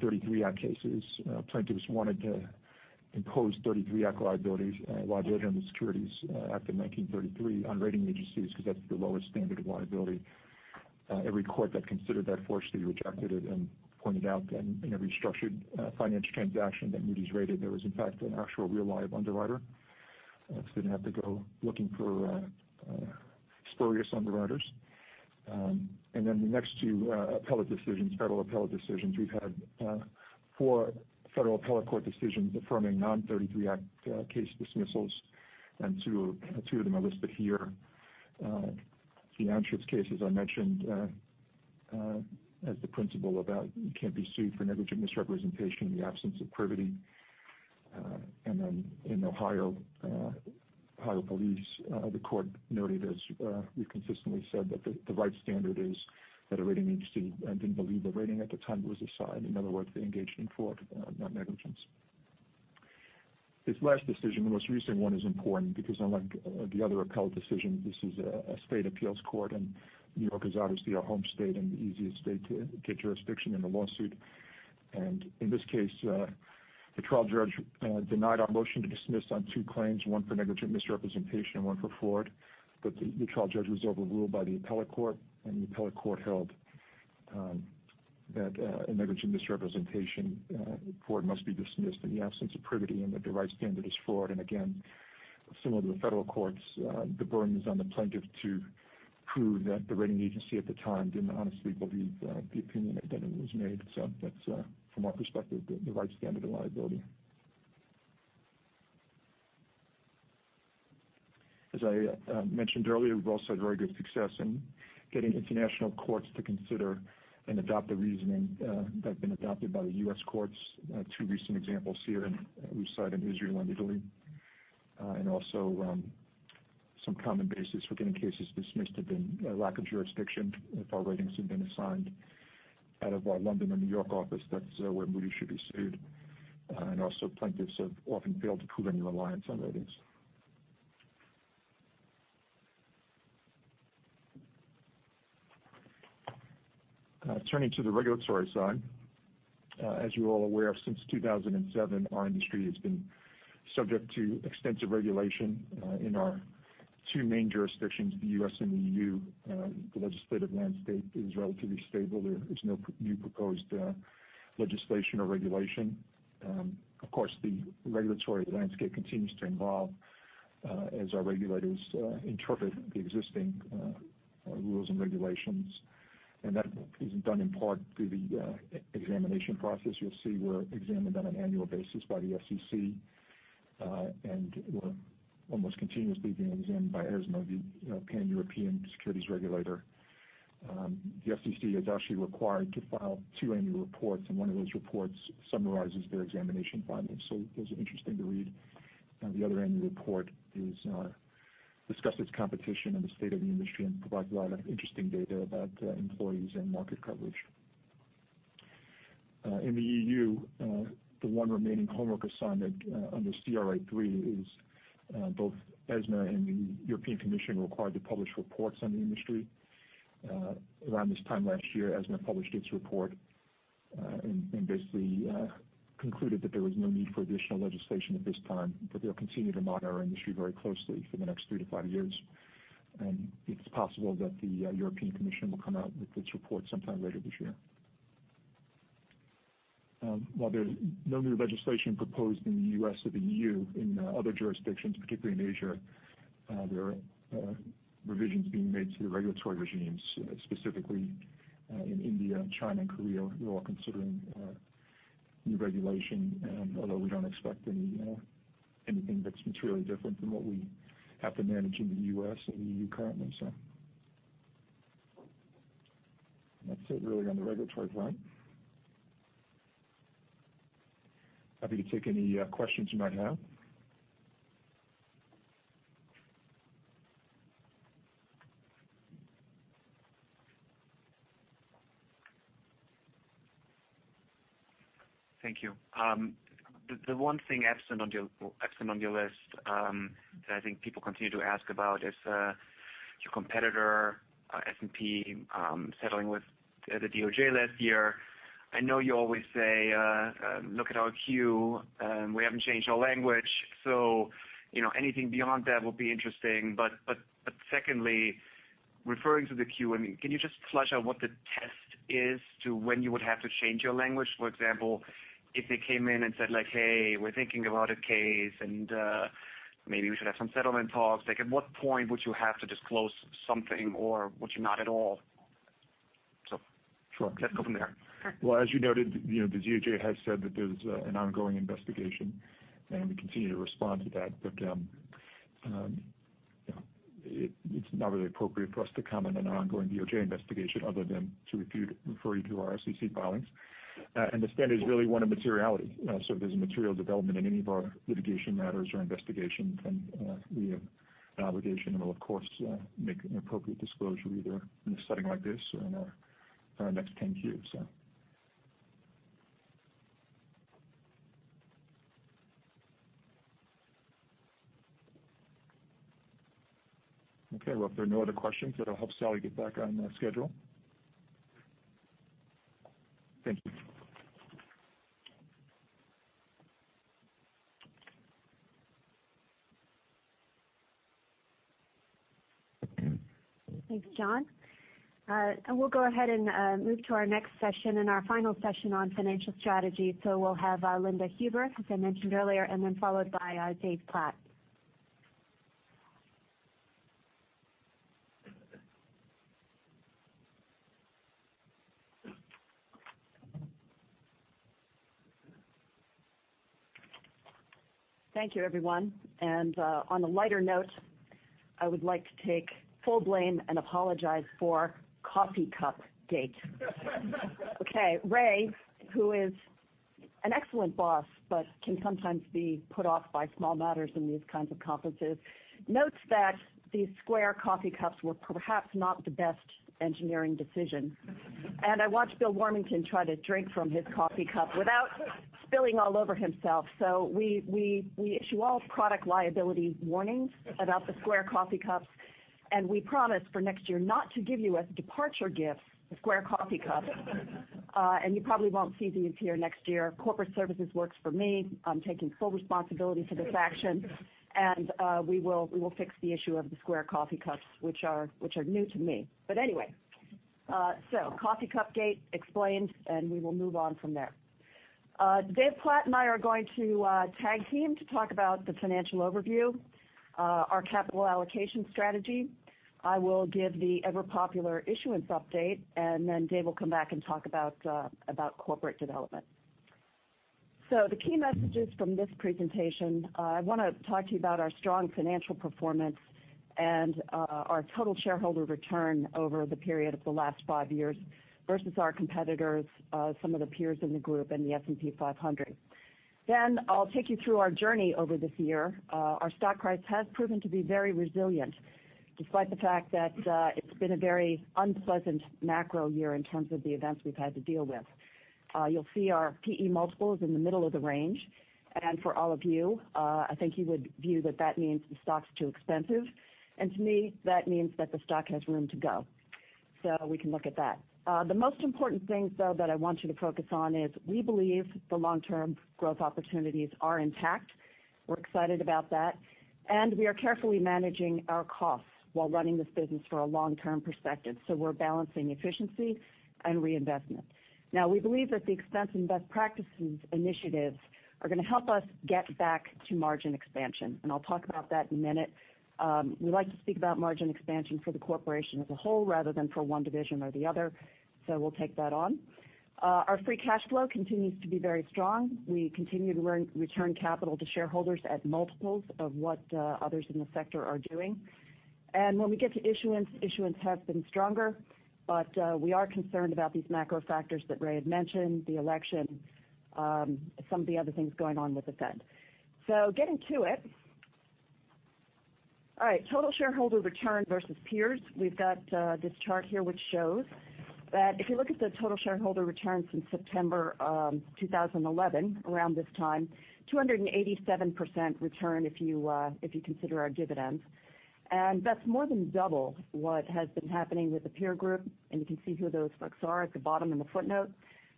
'33 Act cases. Plaintiffs wanted to impose '33 Act liabilities, liability under the Securities Act of 1933 on rating agencies because that's the lowest standard of liability. Every court that considered that forcefully rejected it and pointed out that in every structured financial transaction that Moody's rated, there was in fact an actual real live underwriter. Plaintiffs didn't have to go looking for spurious underwriters. The next two appellate decisions, federal appellate decisions, we've had four federal appellate court decisions affirming non '33 Act case dismissals, and two of them are listed here. The Anschutz case, as I mentioned as the principle about you can't be sued for negligent misrepresentation in the absence of privity. In Ohio Police, the court noted, as we've consistently said, that the right standard is that a rating agency didn't believe the rating at the time it was assigned. In other words, they engaged in fraud, not negligence. This last decision, the most recent one, is important because unlike the other appellate decision, this is a state appeals court, and New York is obviously our home state and the easiest state to get jurisdiction in a lawsuit. In this case, the trial judge denied our motion to dismiss on two claims, one for negligent misrepresentation and one for fraud. The trial judge was overruled by the appellate court, and the appellate court held that a negligent misrepresentation court must be dismissed in the absence of privity and that the right standard is fraud. Again, similar to the federal courts, the burden is on the plaintiff to prove that the rating agency at the time didn't honestly believe the opinion that it was made. That's, from our perspective, the right standard of liability. As I mentioned earlier, we've also had very good success in getting international courts to consider and adopt the reasoning that have been adopted by the U.S. courts. Two recent examples here, we've cited Israel and Italy. Also some common bases for getting cases dismissed have been lack of jurisdiction. If our ratings have been assigned out of our London or New York office, that's where Moody's should be sued. Plaintiffs have often failed to prove any reliance on ratings. Turning to the regulatory side. As you are all aware, since 2007, our industry has been subject to extensive regulation in our two main jurisdictions, the U.S. and the EU. The legislative landscape is relatively stable. There is no new proposed legislation or regulation. Of course, the regulatory landscape continues to evolve as our regulators interpret the existing rules and regulations. That is done in part through the examination process. You'll see we're examined on an annual basis by the SEC, and we're almost continuously being examined by ESMA, the Pan-European securities regulator. The SEC is actually required to file two annual reports, and one of those reports summarizes their examination findings. Those are interesting to read. The other annual report discusses competition in the state of the industry and provides a lot of interesting data about employees and market coverage. In the EU, the one remaining homework assignment under CRA III is both ESMA and the European Commission are required to publish reports on the industry. Around this time last year, ESMA published its report, and basically concluded that there was no need for additional legislation at this time, but they'll continue to monitor our industry very closely for the next three to five years. It's possible that the European Commission will come out with its report sometime later this year. While there's no new legislation proposed in the U.S. or the EU, in other jurisdictions, particularly in Asia, there are revisions being made to the regulatory regimes, specifically in India, China, and Korea, who are considering new regulation, although we don't expect anything that's materially different from what we have to manage in the U.S. or the EU currently. That's it really on the regulatory front. Happy to take any questions you might have. Thank you. The one thing absent on your list that I think people continue to ask about is your competitor, S&P, settling with the DOJ last year. I know you always say, "Look at our 10-Q, we haven't changed our language." Anything beyond that will be interesting. Secondly, referring to the 10-Q, can you just flesh out what the test is to when you would have to change your language? For example, if they came in and said, "Hey, we're thinking about a case, maybe we should have some settlement talks." At what point would you have to disclose something or would you not at all? Sure. Let's go from there. Well, as you noted, the DOJ has said that there's an ongoing investigation, and we continue to respond to that. It's not really appropriate for us to comment on an ongoing DOJ investigation other than to refer you to our SEC filings. The standard is really one of materiality. If there's a material development in any of our litigation matters or investigations, then we have an obligation, and we'll of course make an appropriate disclosure, either in a setting like this or in our next 10-Q. Okay. Well, if there are no other questions, that'll help Salli get back on schedule. Thank you. Thanks, John. We'll go ahead and move to our next session and our final session on financial strategy. We'll have Linda Huber, as I mentioned earlier, then followed by David Platt. Thank you, everyone. On a lighter note, I would like to take full blame and apologize for coffee cup gate. Okay. Ray, who is an excellent boss but can sometimes be put off by small matters in these kinds of conferences, notes that these square coffee cups were perhaps not the best engineering decision. I watched Bill Warmington try to drink from his coffee cup without spilling all over himself. We issue all product liability warnings about the square coffee cups, and we promise for next year not to give you as a departure gift, the square coffee cup. You probably won't see these here next year. Corporate services works for me. I'm taking full responsibility for this action. We will fix the issue of the square coffee cups, which are new to me. coffee cup gate explained, and we will move on from there. David Platt and I are going to tag team to talk about the financial overview, our capital allocation strategy. I will give the ever-popular issuance update, and then David Platt will come back and talk about corporate development. The key messages from this presentation, I want to talk to you about our strong financial performance and our total shareholder return over the period of the last five years versus our competitors, some of the peers in the group, and the S&P 500. I'll take you through our journey over this year. Our stock price has proven to be very resilient, despite the fact that it's been a very unpleasant macro year in terms of the events we've had to deal with. You'll see our P/E multiple is in the middle of the range. For all of you, I think you would view that that means the stock's too expensive. To me, that means that the stock has room to go. We can look at that. The most important thing, though, that I want you to focus on is we believe the long-term growth opportunities are intact. We're excited about that. We are carefully managing our costs while running this business for a long-term perspective. We're balancing efficiency and reinvestment. We believe that the expense invest practices initiatives are going to help us get back to margin expansion, and I'll talk about that in a minute. We like to speak about margin expansion for the corporation as a whole, rather than for one division or the other. We'll take that on. Our free cash flow continues to be very strong. We continue to return capital to shareholders at multiples of what others in the sector are doing. When we get to issuance has been stronger, but we are concerned about these macro factors that Ray had mentioned, the election, some of the other things going on with the Fed. Getting to it. All right, total shareholder return versus peers. We've got this chart here which shows that if you look at the total shareholder return since September 2011, around this time, 287% return if you consider our dividends. That's more than double what has been happening with the peer group, and you can see who those folks are at the bottom in the footnote,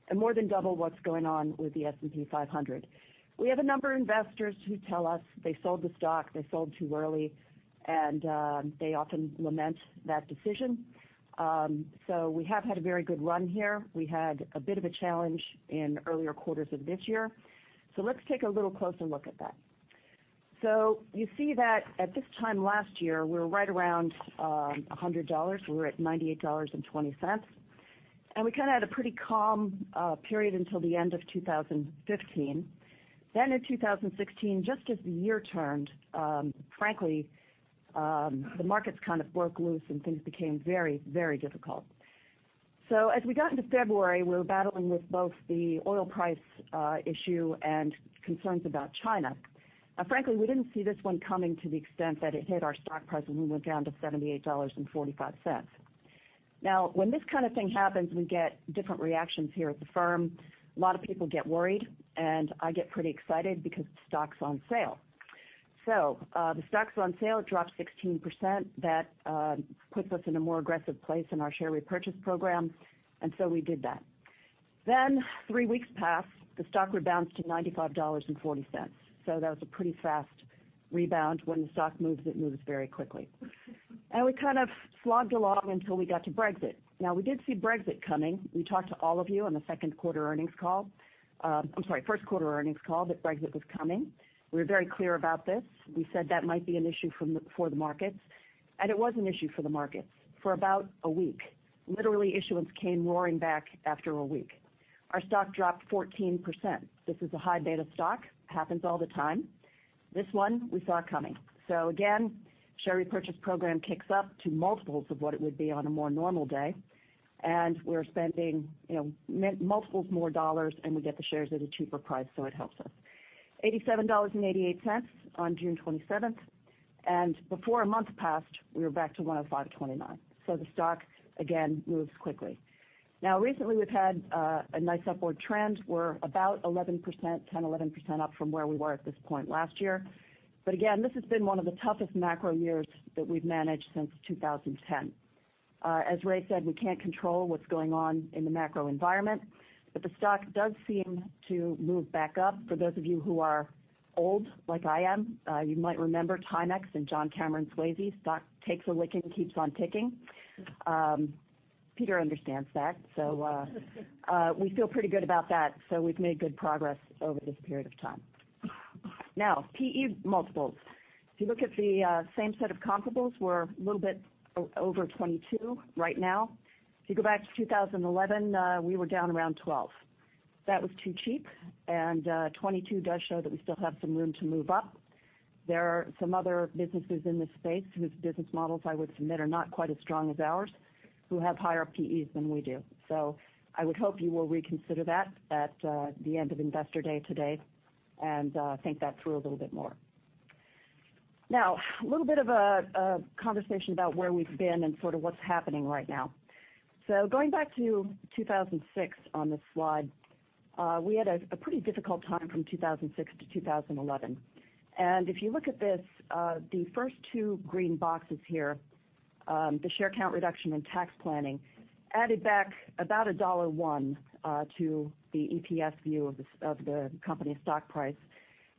and more than double what's going on with the S&P 500. We have a number of investors who tell us they sold the stock, they sold too early, and they often lament that decision. We have had a very good run here. We had a bit of a challenge in earlier quarters of this year. Let's take a little closer look at that. You see that at this time last year, we were right around $100. We were at $98.20. We kind of had a pretty calm period until the end of 2015. In 2016, just as the year turned, frankly, the markets kind of broke loose and things became very, very difficult. As we got into February, we were battling with both the oil price issue and concerns about China. Frankly, we didn't see this one coming to the extent that it hit our stock price when we went down to $78.45. When this kind of thing happens, we get different reactions here at the firm. A lot of people get worried, and I get pretty excited because the stock is on sale. The stock is on sale, it dropped 16%. That puts us in a more aggressive place in our share repurchase program, we did that. Three weeks passed, the stock rebounds to $95.40. That was a pretty fast rebound. When the stock moves, it moves very quickly. We kind of slogged along until we got to Brexit. We did see Brexit coming. We talked to all of you on the second quarter earnings call. I am sorry, first quarter earnings call that Brexit was coming. We were very clear about this. We said that might be an issue for the markets. It was an issue for the markets for about a week. Literally, issuance came roaring back after a week. Our stock dropped 14%. This is a high beta stock, happens all the time. This one we saw coming. Again, share repurchase program kicks up to multiples of what it would be on a more normal day. We are spending multiples more dollars and we get the shares at a cheaper price, it helps us. $87.88 on June 27th. Before a month passed, we were back to $105.29. The stock again, moves quickly. Recently we have had a nice upward trend. We are about 11%, 10%, 11% up from where we were at this point last year. Again, this has been one of the toughest macro years that we have managed since 2010. As Ray McDaniel said, we cannot control what is going on in the macro environment, the stock does seem to move back up. For those of you who are old, like I am, you might remember Timex and John Cameron Swayze, "The stock takes a licking, keeps on ticking." Peter Christiansen understands that. We feel pretty good about that. We have made good progress over this period of time. P/E multiples. If you look at the same set of comparables, we are a little bit over 22 right now. If you go back to 2011, we were down around 12. That was too cheap, 22 does show that we still have some room to move up. There are some other businesses in this space whose business models I would submit are not quite as strong as ours, who have higher P/Es than we do. I would hope you will reconsider that at the end of Investor Day today and think that through a little bit more. A little bit of a conversation about where we have been and sort of what is happening right now. Going back to 2006 on this slide, we had a pretty difficult time from 2006 to 2011. If you look at this, the first two green boxes here, the share count reduction in tax planning added back about $1.01 to the EPS view of the company stock price.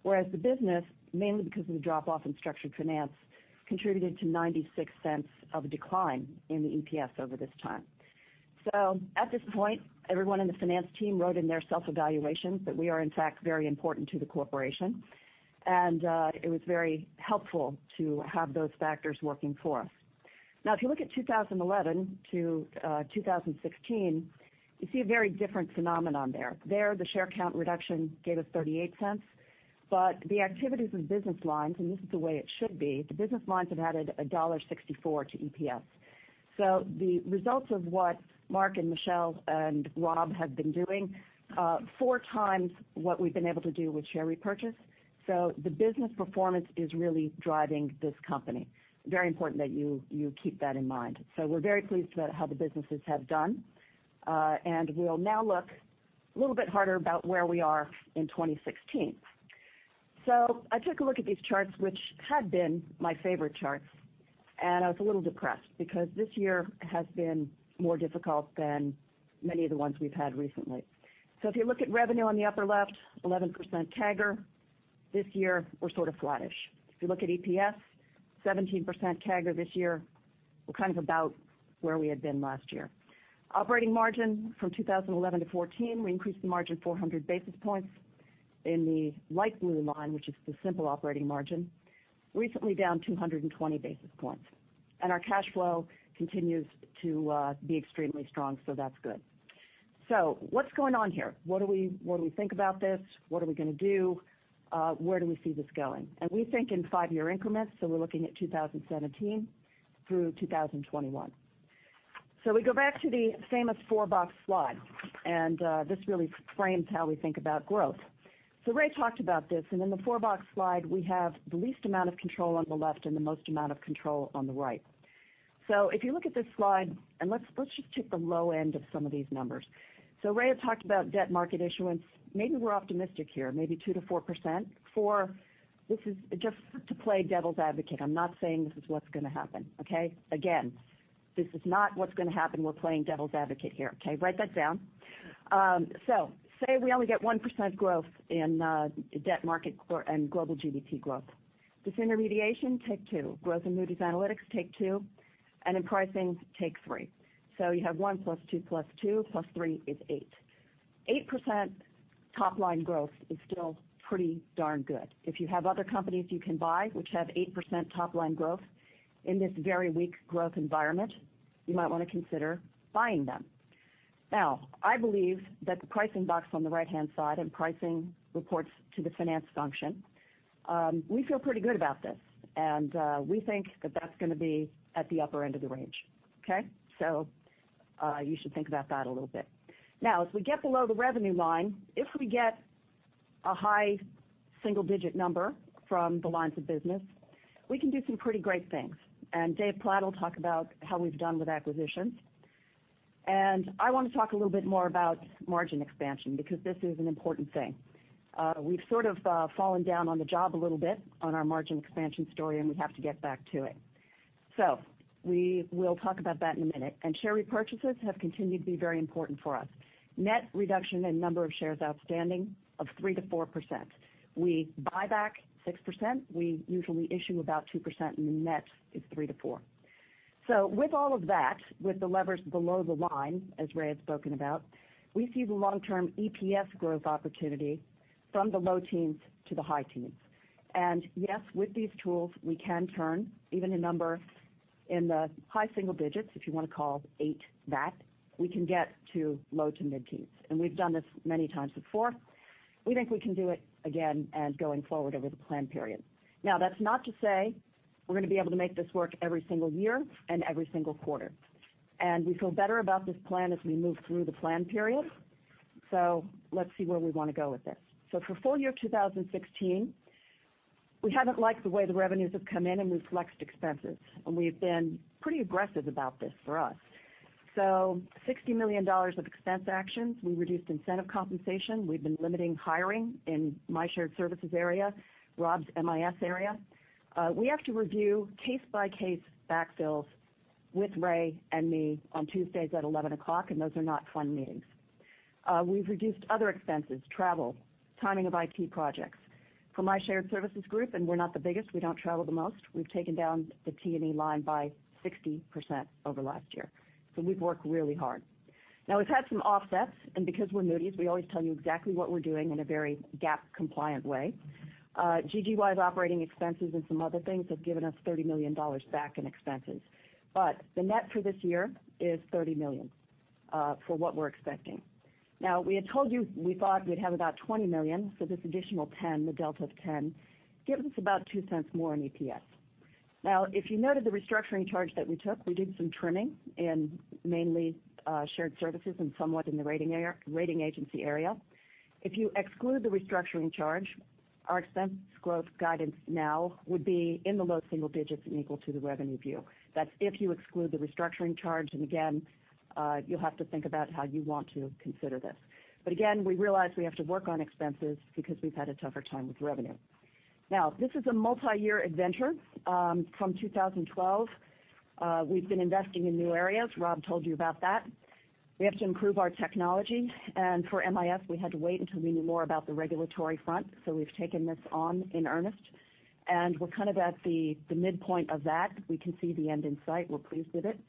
Whereas the business, mainly because of the drop-off in structured finance, contributed to $0.96 of decline in the EPS over this time. At this point, everyone in the finance team wrote in their self-evaluations that we are in fact very important to the corporation. It was very helpful to have those factors working for us. If you look at 2011 to 2016, you see a very different phenomenon there. The share count reduction gave us $0.38. The activities and business lines, and this is the way it should be, the business lines have added $1.64 to EPS. The results of what Mark and Michel and Rob have been doing, four times what we've been able to do with share repurchase. The business performance is really driving this company. Very important that you keep that in mind. We're very pleased about how the businesses have done. We'll now look a little bit harder about where we are in 2016. I took a look at these charts, which had been my favorite charts, and I was a little depressed because this year has been more difficult than many of the ones we've had recently. If you look at revenue on the upper left, 11% CAGR. This year, we're sort of flattish. If you look at EPS, 17% CAGR this year, we're kind of about where we had been last year. Operating margin from 2011 to 2014, we increased the margin 400 basis points in the light blue line, which is the simple operating margin, recently down 220 basis points. Our cash flow continues to be extremely strong, so that's good. What's going on here? What do we think about this? What are we going to do? Where do we see this going? We think in five-year increments, so we're looking at 2017 through 2021. We go back to the famous four-box slide, and this really frames how we think about growth. Ray talked about this, and in the four-box slide, we have the least amount of control on the left and the most amount of control on the right. If you look at this slide, and let's just take the low end of some of these numbers. Ray had talked about debt market issuance. Maybe we're optimistic here, maybe 2%-4%. This is just to play devil's advocate. I'm not saying this is what's going to happen, okay? Again, this is not what's going to happen. We're playing devil's advocate here, okay? Write that down. Say we only get 1% growth in debt market and global GDP growth. Disintermediation, take 2, growth in Moody's Analytics, take 2, and in pricing, take 3. You have 1 plus 2 plus 2 plus 3 is 8. 8% top-line growth is still pretty darn good. If you have other companies you can buy which have 8% top-line growth in this very weak growth environment, you might want to consider buying them. I believe that the pricing box on the right-hand side and pricing reports to the finance function, we feel pretty good about this, and we think that that's going to be at the upper end of the range, okay? You should think about that a little bit. As we get below the revenue line, if we get a high single-digit number from the lines of business, we can do some pretty great things. Dave Platt will talk about how we've done with acquisitions. I want to talk a little bit more about margin expansion because this is an important thing. We've sort of fallen down on the job a little bit on our margin expansion story, and we have to get back to it. We will talk about that in a minute. Share repurchases have continued to be very important for us. Net reduction in number of shares outstanding of 3%-4%. We buy back 6%, we usually issue about 2%, and the net is 3%-4%. With all of that, with the levers below the line, as Ray had spoken about, we see the long-term EPS growth opportunity from the low teens to the high teens. Yes, with these tools, we can turn even a number in the high single digits, if you want to call eight that, we can get to low to mid-teens. We've done this many times before. Going forward over the plan period. That's not to say we're going to be able to make this work every single year and every single quarter. We feel better about this plan as we move through the plan period. Let's see where we want to go with this. For full year 2016, we haven't liked the way the revenues have come in, and we've flexed expenses, and we've been pretty aggressive about this for us. $60 million of expense actions. We reduced incentive compensation. We've been limiting hiring in my shared services area, Rob's MIS area. We have to review case-by-case backfills with Ray and me on Tuesdays at 11:00 A.M., and those are not fun meetings. We've reduced other expenses, travel, timing of IT projects. For my shared services group, and we're not the biggest, we don't travel the most, we've taken down the T&E line by 60% over last year. We've worked really hard. We've had some offsets, and because we're Moody's, we always tell you exactly what we're doing in a very GAAP-compliant way. GGY's operating expenses and some other things have given us $30 million back in expenses. The net for this year is $30 million for what we're expecting. We had told you we thought we'd have about $20 million, this additional 10, the delta of 10, gives us about $0.02 more in EPS. If you noted the restructuring charge that we took, we did some trimming in mainly shared services and somewhat in the rating agency area. If you exclude the restructuring charge, our expense growth guidance now would be in the low single digits and equal to the revenue view. That's if you exclude the restructuring charge. Again, you'll have to think about how you want to consider this. Again, we realize we have to work on expenses because we've had a tougher time with revenue. This is a multi-year adventure. From 2012, we've been investing in new areas. Rob told you about that. We have to improve our technology. For MIS, we had to wait until we knew more about the regulatory front. We've taken this on in earnest, and we're kind of at the midpoint of that. We can see the end in sight. We're pleased with it.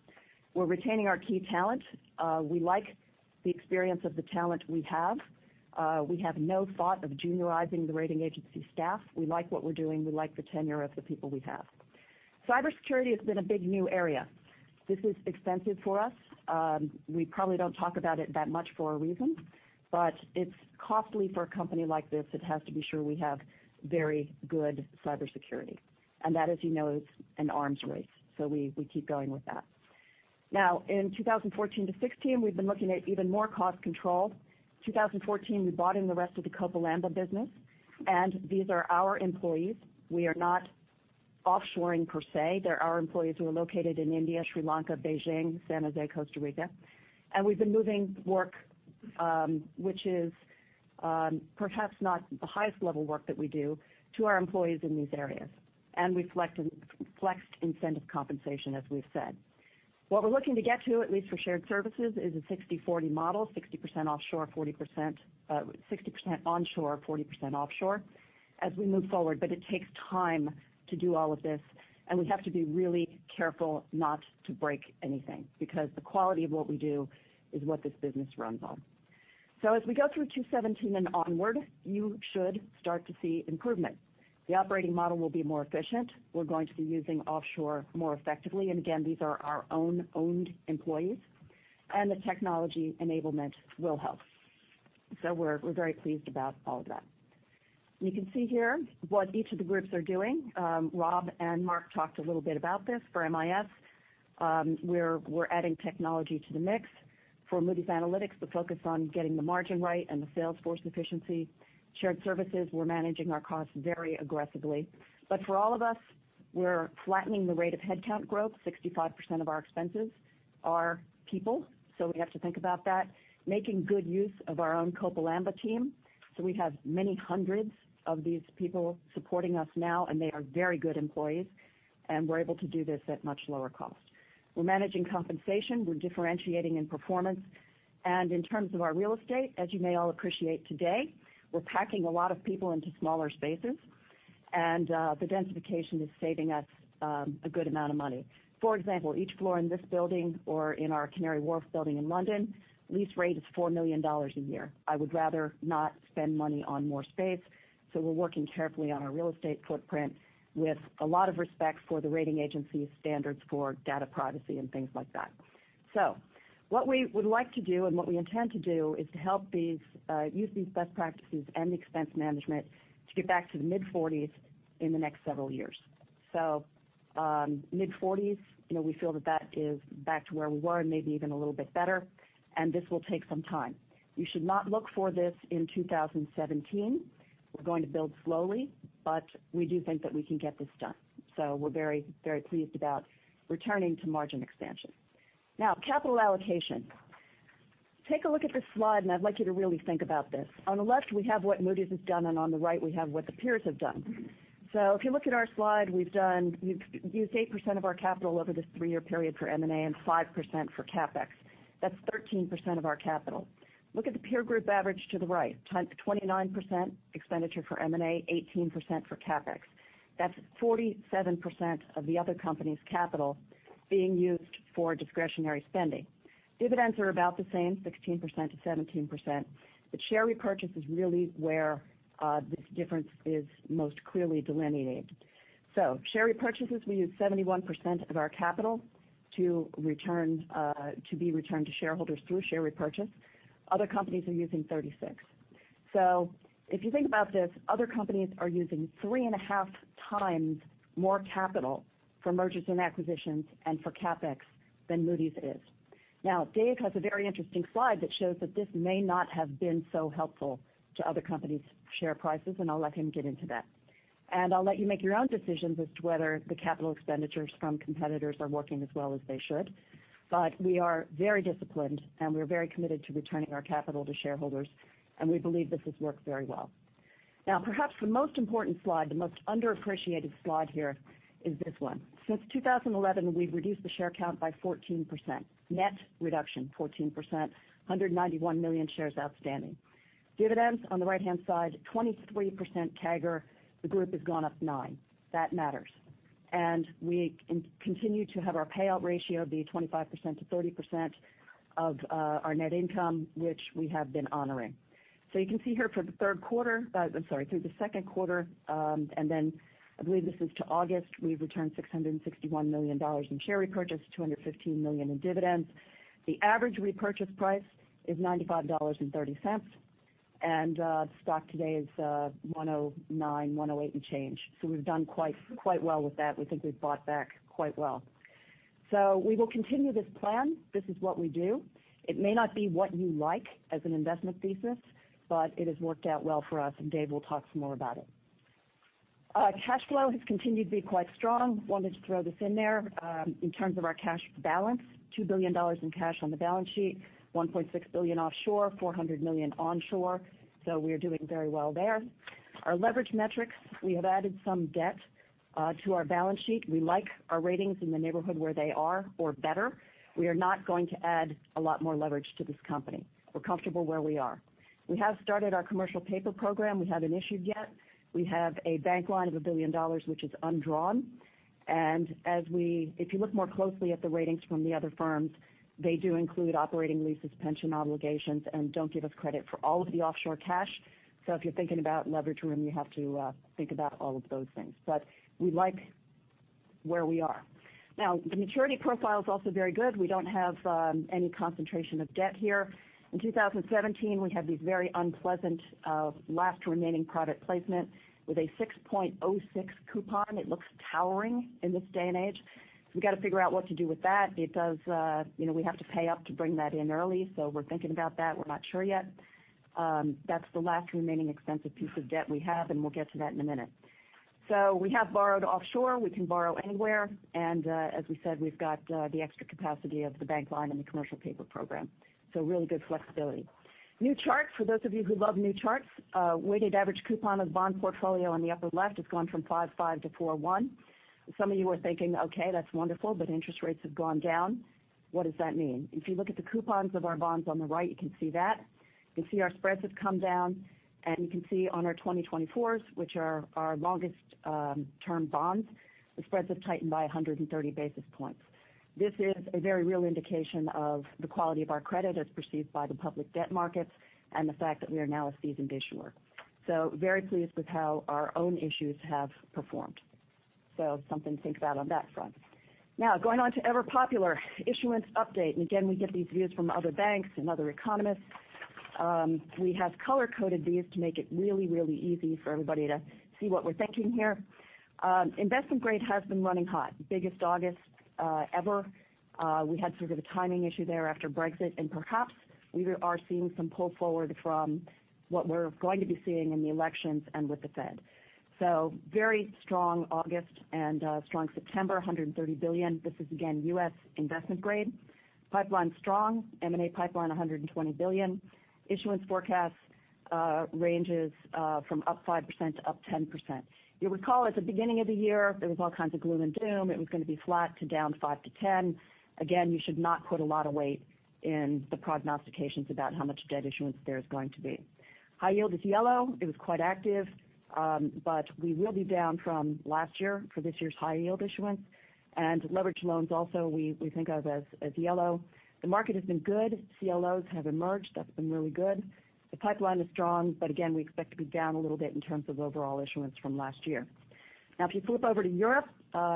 We're retaining our key talent. We like the experience of the talent we have. We have no thought of juniorizing the rating agency staff. We like what we're doing. We like the tenure of the people we have. Cybersecurity has been a big new area. This is expensive for us. We probably don't talk about it that much for a reason, but it's costly for a company like this that has to be sure we have very good cybersecurity. That, as you know, is an arms race. We keep going with that. Now, in 2014-2016, we've been looking at even more cost control. 2014, we bought in the rest of the Copal Amba business, and these are our employees. We are not offshoring per se. They're our employees who are located in India, Sri Lanka, Beijing, San Jose, Costa Rica. We've been moving work, which is perhaps not the highest level work that we do to our employees in these areas. We flexed incentive compensation, as we've said. What we're looking to get to, at least for shared services, is a 60/40 model, 60% onshore, 40% offshore as we move forward. It takes time to do all of this, and we have to be really careful not to break anything, because the quality of what we do is what this business runs on. As we go through 2017 and onward, you should start to see improvement. The operating model will be more efficient. We're going to be using offshore more effectively, and again, these are our own owned employees. The technology enablement will help. We're very pleased about all of that. You can see here what each of the groups are doing. Rob and Mark talked a little bit about this for MIS. We're adding technology to the mix. For Moody's Analytics, the focus on getting the margin right and the sales force efficiency. Shared services, we're managing our costs very aggressively. For all of us, we're flattening the rate of headcount growth. 65% of our expenses are people. We have to think about that. Making good use of our own Copal Amba team. We have many hundreds of these people supporting us now. They are very good employees. We're able to do this at much lower cost. We're managing compensation. We're differentiating in performance. In terms of our real estate, as you may all appreciate today, we're packing a lot of people into smaller spaces. The densification is saving us a good amount of money. For example, each floor in this building or in our Canary Wharf building in London, lease rate is $4 million a year. I would rather not spend money on more space. We're working carefully on our real estate footprint with a lot of respect for the rating agency's standards for data privacy and things like that. What we would like to do and what we intend to do is to use these best practices and expense management to get back to the mid-40s in the next several years. Mid-40s, we feel that that is back to where we were and maybe even a little bit better. This will take some time. You should not look for this in 2017. We're going to build slowly. We do think that we can get this done. We're very pleased about returning to margin expansion. Now, capital allocation. Take a look at this slide. I'd like you to really think about this. On the left, we have what Moody's has done. On the right, we have what the peers have done. If you look at our slide, we've used 8% of our capital over this 3-year period for M&A and 5% for CapEx. That's 13% of our capital. Look at the peer group average to the right, 29% expenditure for M&A, 18% for CapEx. That's 47% of the other company's capital being used for discretionary spending. Dividends are about the same, 16%-17%, share repurchase is really where this difference is most clearly delineated. Share repurchases, we use 71% of our capital to be returned to shareholders through share repurchase. Other companies are using 36%. If you think about this, other companies are using 3.5 times more capital for mergers and acquisitions and for CapEx than Moody's is. Dave has a very interesting slide that shows that this may not have been so helpful to other companies' share prices, I'll let him get into that. I'll let you make your own decisions as to whether the capital expenditures from competitors are working as well as they should. We are very disciplined, and we're very committed to returning our capital to shareholders, and we believe this has worked very well. Perhaps the most important slide, the most underappreciated slide here is this one. Since 2011, we've reduced the share count by 14%, net reduction 14%, 191 million shares outstanding. Dividends on the right-hand side, 23% CAGR. The group has gone up nine. That matters. We continue to have our payout ratio be 25%-30% of our net income, which we have been honoring. You can see here through the second quarter, I believe this is to August, we've returned $661 million in share repurchase, $215 million in dividends. The average repurchase price is $95.30. The stock today is $109, $108, and change. We've done quite well with that. We think we've bought back quite well. We will continue this plan. This is what we do. It may not be what you like as an investment thesis, it has worked out well for us, and Dave will talk some more about it. Cash flow has continued to be quite strong. Wanted to throw this in there. In terms of our cash balance, $2 billion in cash on the balance sheet, $1.6 billion offshore, $400 million onshore. We're doing very well there. Our leverage metrics, we have added some debt to our balance sheet. We like our ratings in the neighborhood where they are or better. We are not going to add a lot more leverage to this company. We're comfortable where we are. We have started our commercial paper program. We haven't issued yet. We have a bank line of $1 billion, which is undrawn. If you look more closely at the ratings from the other firms, they do include operating leases, pension obligations, and don't give us credit for all of the offshore cash. If you're thinking about leverage room, you have to think about all of those things. We like where we are. The maturity profile is also very good. We don't have any concentration of debt here. In 2017, we have these very unpleasant last remaining private placement with a 6.06 coupon. It looks towering in this day and age. We got to figure out what to do with that because we have to pay up to bring that in early. We're thinking about that. We're not sure yet. That's the last remaining expensive piece of debt we have, and we'll get to that in a minute. We have borrowed offshore. We can borrow anywhere. As we said, we've got the extra capacity of the bank line and the commercial paper program. Really good flexibility. New charts for those of you who love new charts. Weighted average coupon of the bond portfolio on the upper left has gone from 5.5 to 4.1. Some of you are thinking, "Okay, that's wonderful, but interest rates have gone down." What does that mean? If you look at the coupons of our bonds on the right, you can see that. You can see our spreads have come down. You can see on our 2024s, which are our longest-term bonds, the spreads have tightened by 130 basis points. This is a very real indication of the quality of our credit as perceived by the public debt markets, and the fact that we are now a seasoned issuer. Very pleased with how our own issues have performed. Something to think about on that front. Going on to ever popular issuance update, again, we get these views from other banks and other economists. We have color-coded these to make it really, really easy for everybody to see what we're thinking here. Investment grade has been running hot. Biggest August ever. We had sort of a timing issue there after Brexit. Perhaps we are seeing some pull forward from what we're going to be seeing in the elections and with the Fed. Very strong August and strong September, $130 billion. This is again U.S. investment grade. Pipeline strong. M&A pipeline, $120 billion. Issuance forecast ranges from up 5%-10%. You'll recall at the beginning of the year, there was all kinds of gloom and doom. It was going to be flat to down 5%-10%. Again, you should not put a lot of weight in the prognostications about how much debt issuance there is going to be. High yield is yellow. It was quite active. We will be down from last year for this year's high-yield issuance. Leveraged loans also, we think of as yellow. The market has been good. CLOs have emerged. That's been really good. The pipeline is strong. Again, we expect to be down a little bit in terms of overall issuance from last year. If you flip over to Europe,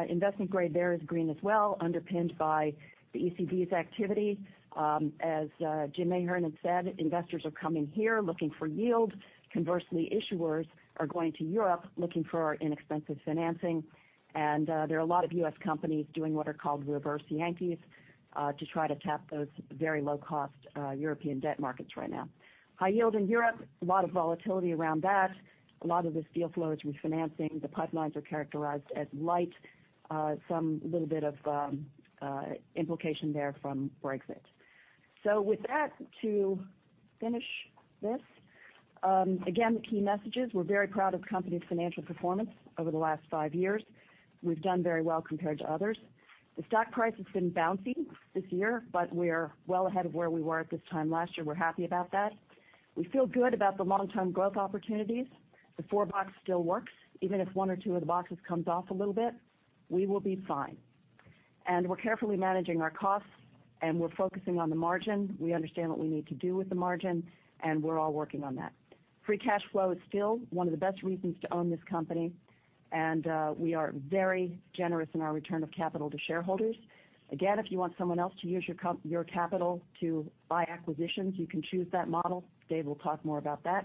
investment grade there is green as well, underpinned by the ECB's activity. As Jim Ahern had said, investors are coming here looking for yield. Conversely, issuers are going to Europe looking for inexpensive financing. There are a lot of U.S. companies doing what are called reverse Yankees to try to tap those very low-cost European debt markets right now. High yield in Europe, a lot of volatility around that. A lot of this deal flow is refinancing. The pipelines are characterized as light. Some little bit of implication there from Brexit. With that, to finish this. Again, the key messages. We're very proud of the company's financial performance over the last five years. We've done very well compared to others. The stock price has been bouncy this year, but we're well ahead of where we were at this time last year. We're happy about that. We feel good about the long-term growth opportunities. The four-box still works. Even if one or two of the boxes comes off a little bit, we will be fine. We're carefully managing our costs, and we're focusing on the margin. We understand what we need to do with the margin, and we're all working on that. Free cash flow is still one of the best reasons to own this company. We are very generous in our return of capital to shareholders. Again, if you want someone else to use your capital to buy acquisitions, you can choose that model. Dave will talk more about that.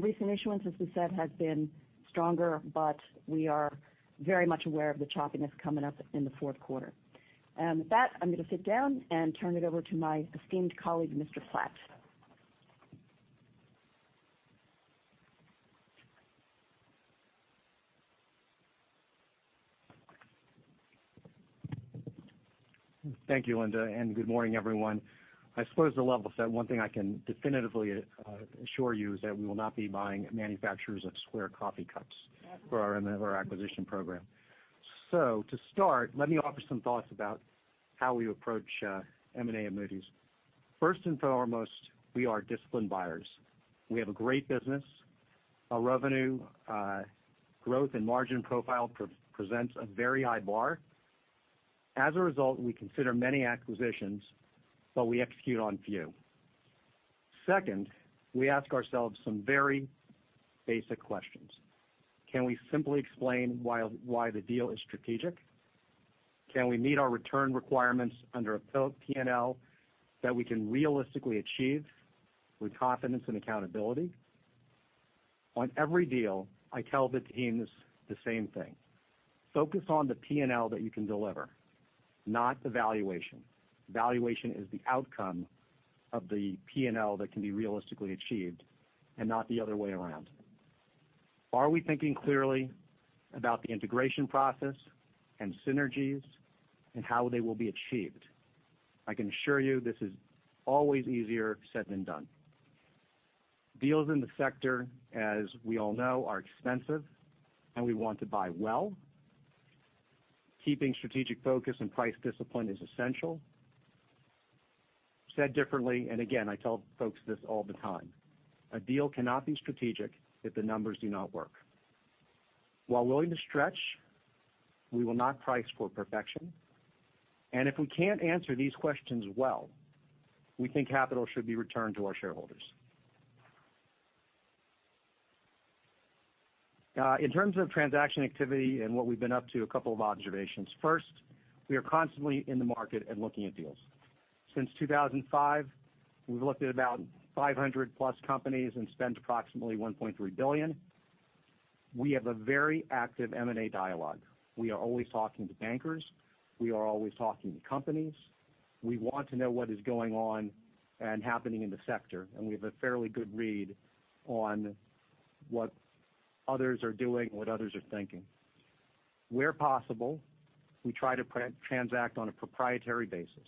Recent issuance, as we said, has been stronger, but we are very much aware of the choppiness coming up in the fourth quarter. With that, I'm going to sit down and turn it over to my esteemed colleague, Mr. Platt. Thank you, Linda, good morning, everyone. I suppose the level set one thing I can definitively assure you is that we will not be buying manufacturers of square coffee cups for our M&A acquisition program. To start, let me offer some thoughts about how we approach M&A at Moody's. First and foremost, we are disciplined buyers. We have a great business. Our revenue growth and margin profile presents a very high bar. As a result, we consider many acquisitions, but we execute on few. Second, we ask ourselves some very basic questions. Can we simply explain why the deal is strategic? Can we meet our return requirements under a P&L that we can realistically achieve with confidence and accountability? On every deal, I tell the teams the same thing. Focus on the P&L that you can deliver, not the valuation. Valuation is the outcome of the P&L that can be realistically achieved and not the other way around. Are we thinking clearly about the integration process and synergies and how they will be achieved? I can assure you this is always easier said than done. Deals in the sector, as we all know, are expensive, and we want to buy well. Keeping strategic focus and price discipline is essential. Said differently, again, I tell folks this all the time, a deal cannot be strategic if the numbers do not work. While willing to stretch, we will not price for perfection. If we can't answer these questions well, we think capital should be returned to our shareholders. In terms of transaction activity and what we've been up to, a couple of observations. First, we are constantly in the market and looking at deals. Since 2005, we've looked at about 500 plus companies and spent approximately $1.3 billion. We have a very active M&A dialogue. We are always talking to bankers. We are always talking to companies. We want to know what is going on and happening in the sector, and we have a fairly good read on what others are doing, what others are thinking. Where possible, we try to transact on a proprietary basis.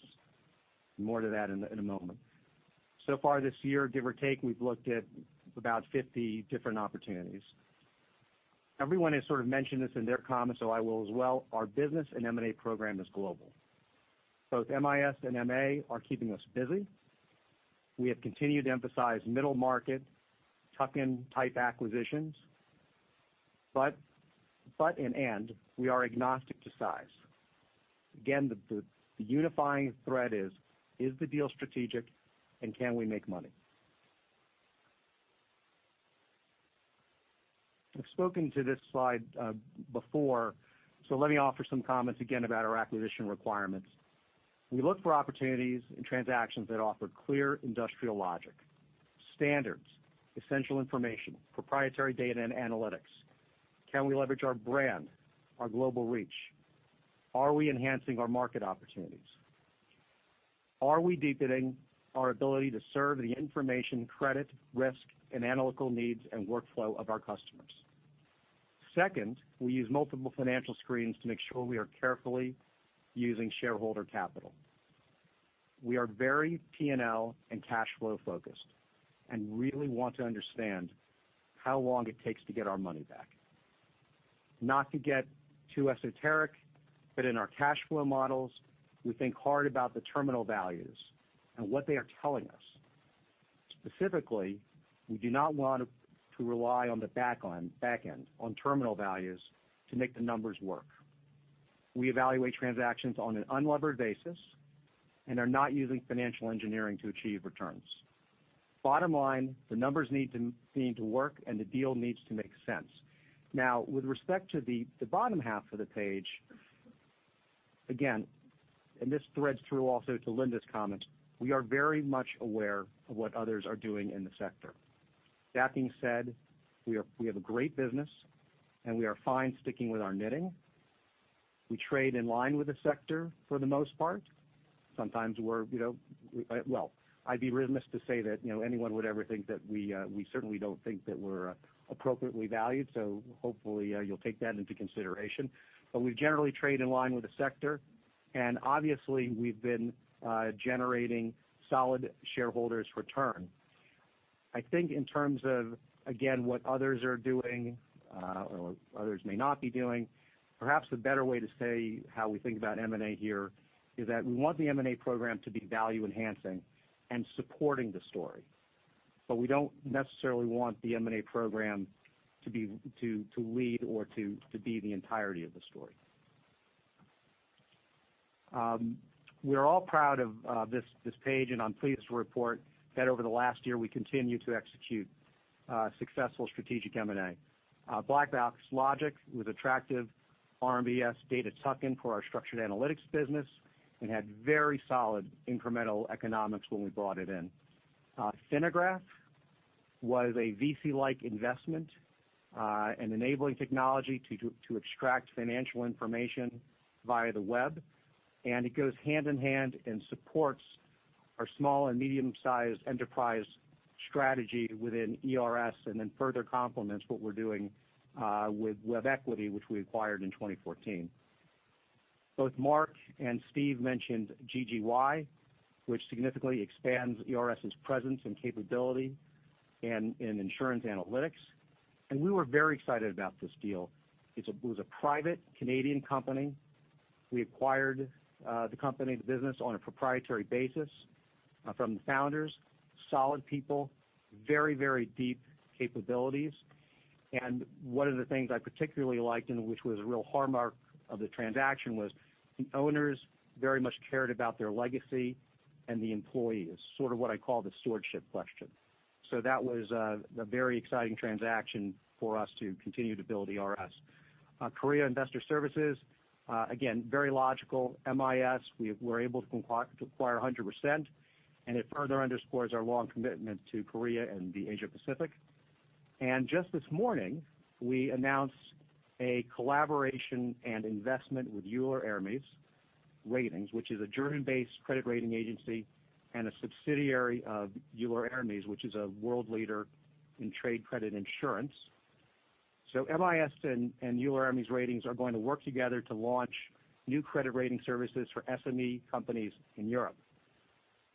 More to that in a moment. So far this year, give or take, we've looked at about 50 different opportunities. Everyone has sort of mentioned this in their comments, so I will as well. Our business and M&A program is global. Both MIS and MA are keeping us busy. We have continued to emphasize middle market, tuck-in type acquisitions, and we are agnostic to size. The unifying thread is: Is the deal strategic, and can we make money? I've spoken to this slide before, so let me offer some comments again about our acquisition requirements. We look for opportunities and transactions that offer clear industrial logic, standards, essential information, proprietary data and analytics. Can we leverage our brand, our global reach? Are we enhancing our market opportunities? Are we deepening our ability to serve the information, credit, risk, and analytical needs and workflow of our customers? Second, we use multiple financial screens to make sure we are carefully using shareholder capital. We are very P&L and cash flow focused and really want to understand how long it takes to get our money back. Not to get too esoteric, but in our cash flow models, we think hard about the terminal values and what they are telling us. Specifically, we do not want to rely on the back end, on terminal values to make the numbers work. We evaluate transactions on an unlevered basis and are not using financial engineering to achieve returns. Bottom line, the numbers need to work, and the deal needs to make sense. With respect to the bottom half of the page, again, this threads through also to Linda's comments, we are very much aware of what others are doing in the sector. That being said, we have a great business, and we are fine sticking with our knitting. We trade in line with the sector, for the most part. Sometimes, I'd be remiss to say that anyone would ever think that we certainly don't think that we're appropriately valued. Hopefully, you'll take that into consideration. We generally trade in line with the sector, obviously, we've been generating solid shareholders return. I think in terms of, again, what others are doing, or others may not be doing, perhaps the better way to say how we think about M&A here is that we want the M&A program to be value-enhancing and supporting the story. We don't necessarily want the M&A program to lead or to be the entirety of the story. We are all proud of this page, and I'm pleased to report that over the last year, we continued to execute successful strategic M&A. Black Box Logic was attractive RMBS data tuck-in for our structured analytics business and had very solid incremental economics when we brought it in. Finagraph was a VC-like investment, an enabling technology to extract financial information via the web. It goes hand in hand and supports our small and medium-sized enterprise strategy within ERS, then further complements what we're doing with WebEquity, which we acquired in 2014. Both Mark and Steve mentioned GGY, which significantly expands ERS's presence and capability in insurance analytics. We were very excited about this deal. It was a private Canadian company. We acquired the company, the business, on a proprietary basis from the founders, solid people, very deep capabilities. One of the things I particularly liked, which was a real hallmark of the transaction, was the owners very much cared about their legacy and the employees, sort of what I call the stewardship question. That was a very exciting transaction for us to continue to build ERS. Korea Investors Service, again, very logical. MIS, we were able to acquire 100%. It further underscores our long commitment to Korea and the Asia Pacific. Just this morning, we announced a collaboration and investment with Euler Hermes Ratings, which is a German-based credit rating agency and a subsidiary of Euler Hermes, which is a world leader in trade credit insurance. MIS and Euler Hermes Ratings are going to work together to launch new credit rating services for SME companies in Europe.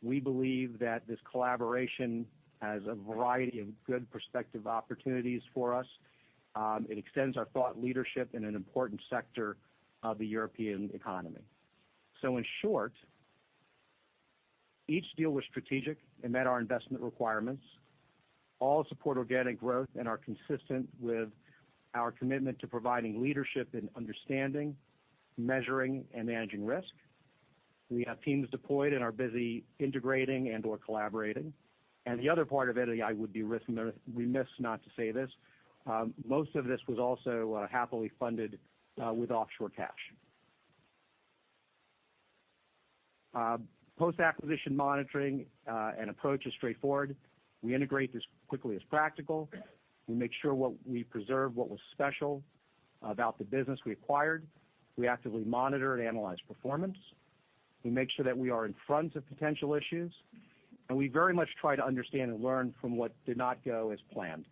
We believe that this collaboration has a variety of good prospective opportunities for us. It extends our thought leadership in an important sector of the European economy. In short, each deal was strategic and met our investment requirements. All support organic growth and are consistent with our commitment to providing leadership in understanding, measuring, and managing risk. We have teams deployed and are busy integrating and/or collaborating. The other part of it, I would be remiss not to say this. Most of this was also happily funded with offshore cash. Post-acquisition monitoring and approach is straightforward. We integrate as quickly as practical. We make sure we preserve what was special about the business we acquired. We actively monitor and analyze performance. We make sure that we are in front of potential issues, and we very much try to understand and learn from what did not go as planned.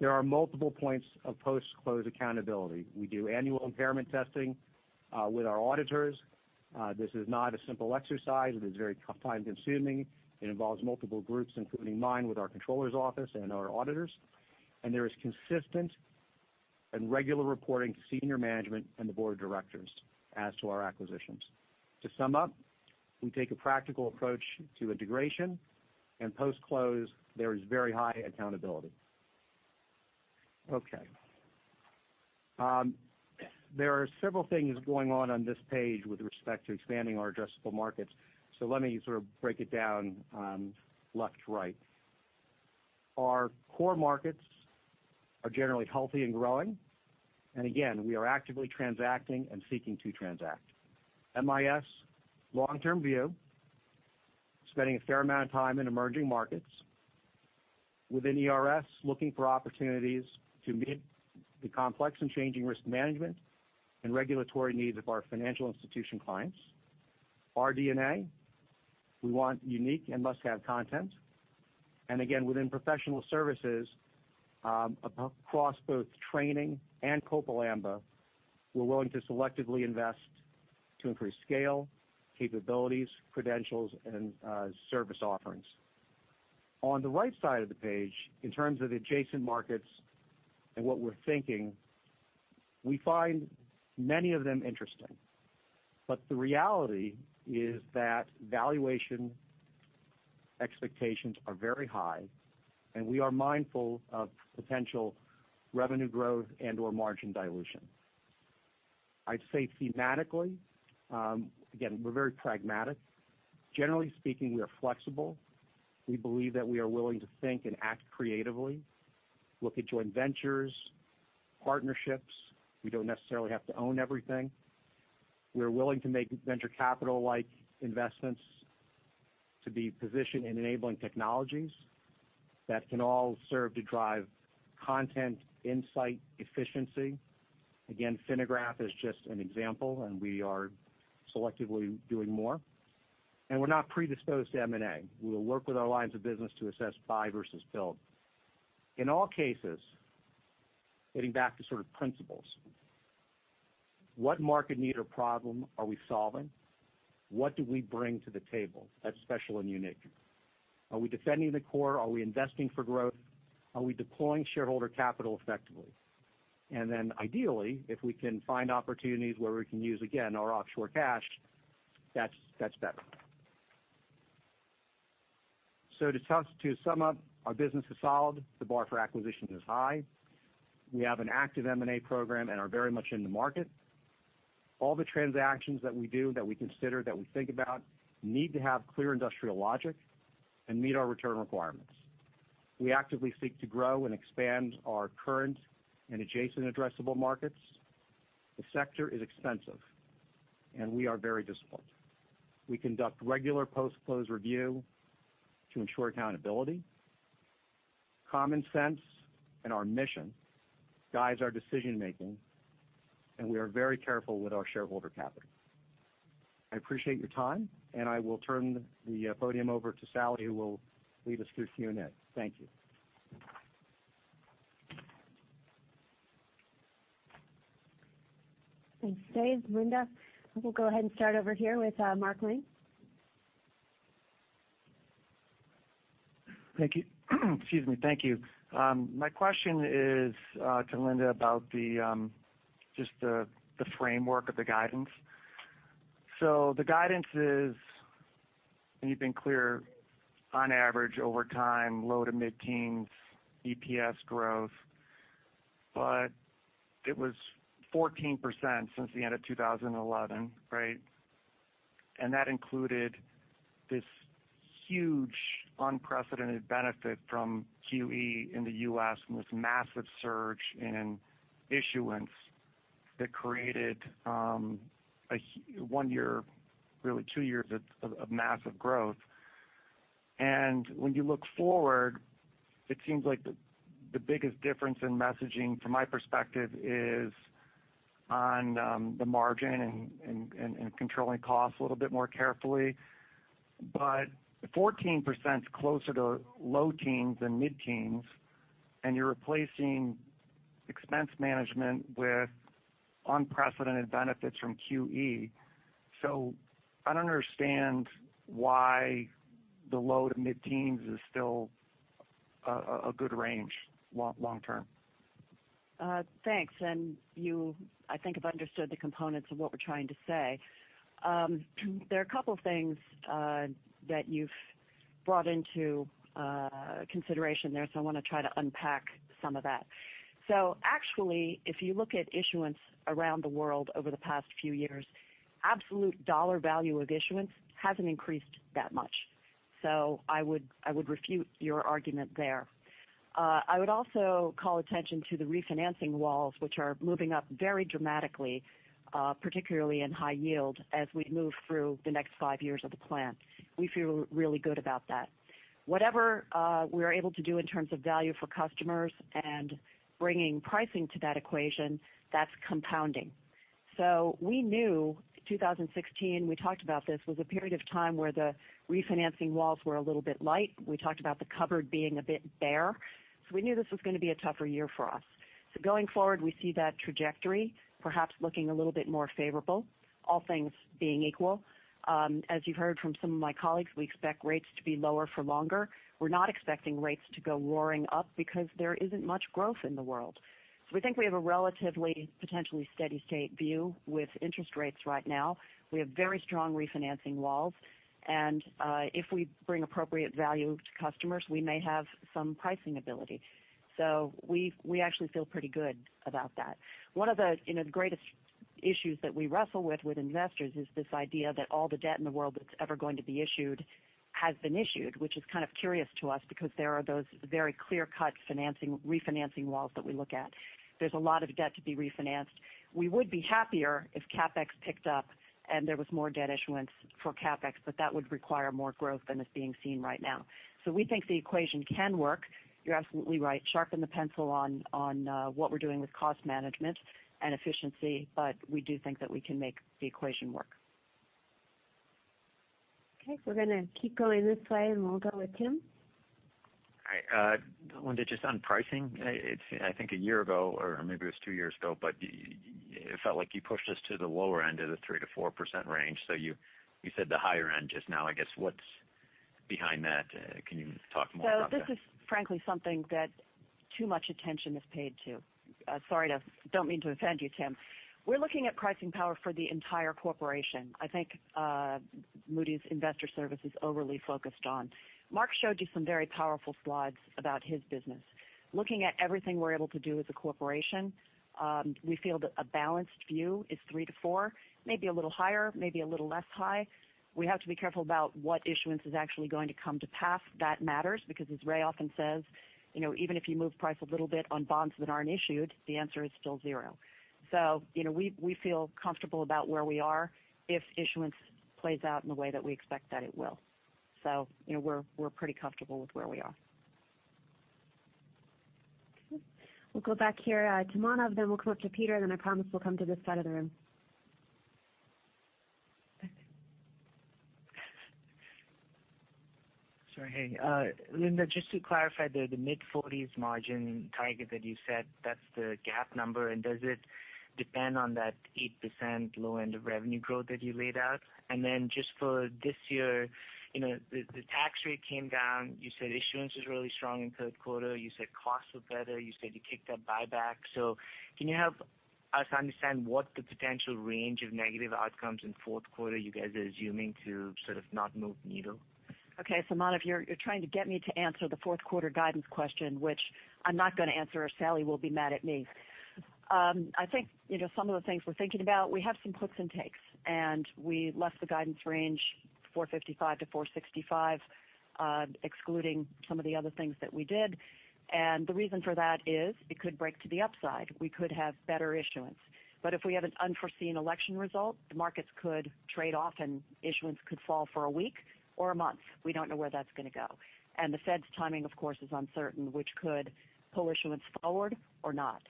There are multiple points of post-close accountability. We do annual impairment testing with our auditors. This is not a simple exercise. It is very time-consuming. It involves multiple groups, including mine with our controller's office and our auditors, and there is consistent and regular reporting to senior management and the board of directors as to our acquisitions. To sum up, we take a practical approach to integration, and post-close, there is very high accountability. Okay. There are several things going on this page with respect to expanding our addressable markets. Let me sort of break it down left to right. Our core markets are generally healthy and growing. Again, we are actively transacting and seeking to transact. MIS, long-term view, spending a fair amount of time in emerging markets. Within ERS, looking for opportunities to meet the complex and changing risk management and regulatory needs of our financial institution clients. Our DNA, we want unique and must-have content. Again, within professional services, across both training and Copal Amba, we're willing to selectively invest to increase scale, capabilities, credentials, and service offerings. On the right side of the page, in terms of adjacent markets and what we're thinking, we find many of them interesting. The reality is that valuation expectations are very high, and we are mindful of potential revenue growth and/or margin dilution. I'd say thematically, we're very pragmatic. Generally speaking, we are flexible. We believe that we are willing to think and act creatively, look at joint ventures, partnerships. We don't necessarily have to own everything. We're willing to make venture capital-like investments to be positioned in enabling technologies that can all serve to drive content insight efficiency. Finagraph is just an example, and we are selectively doing more. We're not predisposed to M&A. We will work with our lines of business to assess buy versus build. In all cases, getting back to sort of principles, what market need or problem are we solving? What do we bring to the table that's special and unique? Are we defending the core? Are we investing for growth? Are we deploying shareholder capital effectively? Ideally, if we can find opportunities where we can use our offshore cash, that's better. To sum up, our business is solid. The bar for acquisitions is high. We have an active M&A program and are very much in the market. All the transactions that we do, that we consider, that we think about need to have clear industrial logic and meet our return requirements. We actively seek to grow and expand our current and adjacent addressable markets. The sector is expensive, and we are very disciplined. We conduct regular post-close review to ensure accountability. Common sense and our mission guides our decision-making, and we are very careful with our shareholder capital. I appreciate your time, and I will turn the podium over to Salli, who will lead us through Q&A. Thank you. Thanks, Dave. Linda, we'll go ahead and start over here with Mark Ling. Thank you. Excuse me. Thank you. My question is to Linda about just the framework of the guidance. The guidance is, and you've been clear on average over time, low to mid-teens EPS growth, but it was 14% since the end of 2011, right? That included this huge unprecedented benefit from QE in the U.S. and this massive surge in issuance that created one year, really two years of massive growth. When you look forward, it seems like the biggest difference in messaging from my perspective is on the margin and controlling costs a little bit more carefully. 14% is closer to low teens than mid-teens, and you're replacing expense management with unprecedented benefits from QE. I don't understand why the low to mid-teens is still a good range long term. Thanks. You, I think, have understood the components of what we're trying to say. There are a couple of things that you've brought into consideration there, I want to try to unpack some of that. Actually, if you look at issuance around the world over the past few years, absolute dollar value of issuance hasn't increased that much. I would refute your argument there. I would also call attention to the refinancing walls, which are moving up very dramatically, particularly in high yield as we move through the next 5 years of the plan. We feel really good about that. Whatever we're able to do in terms of value for customers and bringing pricing to that equation, that's compounding. We knew 2016, we talked about this, was a period of time where the refinancing walls were a little bit light. We talked about the cupboard being a bit bare. We knew this was going to be a tougher year for us. Going forward, we see that trajectory perhaps looking a little bit more favorable, all things being equal. As you've heard from some of my colleagues, we expect rates to be lower for longer. We're not expecting rates to go roaring up because there isn't much growth in the world. We think we have a relatively, potentially steady state view with interest rates right now. We have very strong refinancing walls, and if we bring appropriate value to customers, we may have some pricing ability. We actually feel pretty good about that. One of the greatest issues that we wrestle with investors is this idea that all the debt in the world that's ever going to be issued has been issued, which is kind of curious to us because there are those very clear-cut refinancing walls that we look at. There's a lot of debt to be refinanced. We would be happier if CapEx picked up and there was more debt issuance for CapEx, but that would require more growth than is being seen right now. We think the equation can work. You're absolutely right. Sharpen the pencil on what we're doing with cost management and efficiency. We do think that we can make the equation work. We're going to keep going this way, we'll go with Tim. Hi. Linda, just on pricing, I think a year ago, or maybe it was 2 years ago, but it felt like you pushed us to the lower end of the 3%-4% range. You said the higher end just now. I guess what's behind that? Can you talk more about that? This is frankly something that too much attention is paid to. Sorry, don't mean to offend you, Tim. We're looking at pricing power for the entire corporation. I think Moody's Investors Service is overly focused on. Mark showed you some very powerful slides about his business. Looking at everything we're able to do as a corporation, we feel that a balanced view is 3%-4%, maybe a little higher, maybe a little less high. We have to be careful about what issuance is actually going to come to pass. That matters because as Ray often says, even if you move price a little bit on bonds that aren't issued, the answer is still 0. We feel comfortable about where we are if issuance plays out in the way that we expect that it will. We're pretty comfortable with where we are. We'll go back here to Manav, then we'll come up to Peter, then I promise we'll come to this side of the room. Sorry. Hey, Linda, just to clarify there, the mid-40s margin target that you said, that's the GAAP number. Does it depend on that 8% low end of revenue growth that you laid out? Just for this year, the tax rate came down. You said issuance is really strong in third quarter. You said costs were better. You said you kicked up buyback. Can you help us understand what the potential range of negative outcomes in fourth quarter you guys are assuming to sort of not move the needle? Okay. Manav, you're trying to get me to answer the fourth quarter guidance question, which I'm not going to answer, or Salli will be mad at me. I think some of the things we're thinking about, we have some puts and takes, we left the guidance range $455-$465, excluding some of the other things that we did. The reason for that is it could break to the upside. We could have better issuance. If we have an unforeseen election result, the markets could trade off, and issuance could fall for a week or a month. We don't know where that's going to go. The Fed's timing, of course, is uncertain, which could pull issuance forward or not.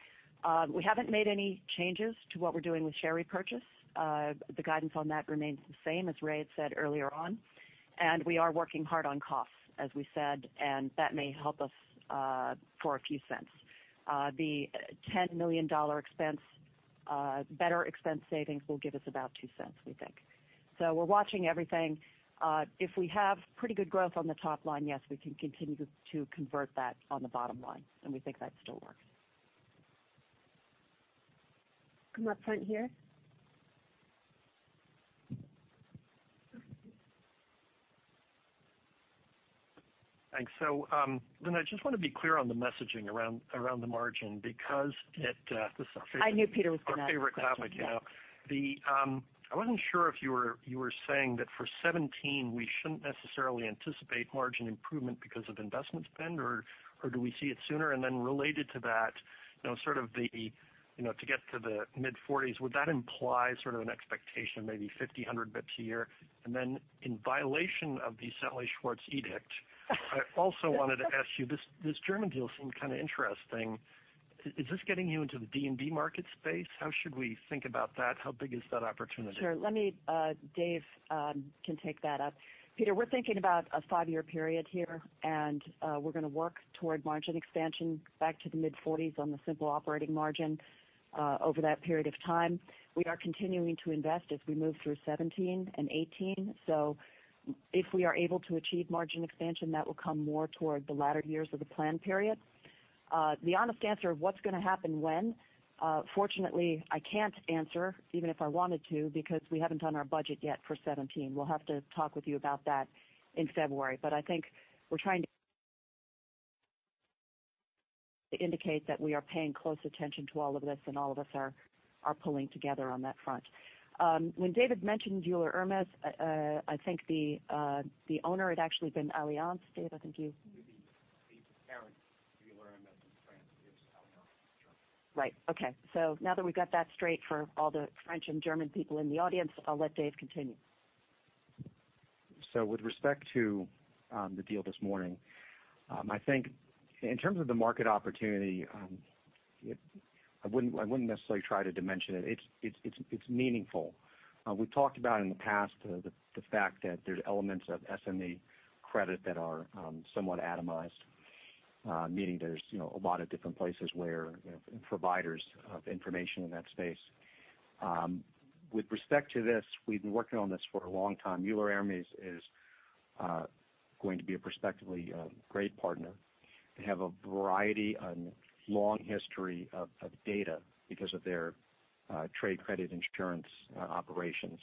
We haven't made any changes to what we're doing with share repurchase. The guidance on that remains the same as Ray had said earlier on, and we are working hard on costs, as we said, and that may help us for a few cents. The $10 million better expense savings will give us about $0.02, we think. We're watching everything. If we have pretty good growth on the top line, yes, we can continue to convert that on the bottom line, and we think that still works. Come up front here. Thanks. Linda, I just want to be clear on the messaging around the margin because it. I knew Peter was going to ask the question. Our favorite topic. I wasn't sure if you were saying that for 2017, we shouldn't necessarily anticipate margin improvement because of investment spend, or do we see it sooner? Related to that, to get to the mid-40s, would that imply sort of an expectation of maybe 50, 100 basis points a year? In violation of the Salli Schwartz edict. I also wanted to ask you, this German deal seemed kind of interesting. Is this getting you into the D&B market space? How should we think about that? How big is that opportunity? Sure. Dave can take that up. Peter, we're thinking about a five-year period here, and we're going to work toward margin expansion back to the mid-40s on the simple operating margin over that period of time. We are continuing to invest as we move through 2017 and 2018. If we are able to achieve margin expansion, that will come more toward the latter years of the plan period. The honest answer of what's going to happen when, fortunately, I can't answer even if I wanted to, because we haven't done our budget yet for 2017. We'll have to talk with you about that in February. I think we're trying to indicate that we are paying close attention to all of this, and all of us are pulling together on that front. When David mentioned Euler Hermes, I think the owner had actually been Allianz. Dave, I think you. The parent insurer in France is Allianz in Germany. Right. Okay. Now that we've got that straight for all the French and German people in the audience, I'll let Dave continue. With respect to the deal this morning, I think in terms of the market opportunity, I wouldn't necessarily try to dimension it. It's meaningful. We've talked about in the past the fact that there's elements of SME credit that are somewhat atomized, meaning there's a lot of different places where providers of information in that space. With respect to this, we've been working on this for a long time. Euler Hermes is going to be a prospectively great partner. They have a variety and long history of data because of their trade credit insurance operations.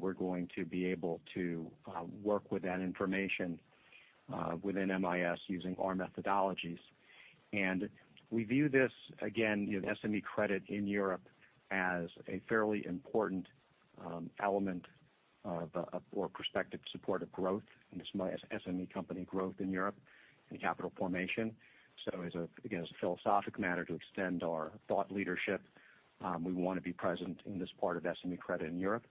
We're going to be able to work with that information within MIS using our methodologies. We view this again, SME credit in Europe as a fairly important element of a more prospective support of growth in SME company growth in Europe and capital formation. As a philosophic matter to extend our thought leadership, we want to be present in this part of SME credit in Europe.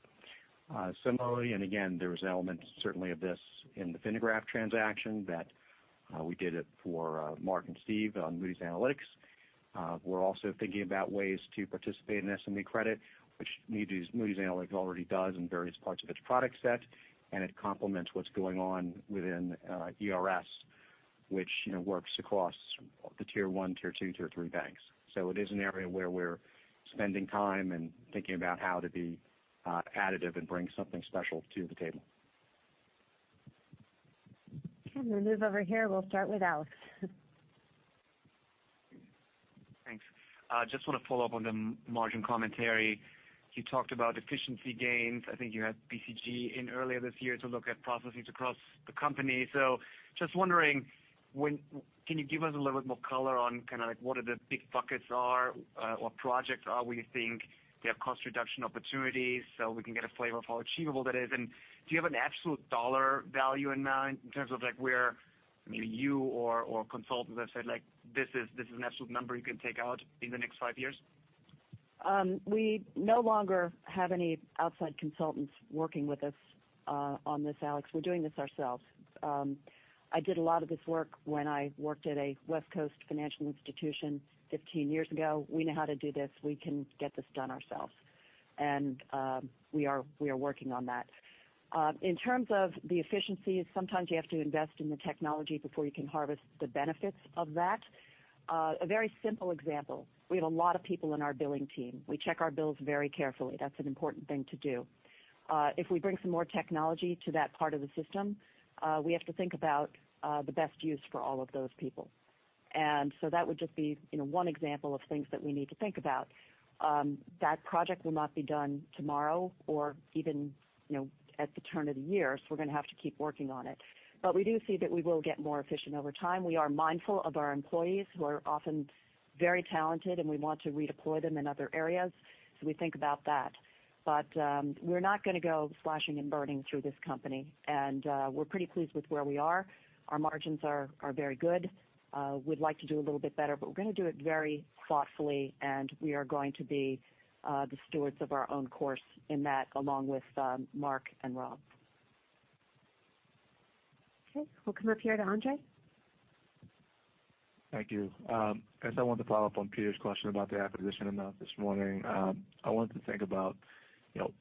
Similarly, and again, there was elements certainly of this in the Finagraph transaction that we did it for Mark and Steve on Moody's Analytics. We're also thinking about ways to participate in SME credit, which Moody's Analytics already does in various parts of its product set, and it complements what's going on within ERS, which works across the tier 1, tier 2, tier 3 banks. It is an area where we're spending time and thinking about how to be additive and bring something special to the table. Okay. We'll move over here. We'll start with Alex. Thanks. Just want to follow up on the margin commentary. You talked about efficiency gains. I think you had BCG in earlier this year to look at processes across the company. Just wondering, can you give us a little bit more color on what are the big buckets are or projects are where you think they have cost reduction opportunities so we can get a flavor of how achievable that is? Do you have an absolute dollar value in mind in terms of like where maybe you or consultants have said, like, this is an absolute number you can take out in the next five years? We no longer have any outside consultants working with us on this, Alex. We're doing this ourselves. I did a lot of this work when I worked at a West Coast financial institution 15 years ago. We know how to do this. We can get this done ourselves. We are working on that. In terms of the efficiencies, sometimes you have to invest in the technology before you can harvest the benefits of that. A very simple example, we have a lot of people in our billing team. We check our bills very carefully. That's an important thing to do. If we bring some more technology to that part of the system, we have to think about the best use for all of those people. That would just be one example of things that we need to think about. That project will not be done tomorrow or even at the turn of the year, so we're going to have to keep working on it. We do see that we will get more efficient over time. We are mindful of our employees who are often very talented, and we want to redeploy them in other areas. We think about that. We're not going to go slashing and burning through this company. We're pretty pleased with where we are. Our margins are very good. We'd like to do a little bit better, but we're going to do it very thoughtfully and we are going to be the stewards of our own course in that along with Mark and Rob. Okay. We'll come up here to Andre. Thank you. I guess I wanted to follow up on Peter's question about the acquisition amount this morning. I wanted to think about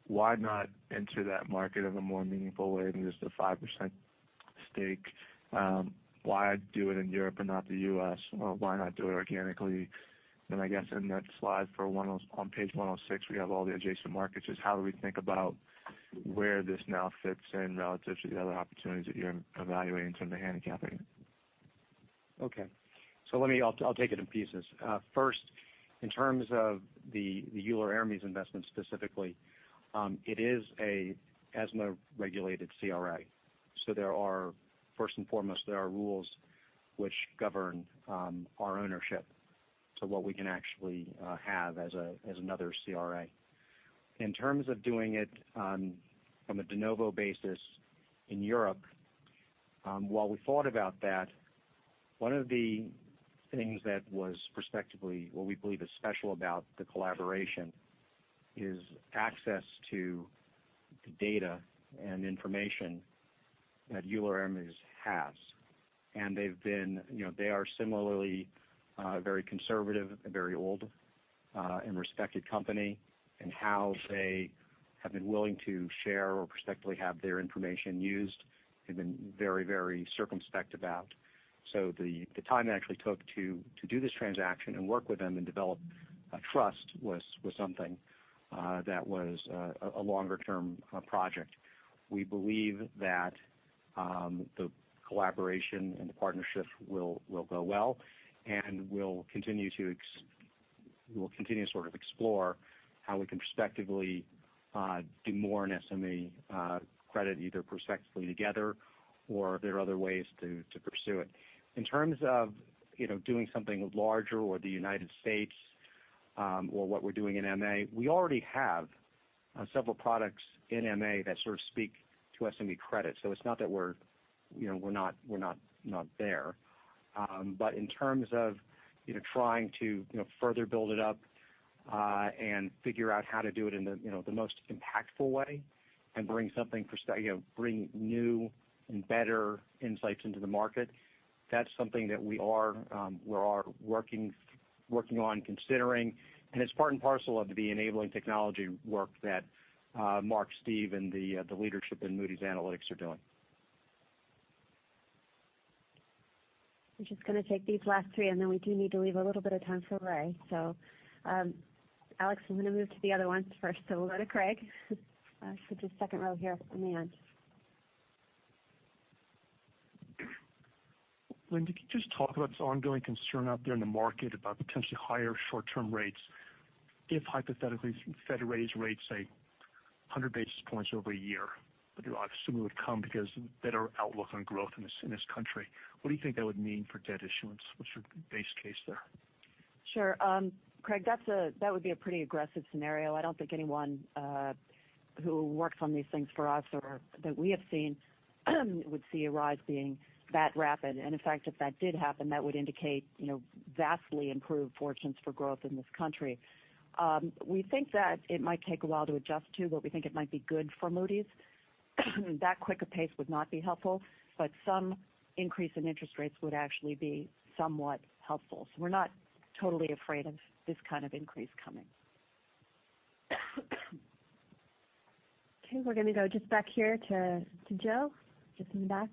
why not enter that market in a more meaningful way than just a 5% stake. Why do it in Europe and not the U.S.? Why not do it organically? I guess in that slide on page 106, we have all the adjacent markets. Just how do we think about where this now fits in relative to the other opportunities that you're evaluating in terms of handicapping? Okay. I'll take it in pieces. First, in terms of the Euler Hermes investment specifically, it is an ESMA-regulated CRA. First and foremost, there are rules which govern our ownership to what we can actually have as another CRA. In terms of doing it on from a de novo basis in Europe, while we thought about that, one of the things that was prospectively what we believe is special about the collaboration is access to the data and information that Euler Hermes has. They are similarly a very conservative, a very old and respected company, and how they have been willing to share or prospectively have their information used, they've been very, very circumspect about. The time it actually took to do this transaction and work with them and develop a trust was something that was a longer-term project. We believe that the collaboration and the partnership will go well, and we'll continue to sort of explore how we can prospectively do more in SME credit, either prospectively together or if there are other ways to pursue it. In terms of doing something larger or the United States, or what we're doing in MA, we already have several products in MA that sort of speak to SME credit. It's not that We're not there. In terms of trying to further build it up and figure out how to do it in the most impactful way and bring new and better insights into the market, that's something that we are working on considering, and it's part and parcel of the enabling technology work that Mark, Steve, and the leadership in Moody's Analytics are doing. We're just going to take these last three, then we do need to leave a little bit of time for Ray. Alex, I'm going to move to the other ones first. We'll go to Craig, who's just second row here on the end. Linda, could you just talk about this ongoing concern out there in the market about potentially higher short-term rates if hypothetically, Fed raised rates, say 100 basis points over a year? I assume it would come because better outlook on growth in this country. What do you think that would mean for debt issuance? What's your base case there? Sure. Craig, that would be a pretty aggressive scenario. I don't think anyone who works on these things for us or that we have seen would see a rise being that rapid. In fact, if that did happen, that would indicate vastly improved fortunes for growth in this country. We think that it might take a while to adjust to, we think it might be good for Moody's. That quick a pace would not be helpful, some increase in interest rates would actually be somewhat helpful. We're not totally afraid of this kind of increase coming. We're going to go just back here to Joe, just in the back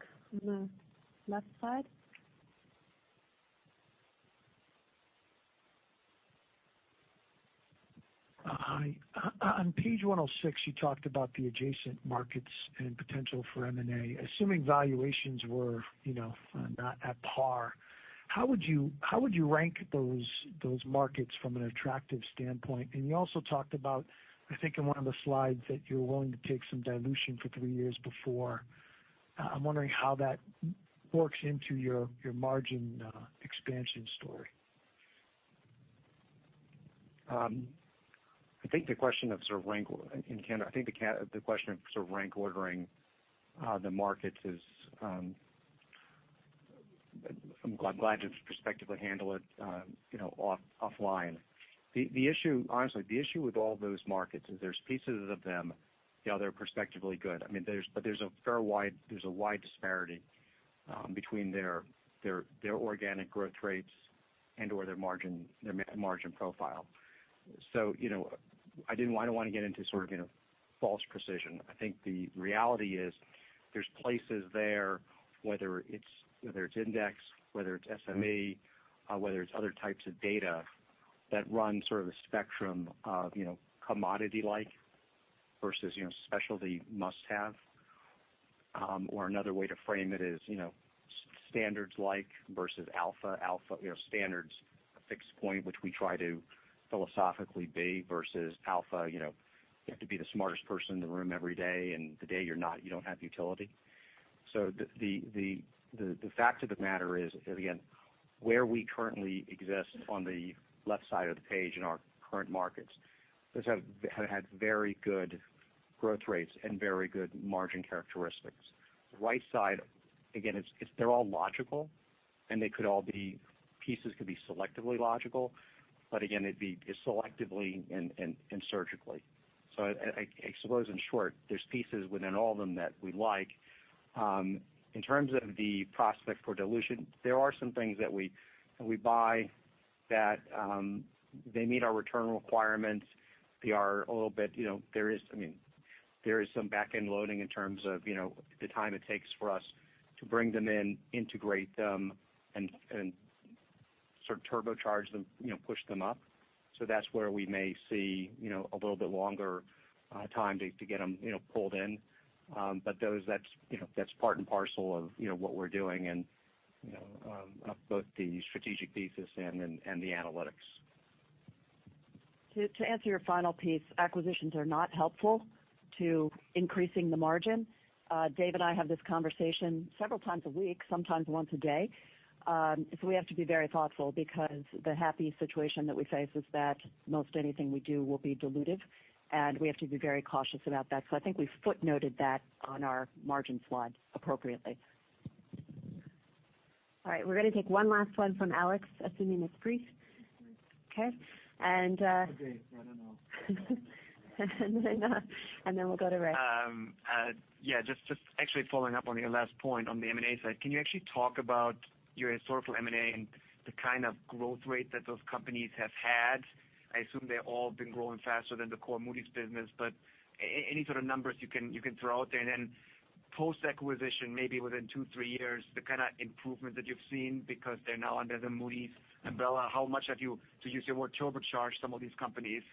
on the left side. Hi. On page 106, you talked about the adjacent markets and potential for M&A. Assuming valuations were not at par, how would you rank those markets from an attractive standpoint? You also talked about, I think, in one of the slides, that you're willing to take some dilution for three years before. I'm wondering how that works into your margin expansion story. I think the question of sort of rank ordering the markets is, I'm glad to perspectively handle it offline. Honestly, the issue with all those markets is there's pieces of them that are perspectively good. There's a wide disparity between their organic growth rates and/or their margin profile. I don't want to get into sort of false precision. I think the reality is there's places there, whether it's index, whether it's SME, whether it's other types of data that run sort of the spectrum of commodity-like versus specialty must-have. Another way to frame it is standards-like versus alpha. Standards fixed point, which we try to philosophically be, versus alpha, you have to be the smartest person in the room every day, and the day you're not, you don't have utility. The fact of the matter is, again, where we currently exist on the left side of the page in our current markets, those have had very good growth rates and very good margin characteristics. The right side, again, they're all logical, and they could all be pieces could be selectively logical, but again, it'd be selectively and surgically. I suppose in short, there's pieces within all of them that we like. In terms of the prospect for dilution, there are some things that we buy that they meet our return requirements. There is some back-end loading in terms of the time it takes for us to bring them in, integrate them, and sort of turbocharge them, push them up. That's where we may see a little bit longer time to get them pulled in. That's part and parcel of what we're doing, and of both the strategic thesis and the analytics. To answer your final piece, acquisitions are not helpful to increasing the margin. Dave and I have this conversation several times a week, sometimes once a day. We have to be very thoughtful because the happy situation that we face is that most anything we do will be diluted, and we have to be very cautious about that. I think we footnoted that on our margin slide appropriately. All right. We're going to take one last one from Alex, assuming it's brief. Okay. Okay. I don't know. Then we'll go to Ray. Yeah, just actually following up on your last point on the M&A side. Can you actually talk about your historical M&A and the kind of growth rate that those companies have had? I assume they've all been growing faster than the core Moody's business, but any sort of numbers you can throw out there, and then post-acquisition, maybe within two, three years, the kind of improvement that you've seen because they're now under the Moody's umbrella. How much have you, to use your word, turbocharged some of these companies?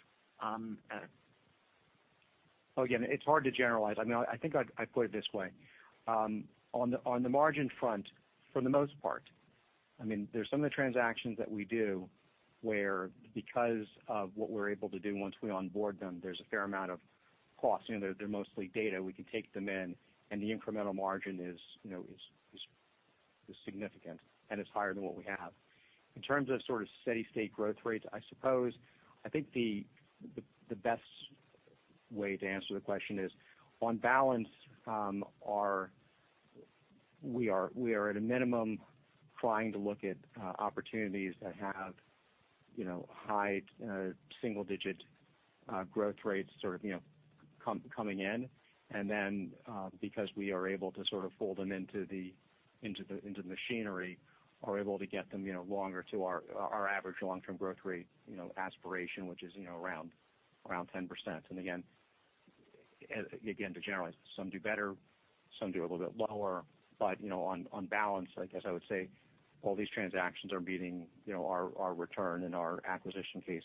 It's hard to generalize. I think I'd put it this way. On the margin front, for the most part, there's some of the transactions that we do where because of what we're able to do once we onboard them, there's a fair amount of cost. They're mostly data. We can take them in, and the incremental margin is significant, and it's higher than what we have. In terms of sort of steady state growth rates, I suppose, I think the best way to answer the question is on balance, we are at a minimum trying to look at opportunities that have high single-digit growth rates sort of coming in. Because we are able to sort of fold them into the machinery, are able to get them longer to our average long-term growth rate aspiration, which is around 10%. Again, to generalize, some do better, some do a little bit lower. On balance, I guess I would say all these transactions are beating our return and our acquisition case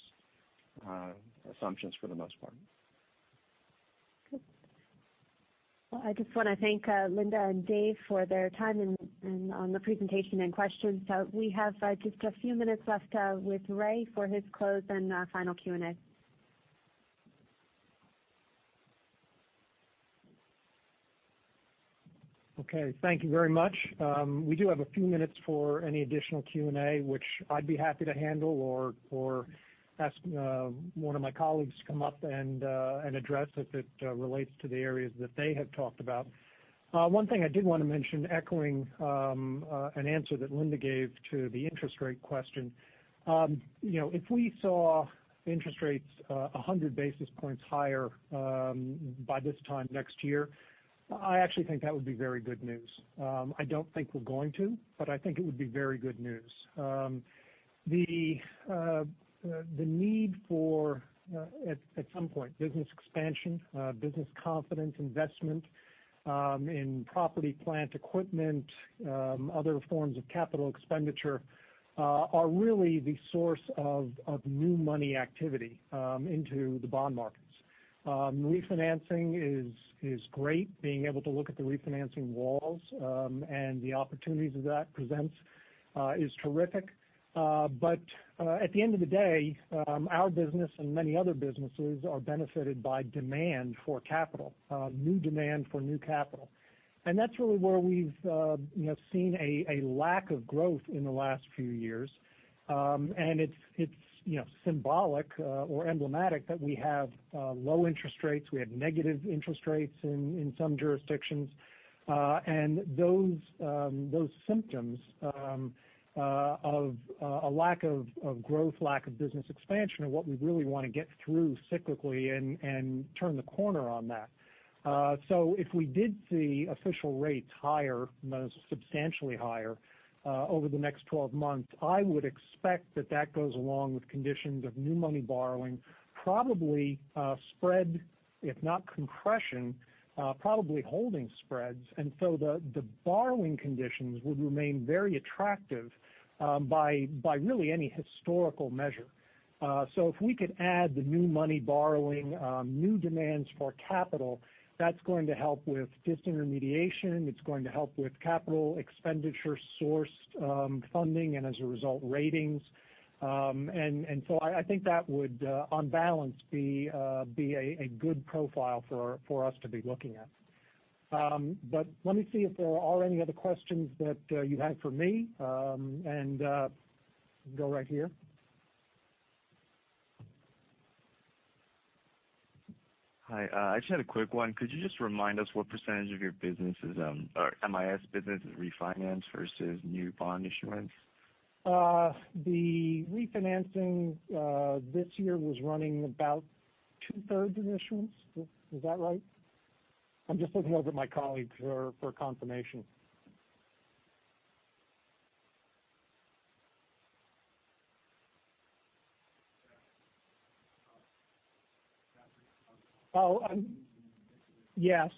assumptions for the most part. Good. Well, I just want to thank Linda and Dave for their time and on the presentation and questions. We have just a few minutes left with Ray for his close and final Q&A. Okay. Thank you very much. We do have a few minutes for any additional Q&A, which I'd be happy to handle or ask one of my colleagues to come up and address if it relates to the areas that they have talked about. One thing I did want to mention, echoing an answer that Linda gave to the interest rate question. If we saw interest rates 100 basis points higher by this time next year, I actually think that would be very good news. I don't think we're going to, but I think it would be very good news. The need for, at some point, business expansion, business confidence, investment in property, plant equipment other forms of capital expenditure are really the source of new money activity into the bond markets. Refinancing is great. Being able to look at the refinancing walls and the opportunities that presents is terrific. At the end of the day, our business and many other businesses are benefited by demand for capital. New demand for new capital. That's really where we've seen a lack of growth in the last few years. It's symbolic or emblematic that we have low interest rates. We have negative interest rates in some jurisdictions. Those symptoms of a lack of growth, lack of business expansion are what we really want to get through cyclically and turn the corner on that. If we did see official rates higher, substantially higher over the next 12 months, I would expect that that goes along with conditions of new money borrowing probably spread, if not compression, probably holding spreads. The borrowing conditions would remain very attractive by really any historical measure. If we could add the new money borrowing, new demands for capital, that's going to help with disintermediation, it's going to help with capital expenditure source funding, and as a result, ratings. I think that would, on balance, be a good profile for us to be looking at. Let me see if there are any other questions that you had for me. Go right here. Hi, I just had a quick one. Could you just remind us what % of your MIS business is refinance versus new bond issuance? The refinancing this year was running about two-thirds of the issuance. Is that right? I'm just looking over at my colleagues for confirmation.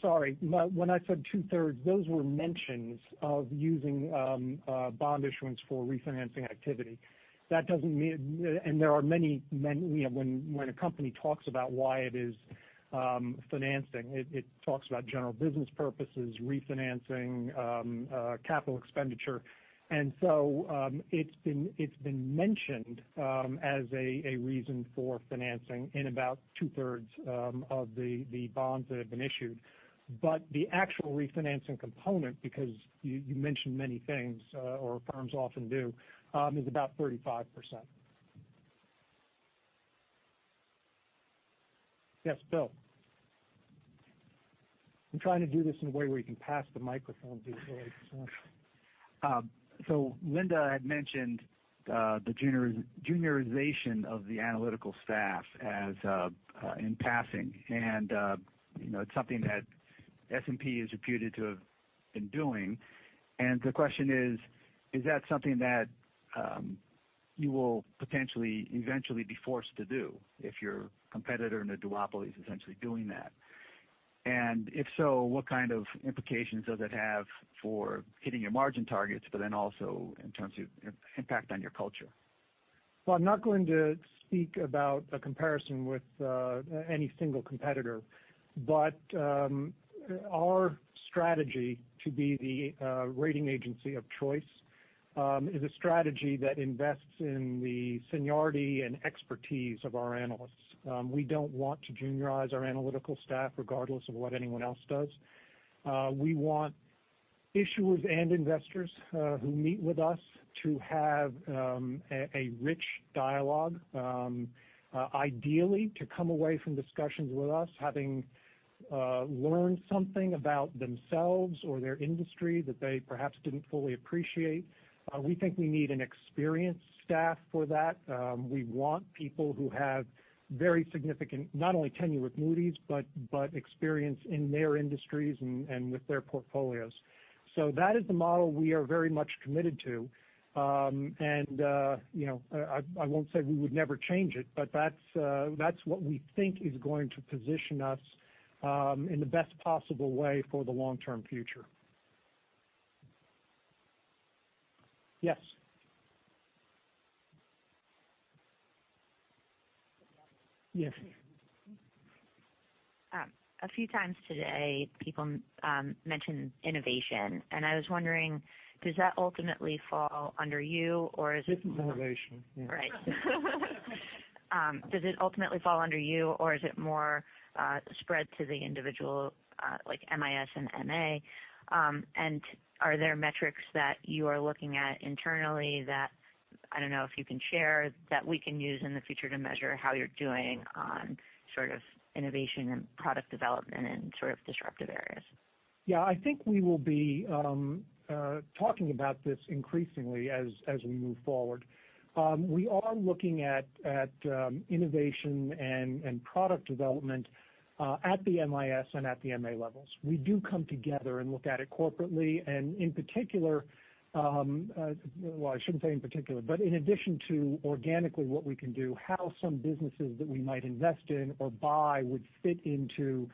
Sorry. When I said two-thirds, those were mentions of using bond issuance for refinancing activity. When a company talks about why it is financing, it talks about general business purposes, refinancing, capital expenditure. It's been mentioned as a reason for financing in about two-thirds of the bonds that have been issued. But the actual refinancing component, because you mentioned many things or firms often do is about 35%. Yes, Bill. I'm trying to do this in a way where you can pass the microphone to people at the front. Linda had mentioned the juniorization of the analytical staff in passing. It's something that S&P is reputed to have been doing. The question is that something that you will potentially eventually be forced to do if your competitor in a duopoly is essentially doing that? If so, what kind of implications does it have for hitting your margin targets, also in terms of impact on your culture? Well, I'm not going to speak about a comparison with any single competitor. Our strategy to be the rating agency of choice is a strategy that invests in the seniority and expertise of our analysts. We don't want to juniorize our analytical staff, regardless of what anyone else does. We want issuers and investors who meet with us to have a rich dialogue ideally to come away from discussions with us having learned something about themselves or their industry that they perhaps didn't fully appreciate. We think we need an experienced staff for that. We want people who have very significant, not only tenure with Moody's, but experience in their industries and with their portfolios. That is the model we are very much committed to. I won't say we would never change it, but that's what we think is going to position us in the best possible way for the long-term future. Yes. A few times today, people mentioned innovation. I was wondering, does that ultimately fall under you or is it- Different innovation. Yeah. Right. Does it ultimately fall under you or is it more spread to the individual like MIS and MA? Are there metrics that you are looking at internally that, I don't know if you can share, that we can use in the future to measure how you're doing on innovation and product development in disruptive areas? Yeah. I think we will be talking about this increasingly as we move forward. We are looking at innovation and product development at the MIS and at the MA levels. We do come together and look at it corporately and in particular, well, I shouldn't say in particular, but in addition to organically what we can do, how some businesses that we might invest in or buy would fit into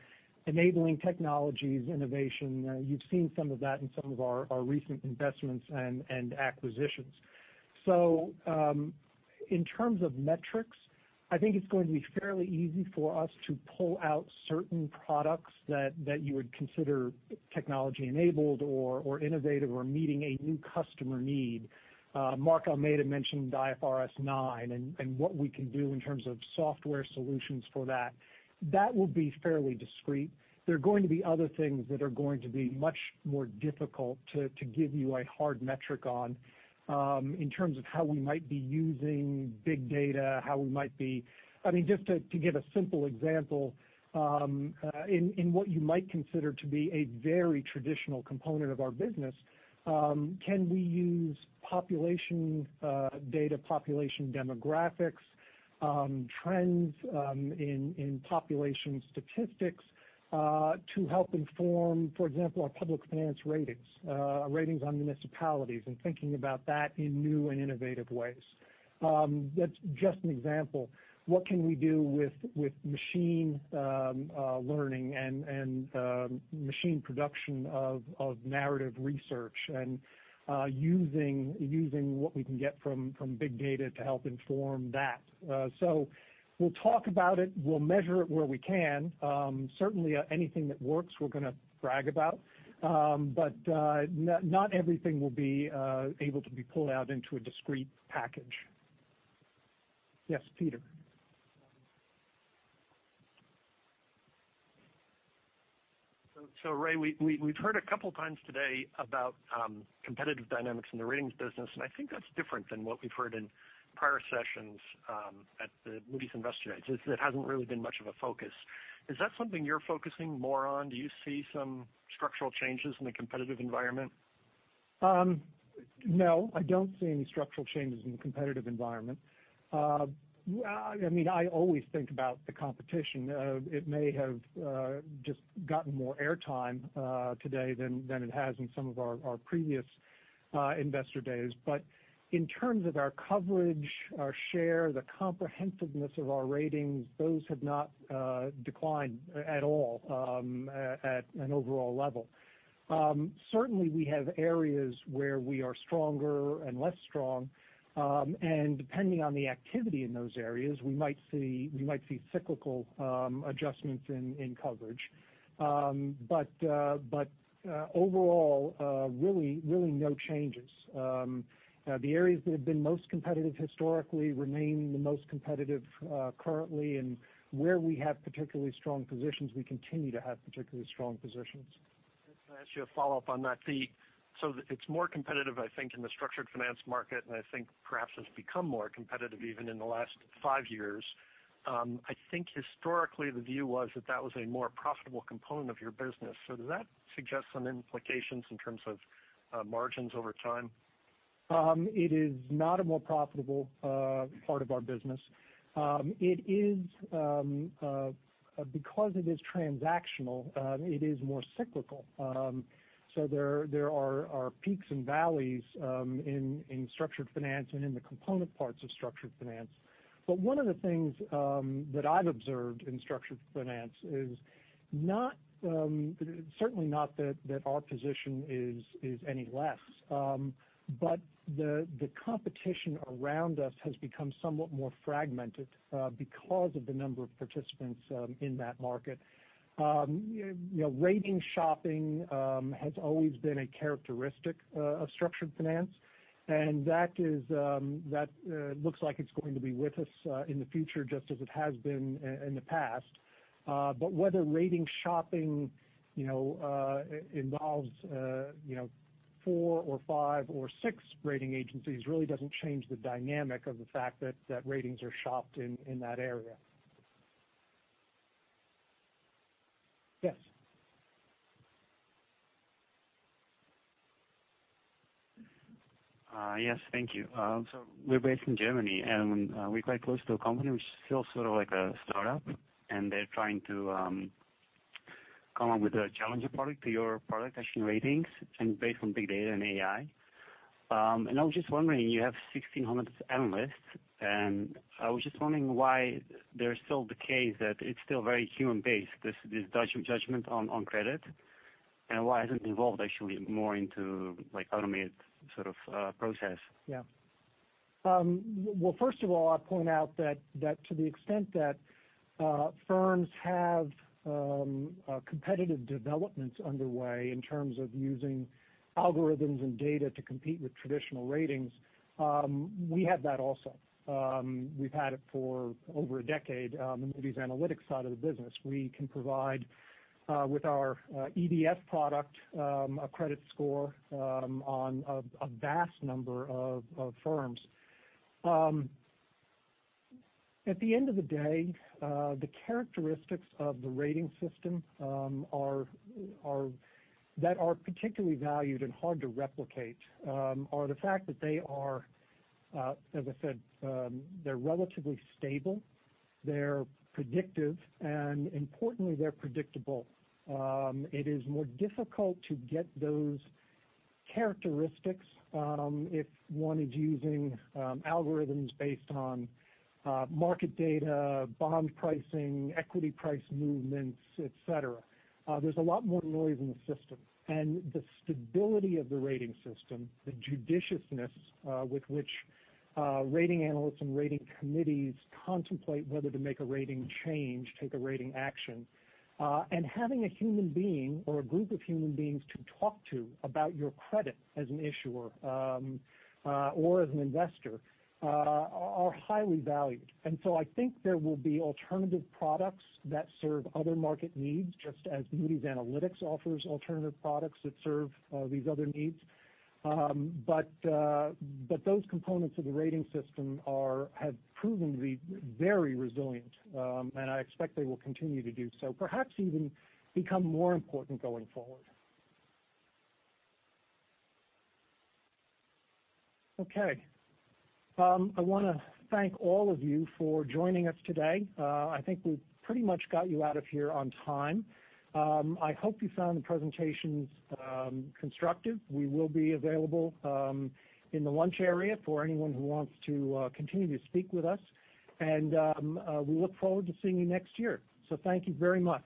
enabling technologies, innovation. You've seen some of that in some of our recent investments and acquisitions. In terms of metrics, I think it's going to be fairly easy for us to pull out certain products that you would consider technology-enabled or innovative or meeting a new customer need. Mark made a mention of IFRS 9 and what we can do in terms of software solutions for that. That will be fairly discrete. There are going to be other things that are going to be much more difficult to give you a hard metric on in terms of how we might be using big data. Just to give a simple example, in what you might consider to be a very traditional component of our business, can we use population data, population demographics, trends in population statistics to help inform, for example, our public finance ratings on municipalities, and thinking about that in new and innovative ways. That's just an example. What can we do with machine learning and machine production of narrative research and using what we can get from big data to help inform that. We'll talk about it. We'll measure it where we can. Certainly, anything that works we're going to brag about. Not everything will be able to be pulled out into a discrete package. Yes, Peter. Ray, we've heard a couple times today about competitive dynamics in the ratings business, and I think that's different than what we've heard in prior sessions at the Moody's Investor Days. It hasn't really been much of a focus. Is that something you're focusing more on? Do you see some structural changes in the competitive environment? I don't see any structural changes in the competitive environment. I always think about the competition. It may have just gotten more air time today than it has in some of our previous investor days. In terms of our coverage, our share, the comprehensiveness of our ratings, those have not declined at all at an overall level. Certainly, we have areas where we are stronger and less strong. Depending on the activity in those areas, we might see cyclical adjustments in coverage. Overall, really no changes. The areas that have been most competitive historically remain the most competitive currently, and where we have particularly strong positions, we continue to have particularly strong positions. Can I ask you a follow-up on that? It's more competitive, I think, in the structured finance market, and I think perhaps it's become more competitive even in the last five years. I think historically the view was that that was a more profitable component of your business. Does that suggest some implications in terms of margins over time? It is not a more profitable part of our business. It is transactional, it is more cyclical. There are peaks and valleys in structured finance and in the component parts of structured finance. One of the things that I've observed in structured finance is certainly not that our position is any less. The competition around us has become somewhat more fragmented because of the number of participants in that market. Rating shopping has always been a characteristic of structured finance, and that looks like it's going to be with us in the future just as it has been in the past. Whether rating shopping involves four or five or six rating agencies really doesn't change the dynamic of the fact that ratings are shopped in that area. Yes. Yes. Thank you. We're based in Germany, and we're quite close to a company which is still sort of like a startup, and they're trying to come up with a challenger product to your product, actually, ratings and based on big data and AI. I was just wondering, you have 1,600 analysts, and I was just wondering why there is still the case that it's still very human-based, this judgment on credit, and why hasn't it evolved actually more into automated sort of process? First of all, I point out that to the extent that firms have competitive developments underway in terms of using algorithms and data to compete with traditional ratings, we have that also. We've had it for over a decade in Moody's Analytics side of the business. We can provide with our EDF product a credit score on a vast number of firms. At the end of the day, the characteristics of the rating system that are particularly valued and hard to replicate are the fact that they are, as I said, they're relatively stable, they're predictive, and importantly, they're predictable. It is more difficult to get those characteristics if one is using algorithms based on market data, bond pricing, equity price movements, et cetera. There's a lot more noise in the system. The stability of the rating system, the judiciousness with which rating analysts and rating committees contemplate whether to make a rating change, take a rating action, and having a human being or a group of human beings to talk to about your credit as an issuer or as an investor are highly valued. I think there will be alternative products that serve other market needs, just as Moody's Analytics offers alternative products that serve these other needs. Those components of the rating system have proven to be very resilient, and I expect they will continue to do so. Perhaps even become more important going forward. Okay. I want to thank all of you for joining us today. I think we've pretty much got you out of here on time. I hope you found the presentations constructive. We will be available in the lunch area for anyone who wants to continue to speak with us. We look forward to seeing you next year. Thank you very much.